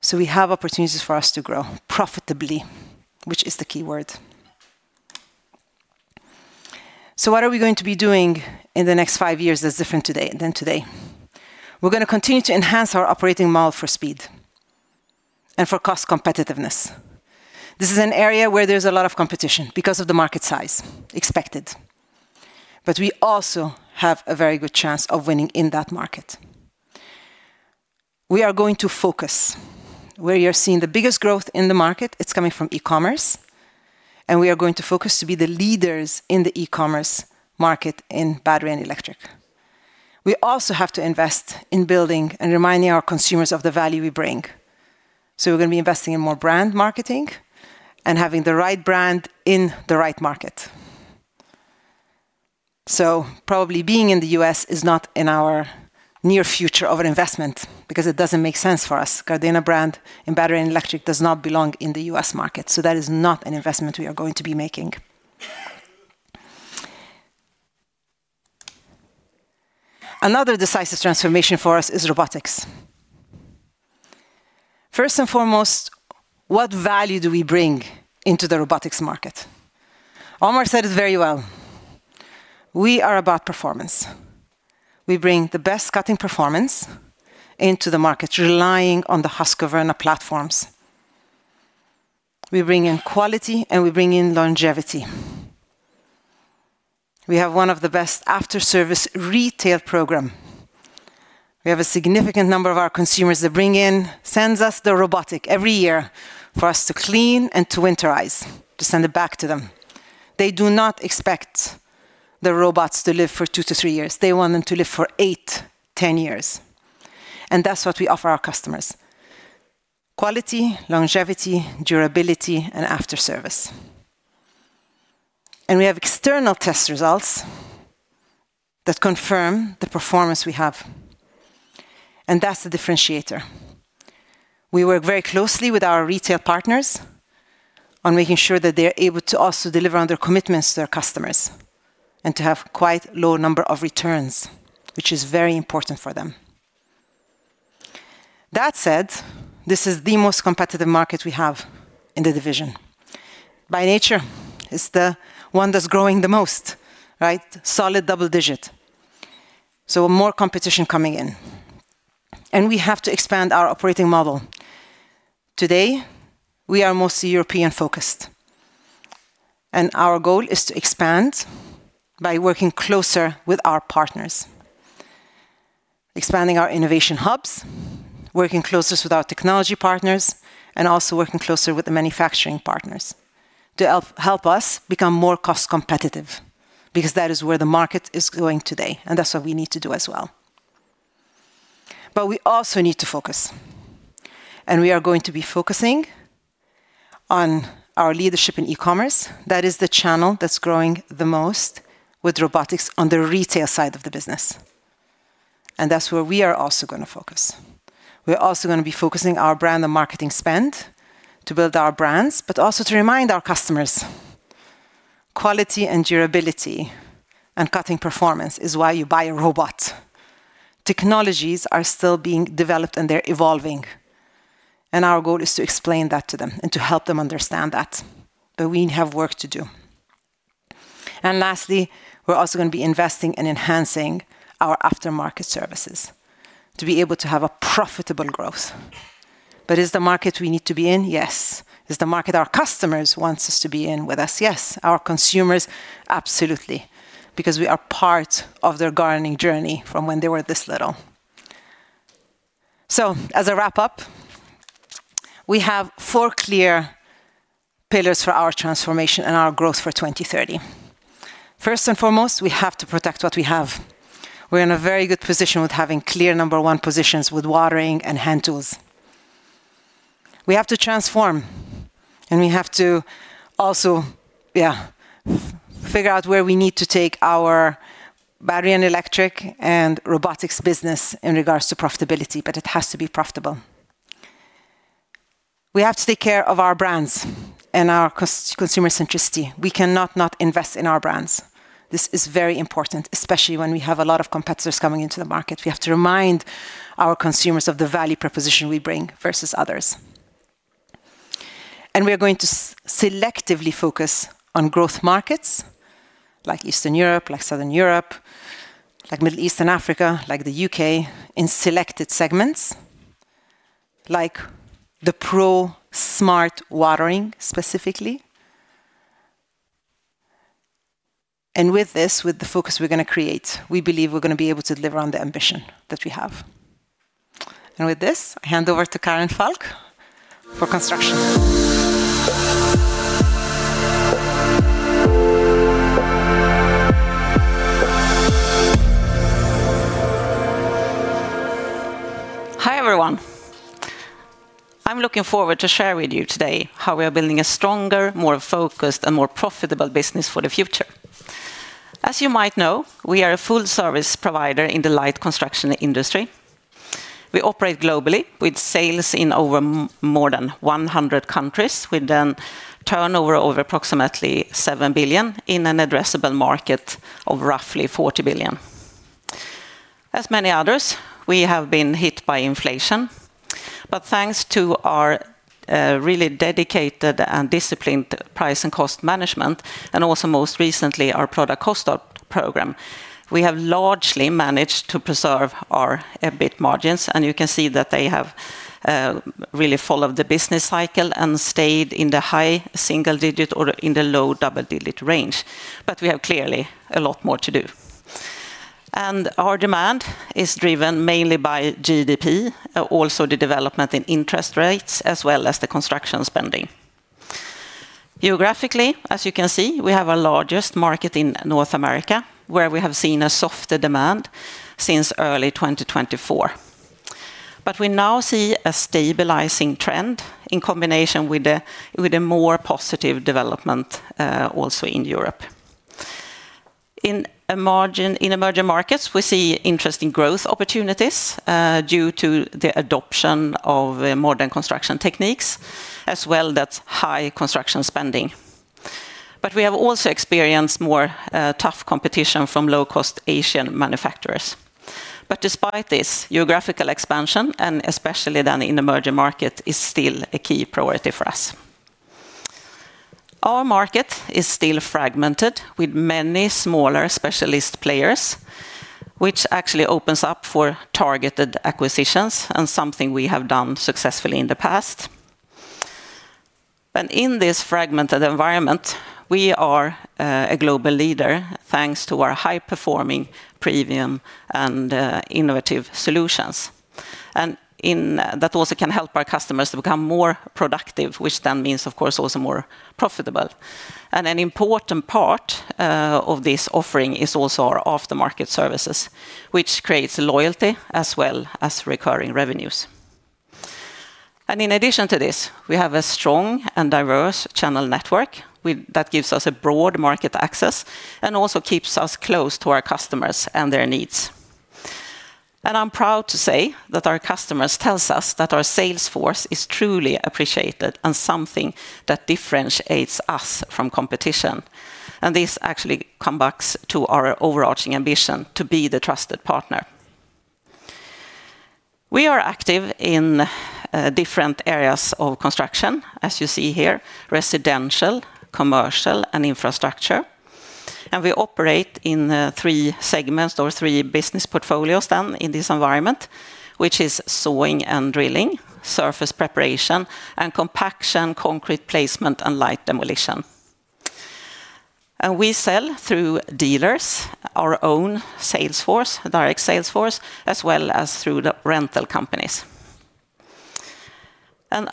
So we have opportunities for us to grow profitably, which is the key word. So what are we going to be doing in the next five years that's different than today? We're going to continue to enhance our operating model for speed and for cost competitiveness. This is an area where there's a lot of competition because of the market size expected. But we also have a very good chance of winning in that market. We are going to focus where you're seeing the biggest growth in the market. It's coming from e-commerce, and we are going to focus to be the leaders in the e-commerce market in Battery and Electric. We also have to invest in building and reminding our consumers of the value we bring, so we're going to be investing in more brand marketing and having the right brand in the right market, so probably being in the U.S. is not in our near future of an investment because it doesn't make sense for us. Gardena brand in Battery and Electric does not belong in the U.S. market, so that is not an investment we are going to be making. Another decisive transformation for us is Robotics. First and foremost, what value do we bring into the robotics market? Omar said it very well. We are about performance. We bring the best cutting performance into the market, relying on the Husqvarna platforms. We bring in quality, and we bring in longevity. We have one of the best after-service retail programs. We have a significant number of our consumers that bring in, send us the robotic every year for us to clean and to winterize, to send it back to them. They do not expect the robots to live for two to three years. They want them to live for eight, 10 years. And that's what we offer our customers: quality, longevity, durability, and after-service. And we have external test results that confirm the performance we have. And that's the differentiator. We work very closely with our retail partners on making sure that they are able to also deliver on their commitments to their customers and to have quite a low number of returns, which is very important for them. That said, this is the most competitive market we have in the division. By nature, it's the one that's growing the most, right? Solid double digit. So more competition coming in. And we have to expand our operating model. Today, we are mostly European-focused. And our goal is to expand by working closer with our partners, expanding our innovation hubs, working closer with our technology partners, and also working closer with the manufacturing partners to help us become more cost competitive because that is where the market is going today. And that's what we need to do as well. But we also need to focus. We are going to be focusing on our leadership in e-commerce. That is the channel that's growing the most with robotics on the retail side of the business. That's where we are also going to focus. We're also going to be focusing our brand and marketing spend to build our brands, but also to remind our customers quality and durability and cutting performance is why you buy a robot. Technologies are still being developed and they're evolving. Our goal is to explain that to them and to help them understand that. We have work to do. Lastly, we're also going to be investing and enhancing our after-market services to be able to have a profitable growth. Is the market we need to be in? Yes. Is the market our customers want us to be in with us? Yes. Our consumers, absolutely, because we are part of their gardening journey from when they were this little. So as I wrap up, we have four clear pillars for our transformation and our growth for 2030. First and foremost, we have to protect what we have. We're in a very good position with having clear number one positions with watering and Hand Tools. We have to transform, and we have to also, yeah, figure out where we need to take our Battery and Electric and Robotics business in regards to profitability, but it has to be profitable. We have to take care of our brands and our consumer centricity. We cannot not invest in our brands. This is very important, especially when we have a lot of competitors coming into the market. We have to remind our consumers of the value proposition we bring versus others. We are going to selectively focus on growth markets like Eastern Europe, like Southern Europe, like Middle East and Africa, like the U.K. in selected segments, like the Pro Smart Watering specifically. With this, with the focus we're going to create, we believe we're going to be able to deliver on the ambition that we have. With this, I hand over to Karin Falk for construction. Hi everyone. I'm looking forward to sharing with you today how we are building a stronger, more focused, and more profitable business for the future. As you might know, we are a full-service provider in the Light Construction industry. We operate globally with sales in over more than 100 countries, with a turnover of approximately 7 billion in an addressable market of roughly 40 billion. As many others, we have been hit by inflation. But thanks to our really dedicated and disciplined price and cost management, and also most recently our product cost program, we have largely managed to preserve our EBIT margins. And you can see that they have really followed the business cycle and stayed in the high single digit or in the low double digit range. But we have clearly a lot more to do. And our demand is driven mainly by GDP, also the development in interest rates, as well as the construction spending. Geographically, as you can see, we have our largest market in North America, where we have seen a softer demand since early 2024. But we now see a stabilizing trend in combination with a more positive development also in Europe. In emerging markets, we see interesting growth opportunities due to the adoption of modern construction techniques, as well as high construction spending. But we have also experienced more tough competition from low-cost Asian manufacturers. But despite this, geographical expansion, and especially then in emerging markets, is still a key priority for us. Our market is still fragmented with many smaller specialist players, which actually opens up for targeted acquisitions and something we have done successfully in the past. And in this fragmented environment, we are a global leader thanks to our high-performing premium and innovative solutions. And that also can help our customers to become more productive, which then means, of course, also more profitable. And an important part of this offering is also our after-market services, which creates loyalty as well as recurring revenues. And in addition to this, we have a strong and diverse channel network that gives us broad market access and also keeps us close to our customers and their needs. I'm proud to say that our customers tell us that our sales force is truly appreciated and something that differentiates us from competition. This actually comes back to our overarching ambition to be the trusted partner. We are active in different areas of construction, as you see here: residential, commercial, and infrastructure. We operate in three segments or three business portfolios in this environment, which is Sawing & Drilling, Surface Preparation, and Compaction, Concrete Placement, and Light Demolition. We sell through dealers, our own sales force, direct sales force, as well as through the rental companies.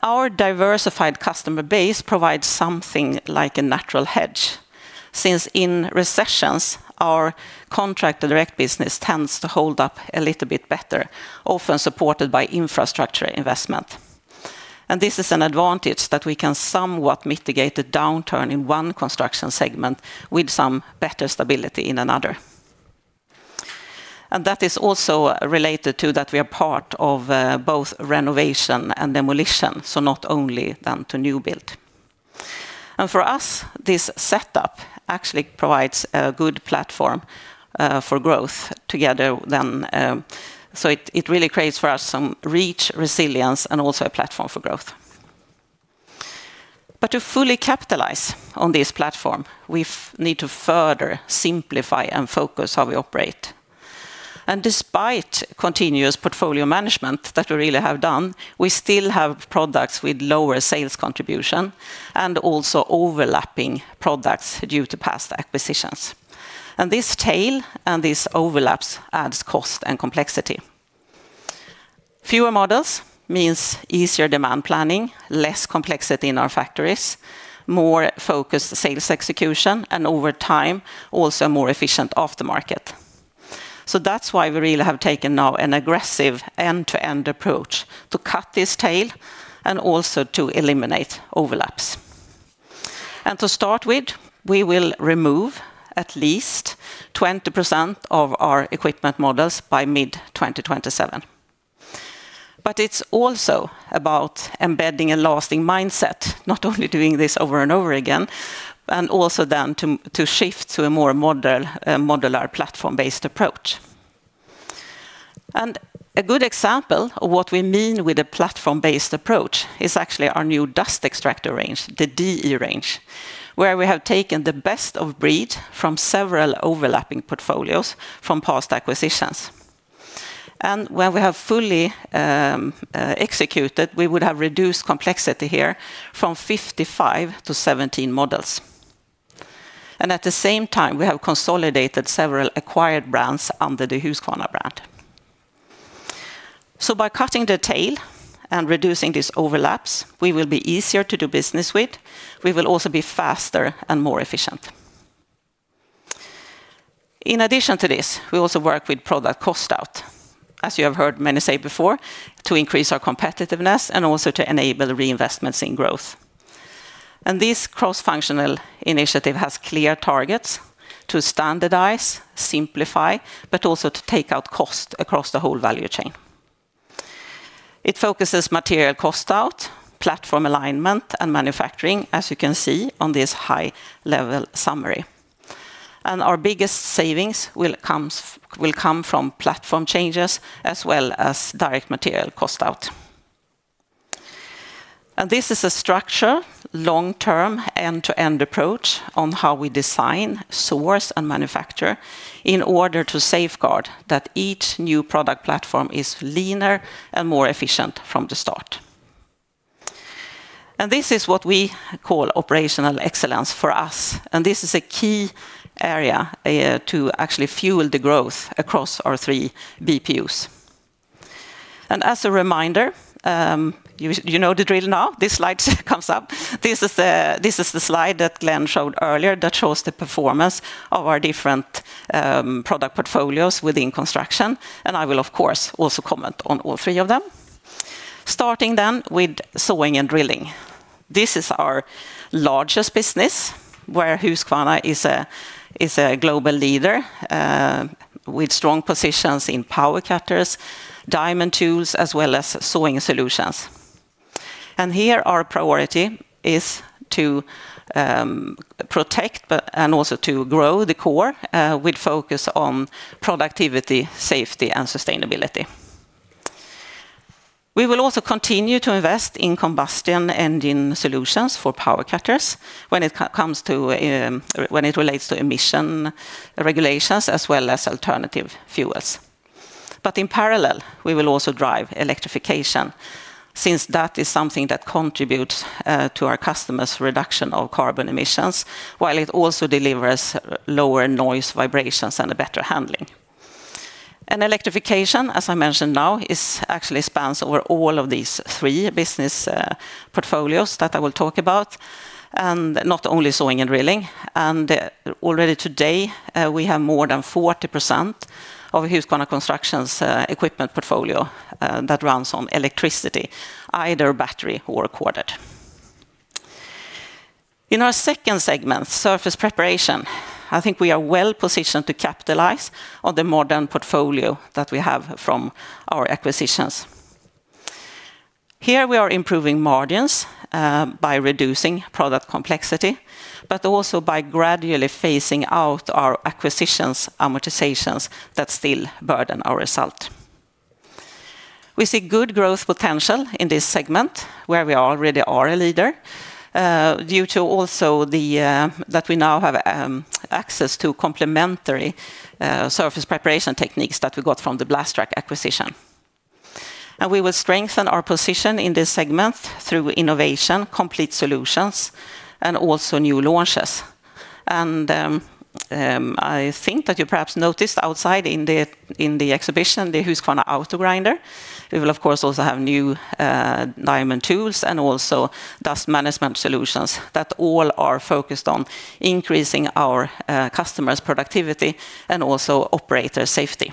Our diversified customer base provides something like a natural hedge since in recessions, our contract direct business tends to hold up a little bit better, often supported by infrastructure investment. And this is an advantage that we can somewhat mitigate the downturn in one construction segment with some better stability in another. And that is also related to that we are part of both renovation and demolition, so not only then to new build. And for us, this setup actually provides a good platform for growth together then. So it really creates for us some reach, resilience, and also a platform for growth. But to fully capitalize on this platform, we need to further simplify and focus how we operate. And despite continuous portfolio management that we really have done, we still have products with lower sales contribution and also overlapping products due to past acquisitions. And this tail and these overlaps adds cost and complexity. Fewer models means easier demand planning, less complexity in our factories, more focused sales execution, and over time also more efficient aftermarket. So that's why we really have taken now an aggressive end-to-end approach to cut this tail and also to eliminate overlaps, and to start with, we will remove at least 20% of our equipment models by mid-2027. But it's also about embedding a lasting mindset, not only doing this over and over again, and also then to shift to a more modular platform-based approach, and a good example of what we mean with a platform-based approach is actually our new dust extractor range, the DE range, where we have taken the best of breed from several overlapping portfolios from past acquisitions, and when we have fully executed, we would have reduced complexity here from 55 to 17 models, and at the same time, we have consolidated several acquired brands under the Husqvarna brand, so by cutting the tail and reducing these overlaps, we will be easier to do business with. We will also be faster and more efficient. In addition to this, we also work with product cost out, as you have heard many say before, to increase our competitiveness and also to enable reinvestments in growth, and this cross-functional initiative has clear targets to standardize, simplify, but also to take out cost across the whole value chain. It focuses material cost out, platform alignment, and manufacturing, as you can see on this high-level summary, and our biggest savings will come from platform changes as well as direct material cost out, and this is a structured, long-term, end-to-end approach on how we design, source, and manufacture in order to safeguard that each new product platform is leaner and more efficient from the start, and this is what we call Operational Excellence for us, and this is a key area to actually fuel the growth across our three BPUs. As a reminder, you know the drill now. This slide comes up. This is the slide that Glen showed earlier that shows the performance of our different product portfolios within construction. I will, of course, also comment on all three of them. Starting then with Sawing & Drilling. This is our largest business where Husqvarna is a global leader with strong positions in power cutters, diamond tools, as well as sawing solutions. Here our priority is to protect and also to grow the core with focus on productivity, safety, and sustainability. We will also continue to invest in combustion engine solutions for power cutters when it relates to emission regulations as well as alternative fuels. In parallel, we will also drive electrification since that is something that contributes to our customers' reduction of carbon emissions while it also delivers lower noise, vibrations, and a better handling. And electrification, as I mentioned now, actually spans over all of these three business portfolios that I will talk about, and not only Sawing & Drilling. And already today, we have more than 40% of Husqvarna Construction's equipment portfolio that runs on electricity, either battery or corded. In our second segment, Surface Preparation, I think we are well positioned to capitalize on the modern portfolio that we have from our acquisitions. Here we are improving margins by reducing product complexity, but also by gradually phasing out our acquisition amortizations that still burden our result. We see good growth potential in this segment where we already are a leader due to also the fact that we now have access to complementary Surface Preparation techniques that we got from the Blastrac acquisition. And we will strengthen our position in this segment through innovation, complete solutions, and also new launches. And I think that you perhaps noticed outside in the exhibition the Husqvarna Autogrinder. We will, of course, also have new diamond tools and also dust management solutions that all are focused on increasing our customers' productivity and also operator safety.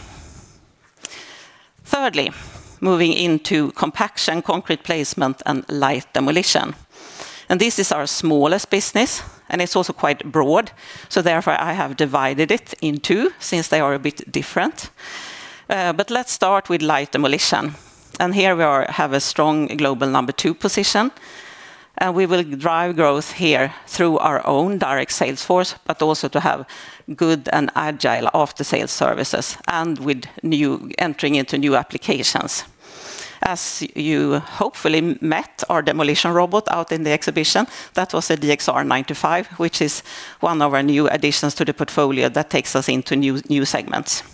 Thirdly, moving into Compaction, Concrete Placement, and Light Demolition, and this is our smallest business, and it's also quite broad, so therefore I have divided it in two since they are a bit different, but let's start with light demolition, and here we have a strong global number two position, and we will drive growth here through our own direct sales force, but also to have good and agile after-sale services and with entering into new applications. As you hopefully met our demolition robot out in the exhibition, that was a DXR 95, which is one of our new additions to the portfolio that takes us into new segments.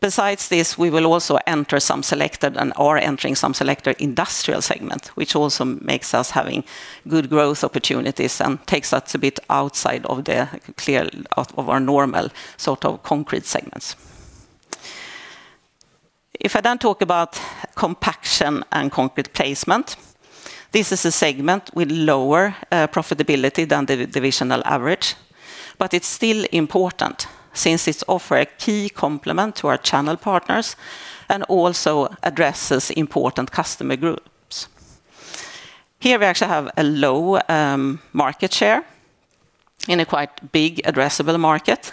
Besides this, we will also enter some selected and are entering some selected industrial segment, which also makes us having good growth opportunities and takes us a bit outside of our normal sort of concrete segments. If I then talk about compaction and concrete placement, this is a segment with lower profitability than the divisional average, but it's still important since it offers a key complement to our channel partners and also addresses important customer groups. Here we actually have a low market share in a quite big addressable market,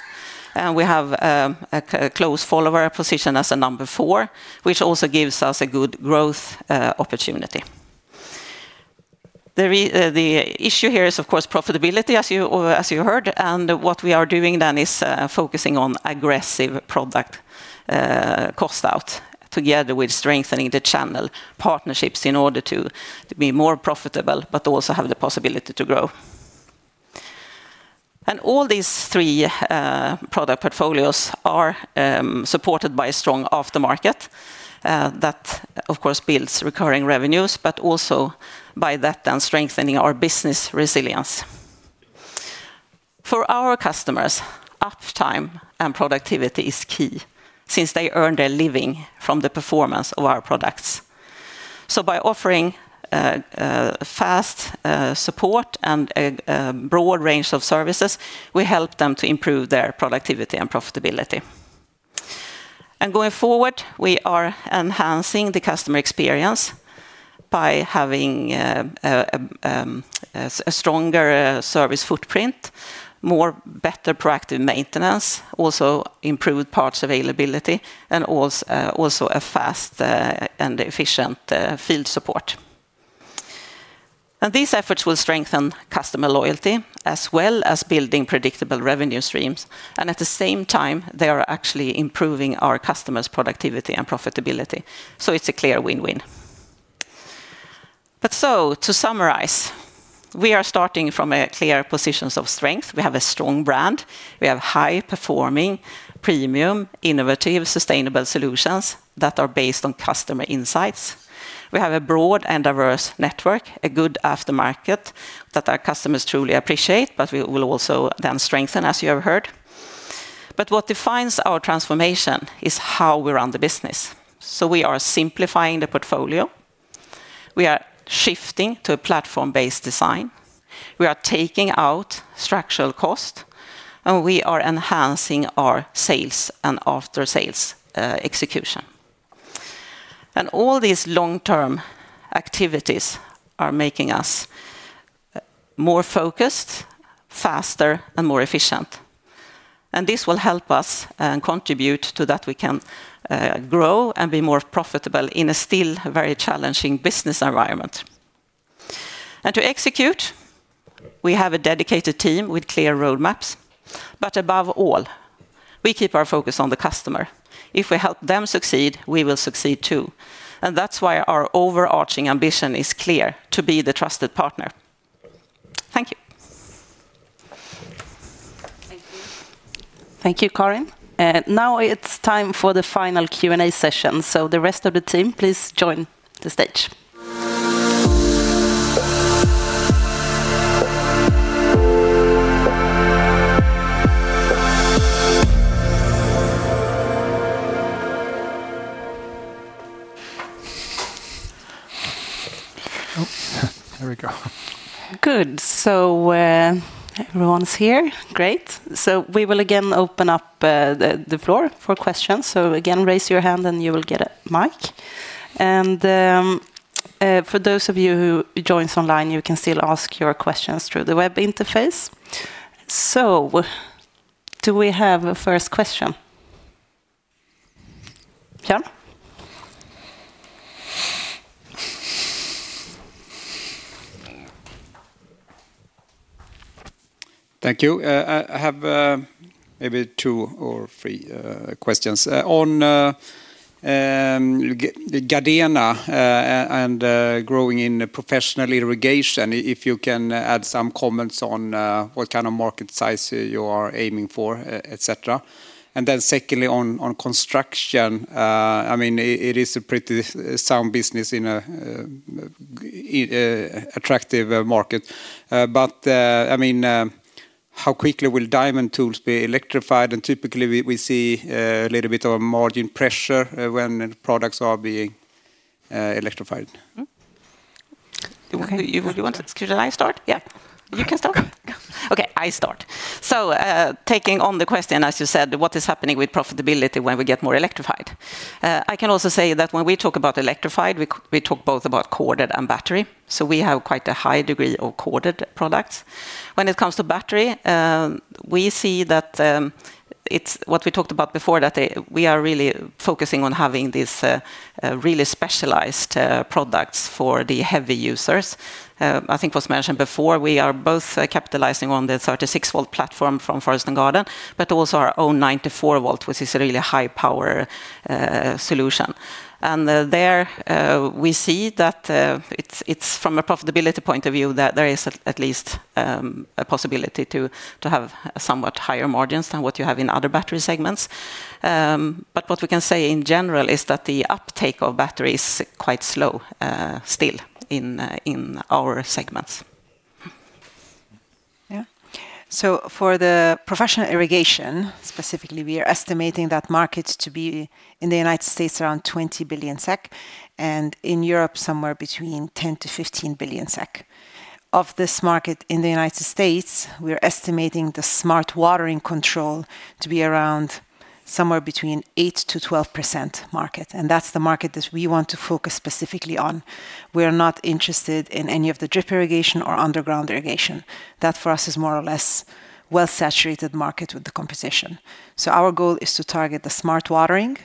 and we have a close follower position as a number four, which also gives us a good growth opportunity. The issue here is, of course, profitability, as you heard. And what we are doing then is focusing on aggressive product cost out together with strengthening the channel partnerships in order to be more profitable, but also have the possibility to grow. And all these three product portfolios are supported by a strong aftermarket that, of course, builds recurring revenues, but also by that then strengthening our business resilience. For our customers, uptime and productivity is key since they earn their living from the performance of our products. So by offering fast support and a broad range of services, we help them to improve their productivity and profitability. And going forward, we are enhancing the customer experience by having a stronger service footprint, better proactive maintenance, also improved parts availability, and also a fast and efficient field support. And these efforts will strengthen customer loyalty as well as building predictable revenue streams. And at the same time, they are actually improving our customers' productivity and profitability, so it's a clear win-win, but so to summarize, we are starting from a clear position of strength. We have a strong brand. We have high-performing, premium, innovative, sustainable solutions that are based on customer insights. We have a broad and diverse network, a good aftermarket that our customers truly appreciate, but we will also then strengthen, as you have heard, but what defines our transformation is how we run the business, so we are simplifying the portfolio. We are shifting to a platform-based design. We are taking out structural cost, and we are enhancing our sales and after-sales execution, and all these long-term activities are making us more focused, faster, and more efficient, and this will help us contribute to that we can grow and be more profitable in a still very challenging business environment. And to execute, we have a dedicated team with clear roadmaps. But above all, we keep our focus on the customer. If we help them succeed, we will succeed too. And that's why our overarching ambition is clear to be the trusted partner. Thank you. Thank you, Karin. Now it's time for the final Q&A session. So the rest of the team, please join the stage. There we go. Good. So everyone's here. Great. So we will again open up the floor for questions. So again, raise your hand and you will get a mic. And for those of you who join online, you can still ask your questions through the web interface. So do we have a first question? Björn? Thank you. I have maybe two or three questions on Gardena and growing in professional irrigation. If you can add some comments on what kind of market size you are aiming for, etc. And then secondly, on construction, I mean, it is a pretty sound business in an attractive market. But I mean, how quickly will diamond tools be electrified? And typically, we see a little bit of margin pressure when products are being electrified. You want to exclude and I start? Yeah, you can start. Okay, I start. So taking on the question, as you said, what is happening with profitability when we get more electrified? I can also say that when we talk about electrified, we talk both about corded and battery. So we have quite a high degree of corded products. When it comes to battery, we see that it's what we talked about before, that we are really focusing on having these really specialized products for the heavy users. I think it was mentioned before, we are both capitalizing on the 36 V platform from Forest & Garden, but also our own 94 V, which is a really high-power solution, and there we see that it's from a profitability point of view that there is at least a possibility to have somewhat higher margins than what you have in other battery segments. What we can say in general is that the uptake of battery is quite slow still in our segments. Yeah. For the professional irrigation, specifically, we are estimating that market to be in the United States around 20 billion SEK and in Europe somewhere between 10-15 billion SEK. Of this market in the United States, we're estimating the Smart Watering control to be around somewhere between 8%-12% market, and that's the market that we want to focus specifically on. We're not interested in any of the drip irrigation or underground irrigation. That for us is more or less a well-saturated market with the competition. So our goal is to target the Smart Watering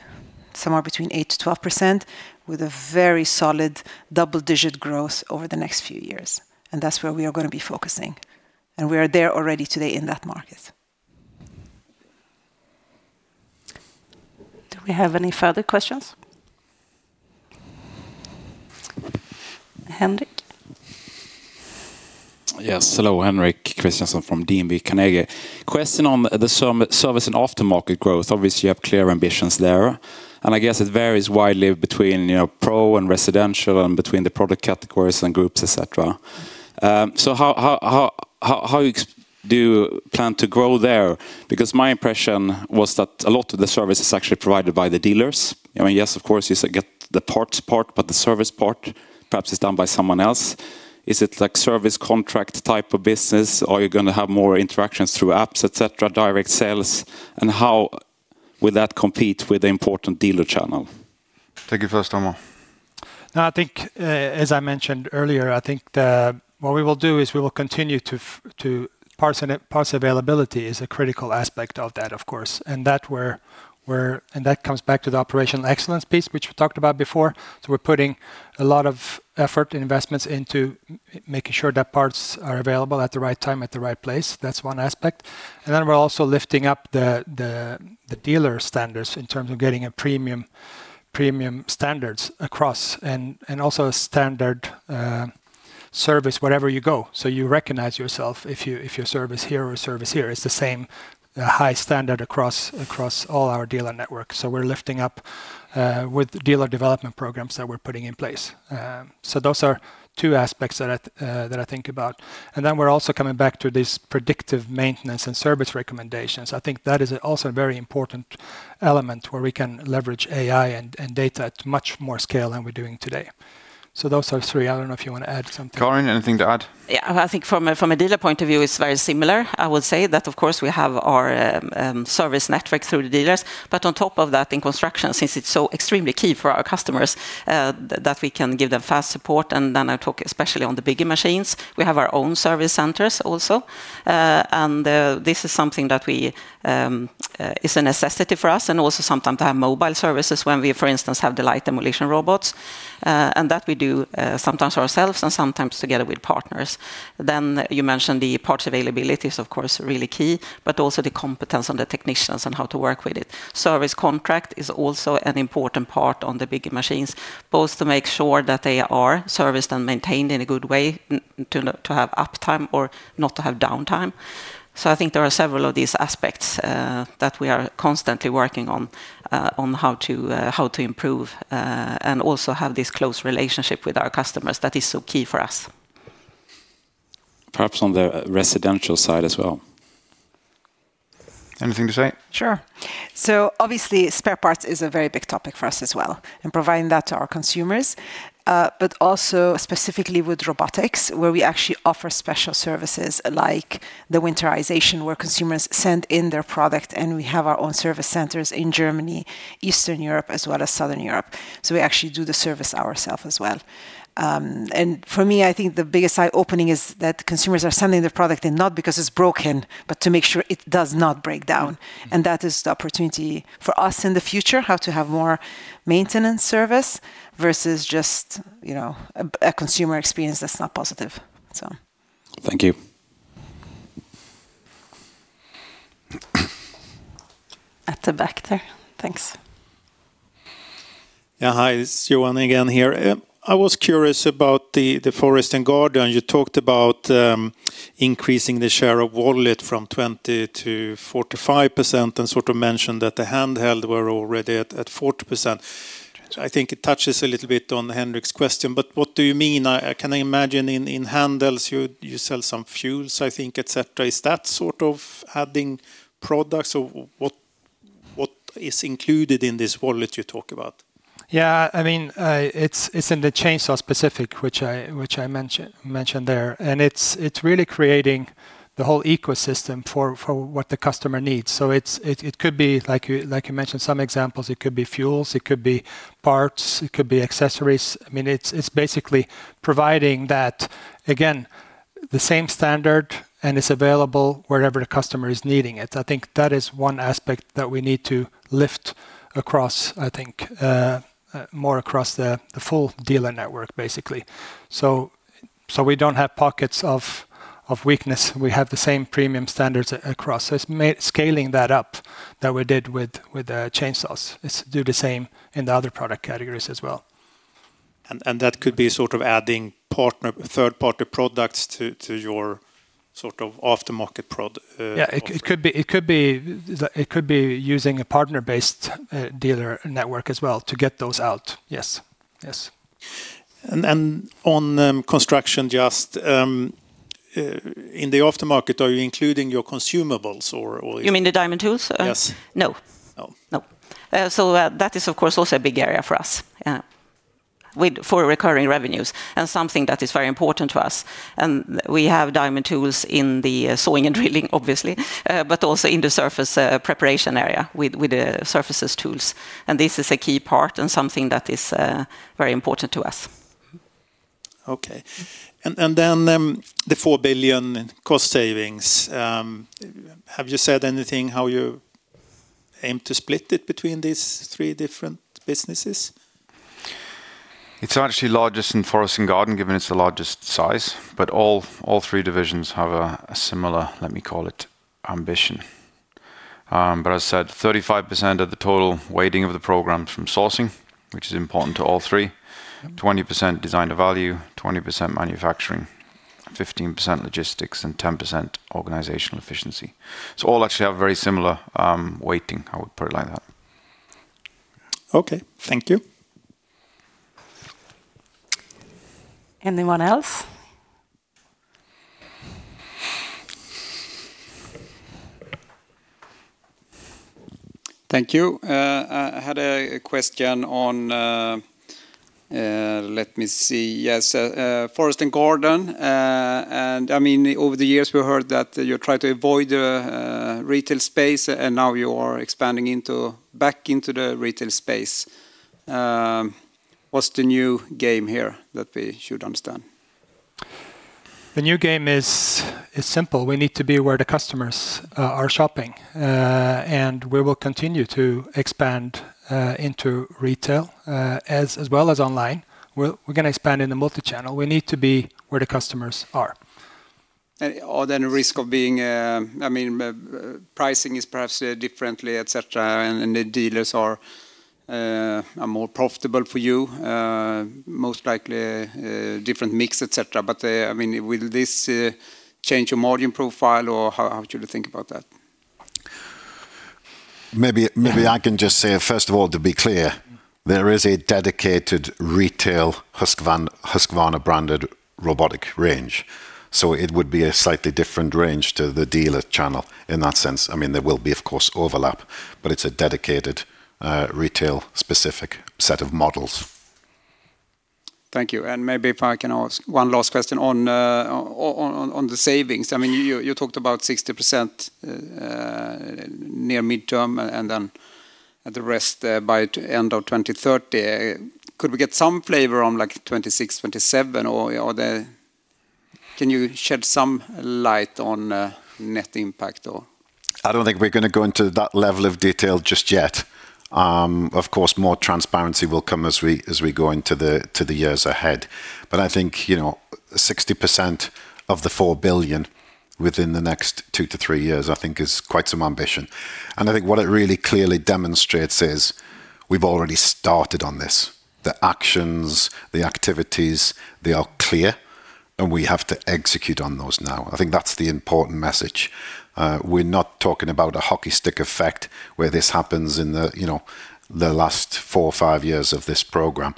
somewhere between 8%-12% with a very solid double-digit growth over the next few years. And that's where we are going to be focusing. And we are there already today in that market. Do we have any further questions? Henrik? Yes. Hello, Henrik Nilsson from DNB Carnegie. Question on the service and aftermarket growth. Obviously, you have clear ambitions there. And I guess it varies widely between pro and residential and between the product categories and groups, etc. So how do you plan to grow there? Because my impression was that a lot of the service is actually provided by the dealers. I mean, yes, of course, you get the parts part, but the service part perhaps is done by someone else. Is it like a service contract type of business? Are you going to have more interactions through apps, etc., direct sales? And how will that compete with the important dealer channel? Thank you, first timer. No, I think, as I mentioned earlier, I think what we will do is we will continue to prioritize availability. It is a critical aspect of that, of course. And that comes back to the Operational Excellence piece, which we talked about before. So we're putting a lot of effort and investments into making sure that parts are available at the right time at the right place. That's one aspect. And then we're also lifting up the dealer standards in terms of getting premium standards across and also a standard service, wherever you go. So you recognize yourself if your service here or service there is the same high standard across all our dealer network. So we're lifting up with dealer development programs that we're putting in place. So those are two aspects that I think about. And then we're also coming back to this predictive maintenance and service recommendations. I think that is also a very important element where we can leverage AI and data at much more scale than we're doing today. So those are three. I don't know if you want to add something. Karin, anything to add? Yeah, I think from a dealer point of view, it's very similar. I will say that, of course, we have our service network through the dealers. But on top of that, in construction, since it's so extremely key for our customers that we can give them fast support. Then I talk especially on the bigger machines. We have our own service centers also. And this is something that is a necessity for us and also sometimes to have mobile services when we, for instance, have the light demolition robots. And that we do sometimes ourselves and sometimes together with partners. Then you mentioned the parts availability is, of course, really key, but also the competence on the technicians and how to work with it. Service contract is also an important part on the bigger machines, both to make sure that they are serviced and maintained in a good way to have uptime or not to have downtime. So I think there are several of these aspects that we are constantly working on how to improve and also have this close relationship with our customers that is so key for us. Perhaps on the residential side as well. Anything to say? Sure. So obviously, spare parts is a very big topic for us as well and providing that to our consumers. But also specifically with robotics, where we actually offer special services like the winterization, where consumers send in their product and we have our own service centers in Germany, Eastern Europe, as well as Southern Europe. So we actually do the service ourselves as well. And for me, I think the biggest eye-opening is that consumers are sending their product in not because it's broken, but to make sure it does not break down. And that is the opportunity for us in the future, how to have more maintenance service versus just a consumer experience that's not positive. Thank you. At the back there. Thanks. Yeah, hi, it's Johan again here. I was curious about the Forest & Garden. You talked about increasing the share of wallet from 20%-45% and sort of mentioned that the Handhelds were already at 40%. I think it touches a little bit on Henrik's question, but what do you mean? I can imagine in Handhelds, you sell some fuels, I think, etc. Is that sort of adding products or what is included in this wallet you talk about? Yeah, I mean, it's in the chainsaw specific, which I mentioned there. And it's really creating the whole ecosystem for what the customer needs. So it could be, like you mentioned, some examples, it could be fuels, it could be parts, it could be accessories. I mean, it's basically providing that, again, the same standard and it's available wherever the customer is needing it. I think that is one aspect that we need to lift across, I think, more across the full dealer network, basically. So we don't have pockets of weakness. We have the same premium standards across. So it's scaling that up that we did with chainsaws. It's to do the same in the other product categories as well. And that could be sort of adding third-party products to your sort of aftermarket product. Yeah, it could be using a partner-based dealer network as well to get those out. Yes, yes. And on construction, just in the aftermarket, are you including your consumables or? You mean the diamond tools? Yes. No. No. So that is, of course, also a big area for us for recurring revenues and something that is very important to us. And we have diamond tools in the Sawing & Drilling, obviously, but also in the Surface Preparation area with the surface tools. And this is a key part and something that is very important to us. Okay. And then the 4 billion cost savings. Have you said anything how you aim to split it between these three different businesses? It's actually largest in Forest & Garden given it's the largest size, but all three divisions have a similar, let me call it, ambition. But as I said, 35% of the total weighting of the program from sourcing, which is important to all three, 20% Design to Value, 20% manufacturing, 15% logistics, and 10% Organizational Efficiency. So all actually have very similar weighting, I would put it like that. Okay, thank you. Anyone else? Thank you. I had a question on, let me see, yes, Forest & Garden. And I mean, over the years, we heard that you tried to avoid the retail space, and now you are expanding back into the retail space. What's the new game here that we should understand? The new game is simple. We need to be where the customers are shopping. And we will continue to expand into retail as well as online. We're going to expand in the multi-channel. We need to be where the customers are. Or then risk of being, I mean, pricing is perhaps differently, etc., and the dealers are more profitable for you, most likely different mix, etc. But I mean, will this change your margin profile or how should you think about that? Maybe I can just say, first of all, to be clear, there is a dedicated retail Husqvarna branded robotic range. So it would be a slightly different range to the dealer channel in that sense. I mean, there will be, of course, overlap, but it's a dedicated retail-specific set of models. Thank you. And maybe if I can ask one last question on the savings. I mean, you talked about 60% near mid-term and then the rest by the end of 2030. Could we get some flavor on like 2026, 2027? Or can you shed some light on net impact? I don't think we're going to go into that level of detail just yet. Of course, more transparency will come as we go into the years ahead. But I think 60% of the 4 billion within the next two to three years, I think, is quite some ambition. And I think what it really clearly demonstrates is we've already started on this. The actions, the activities, they are clear, and we have to execute on those now. I think that's the important message. We're not talking about a hockey stick effect where this happens in the last four or five years of this program.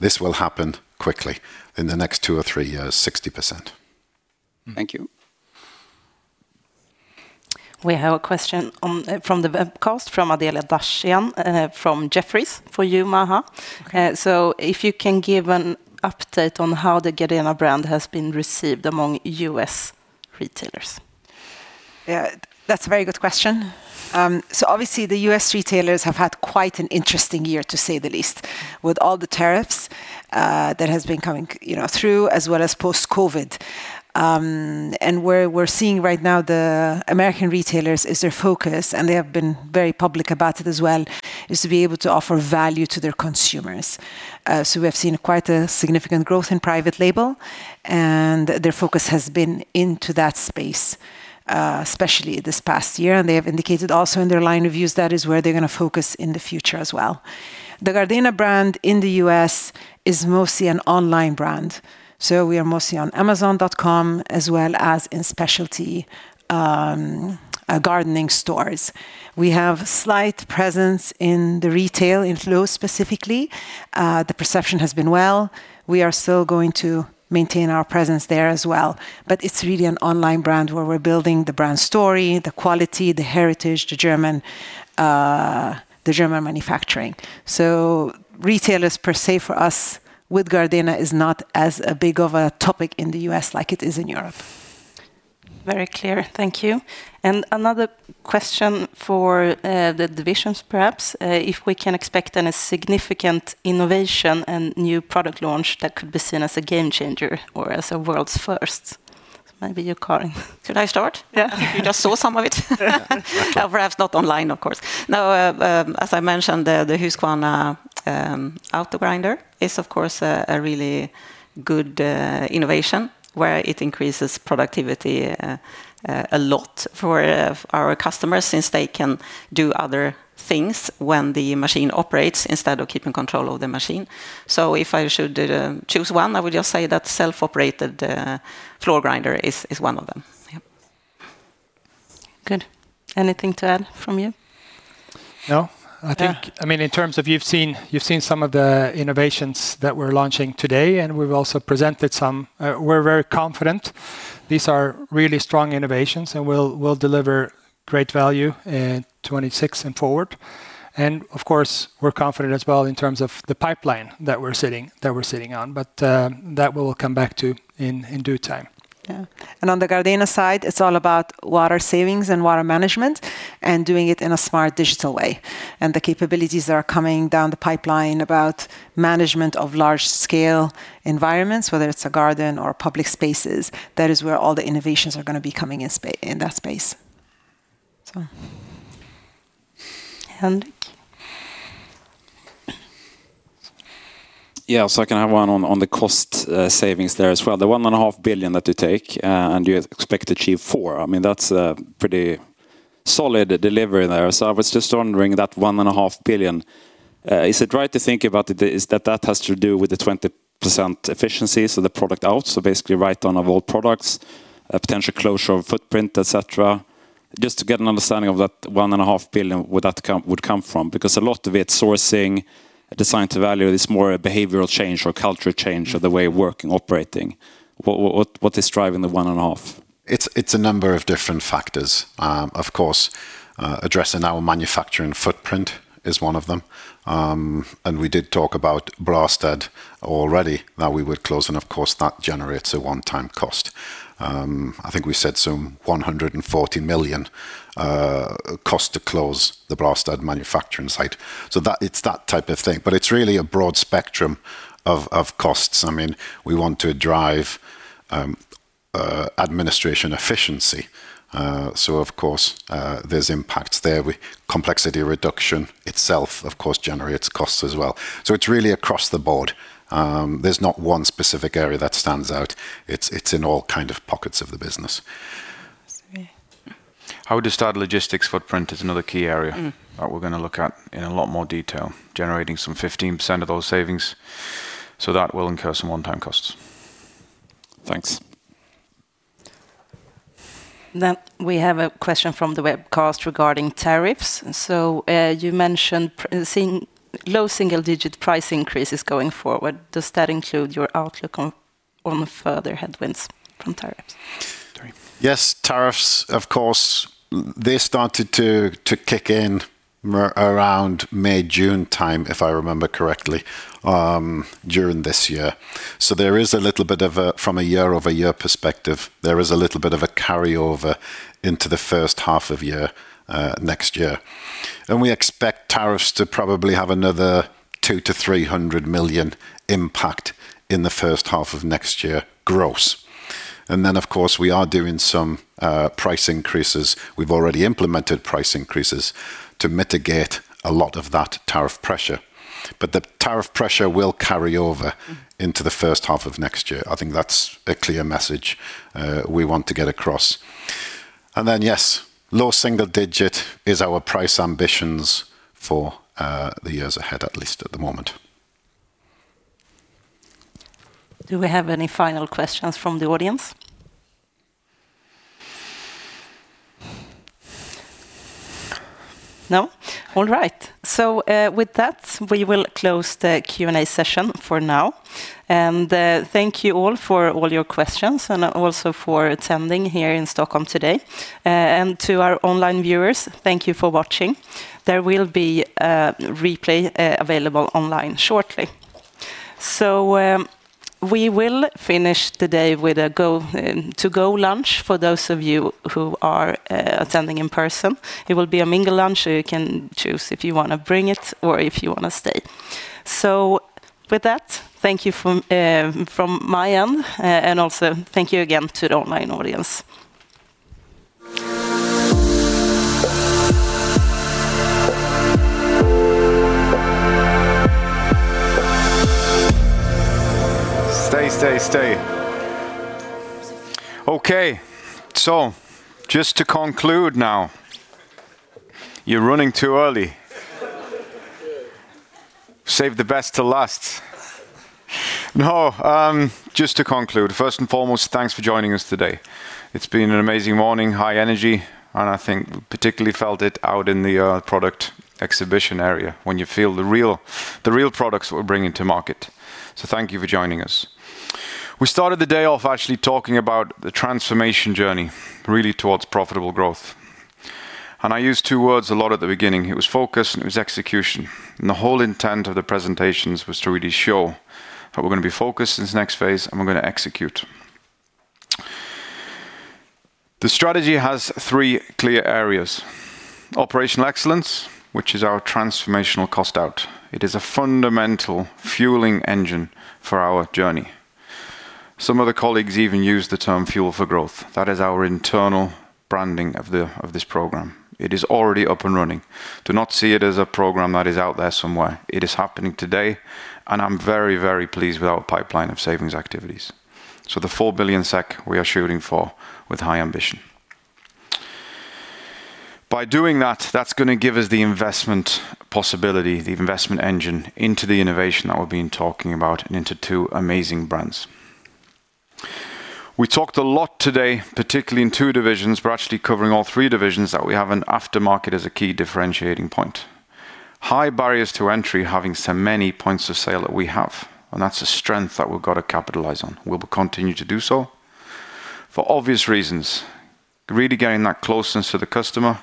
This will happen quickly in the next two or three years, 60%. Thank you. We have a question from the webcast from Adela Dashian from Jefferies for Husqvarna. So if you can give an update on how the Gardena brand has been received among U.S. retailers? That's a very good question. So obviously, the U.S. retailers have had quite an interesting year, to say the least, with all the tariffs that have been coming through as well as post-COVID. Where we're seeing right now, the American retailers is their focus, and they have been very public about it as well, is to be able to offer value to their consumers. We have seen quite a significant growth in private label, and their focus has been into that space, especially this past year. They have indicated also in their line reviews that is where they're going to focus in the future as well. The Gardena brand in the U.S. is mostly an online brand. We are mostly on Amazon.com as well as in specialty gardening stores. We have a slight presence in the retail, in Lowe's specifically. The perception has been well. We are still going to maintain our presence there as well. It's really an online brand where we're building the brand story, the quality, the heritage, the German manufacturing. So retailers per se for us with Gardena is not as big of a topic in the U.S. like it is in Europe. Very clear. Thank you. And another question for the divisions, perhaps. If we can expect any significant innovation and new product launch that could be seen as a game changer or as a world's first. Maybe you, Karin. Should I start? Yeah, I think you just saw some of it. Perhaps not online, of course. Now, as I mentioned, the Husqvarna Autogrinder is, of course, a really good innovation where it increases productivity a lot for our customers since they can do other things when the machine operates instead of keeping control of the machine. So if I should choose one, I would just say that self-operated floor grinder is one of them. Good. Anything to add from you? No. I think, I mean, in terms of you've seen some of the innovations that we're launching today, and we've also presented some. We're very confident. These are really strong innovations, and we'll deliver great value in 2026 and forward. And of course, we're confident as well in terms of the pipeline that we're sitting on, but that we'll come back to in due time. And on the Gardena side, it's all about water savings and water management and doing it in a smart digital way. And the capabilities that are coming down the pipeline about management of large-scale environments, whether it's a garden or public spaces, that is where all the innovations are going to be coming in that space. Yeah, so I can have one on the cost savings there as well. The 1.5 billion that you take and you expect to achieve 4 billion. I mean, that's a pretty solid delivery there, so I was just wondering that 1.5 billion SEK. Is it right to think about that that has to do with the 20% efficiencies of the product out, so basically write-off of all products, potential closure of footprint, etc. Just to get an understanding of that 1.5 billion would come from, because a lot of it sourcing, Design to Value is more a behavioral change or culture change of the way of working, operating. What is driving the 1.5 billion? It's a number of different factors. Of course, addressing our manufacturing footprint is one of them, and we did talk about Brastad already that we would close, and of course, that generates a one-time cost. I think we said some 140 million cost to close the Brastad manufacturing site. So it's that type of thing. But it's really a broad spectrum of costs. I mean, we want to drive administration efficiency. So of course, there's impacts there. Complexity reduction itself, of course, generates costs as well. So it's really across the board. There's not one specific area that stands out. It's in all kinds of pockets of the business. How would you start logistics footprint? It's another key area that we're going to look at in a lot more detail, generating some 15% of those savings. So that will incur some one-time costs. Thanks. Now, we have a question from the webcast regarding tariffs. So you mentioned low single-digit price increases going forward. Does that include your outlook on further headwinds from tariffs? Yes, tariffs, of course. They started to kick in around May, June time, if I remember correctly, during this year. So, there is a little bit of a, from a year-over-year perspective, there is a little bit of a carryover into the first half of year next year. And we expect tariffs to probably have another 200-300 million impact in the first half of next year gross. And then, of course, we are doing some price increases. We've already implemented price increases to mitigate a lot of that tariff pressure. But the tariff pressure will carry over into the first half of next year. I think that's a clear message we want to get across. And then, yes, low single-digit is our price ambitions for the years ahead, at least at the moment. Do we have any final questions from the audience? No? All right. So with that, we will close the Q&A session for now. And thank you all for all your questions and also for attending here in Stockholm today. And to our online viewers, thank you for watching. There will be a replay available online shortly. So we will finish the day with a grab-and-go lunch for those of you who are attending in person. It will be a mingle lunch, so you can choose if you want to bring it or if you want to stay. So with that, thank you from my end, and also thank you again to the online audience. Stay, stay, stay. Okay, so just to conclude now, you're running too early. Save the best till last. No, just to conclude, first and foremost, thanks for joining us today. It's been an amazing morning, high energy, and I think we particularly felt it out in the product exhibition area when you feel the real products we're bringing to market, so thank you for joining us. We started the day off actually talking about the transformation journey really towards profitable growth, and I used two words a lot at the beginning. It was focus and it was execution, and the whole intent of the presentations was to really show that we're going to be focused in this next phase and we're going to execute. The strategy has three clear areas. Operational Excellence, which is our transformational cost out. It is a fundamental fueling engine for our journey. Some of the colleagues even use the term Fuel for Growth. That is our internal branding of this program. It is already up and running. Do not see it as a program that is out there somewhere. It is happening today, and I'm very, very pleased with our pipeline of savings activities, so the 4 billion SEK we are shooting for with high ambition. By doing that, that's going to give us the investment possibility, the investment engine into the innovation that we've been talking about and into two amazing brands. We talked a lot today, particularly in two divisions. We're actually covering all three divisions that we have an aftermarket as a key differentiating point. High barriers to entry, having so many points of sale that we have, and that's a strength that we've got to capitalize on. We'll continue to do so for obvious reasons. Really getting that closeness to the customer,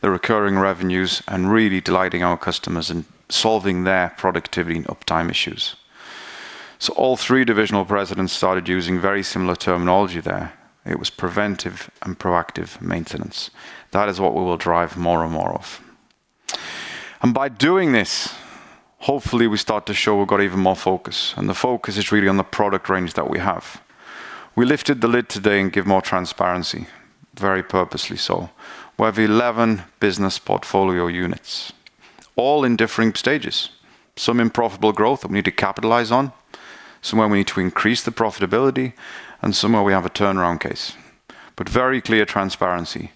the recurring revenues, and really delighting our customers and solving their productivity and uptime issues. All three divisional presidents started using very similar terminology there. It was preventive and proactive maintenance. That is what we will drive more and more of. And by doing this, hopefully we start to show we've got even more focus. And the focus is really on the product range that we have. We lifted the lid today and gave more transparency, very purposely so. We have 11 business portfolio units, all in different stages. Some in profitable growth that we need to capitalize on, some where we need to increase the profitability, and some where we have a turnaround case. But very clear transparency.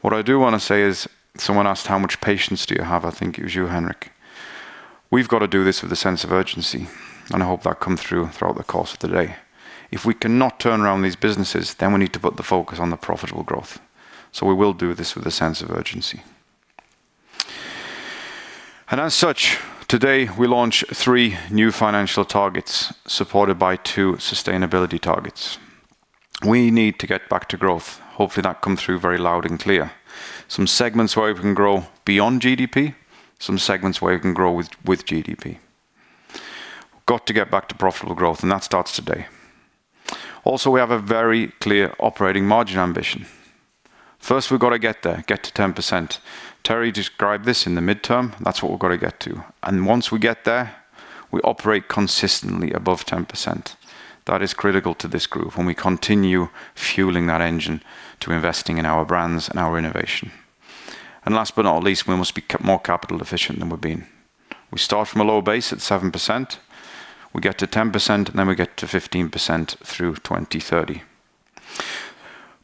What I do want to say is someone asked how much patience do you have. I think it was you, Henrik. We've got to do this with a sense of urgency, and I hope that comes through throughout the course of the day. If we cannot turn around these businesses, then we need to put the focus on the profitable growth. So we will do this with a sense of urgency. And as such, today we launch three new financial targets supported by two sustainability targets. We need to get back to growth. Hopefully that comes through very loud and clear. Some segments where we can grow beyond GDP, some segments where we can grow with GDP. We've got to get back to profitable growth, and that starts today. Also, we have a very clear operating margin ambition. First, we've got to get there, get to 10%. Terry described this in the mid-term. That's what we've got to get to. And once we get there, we operate consistently above 10%. That is critical to this group when we continue fueling that engine to investing in our brands and our innovation. And last but not least, we must be more capital efficient than we've been. We start from a low base at 7%. We get to 10%, and then we get to 15% through 2030.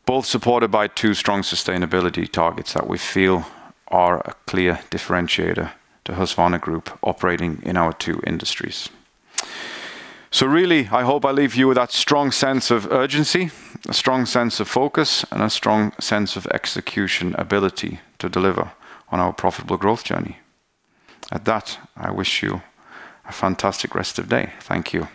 Both supported by two strong sustainability targets that we feel are a clear differentiator to Husqvarna Group operating in our two industries. So really, I hope I leave you with that strong sense of urgency, a strong sense of focus, and a strong sense of execution ability to deliver on our profitable growth journey. At that, I wish you a fantastic rest of day. Thank you.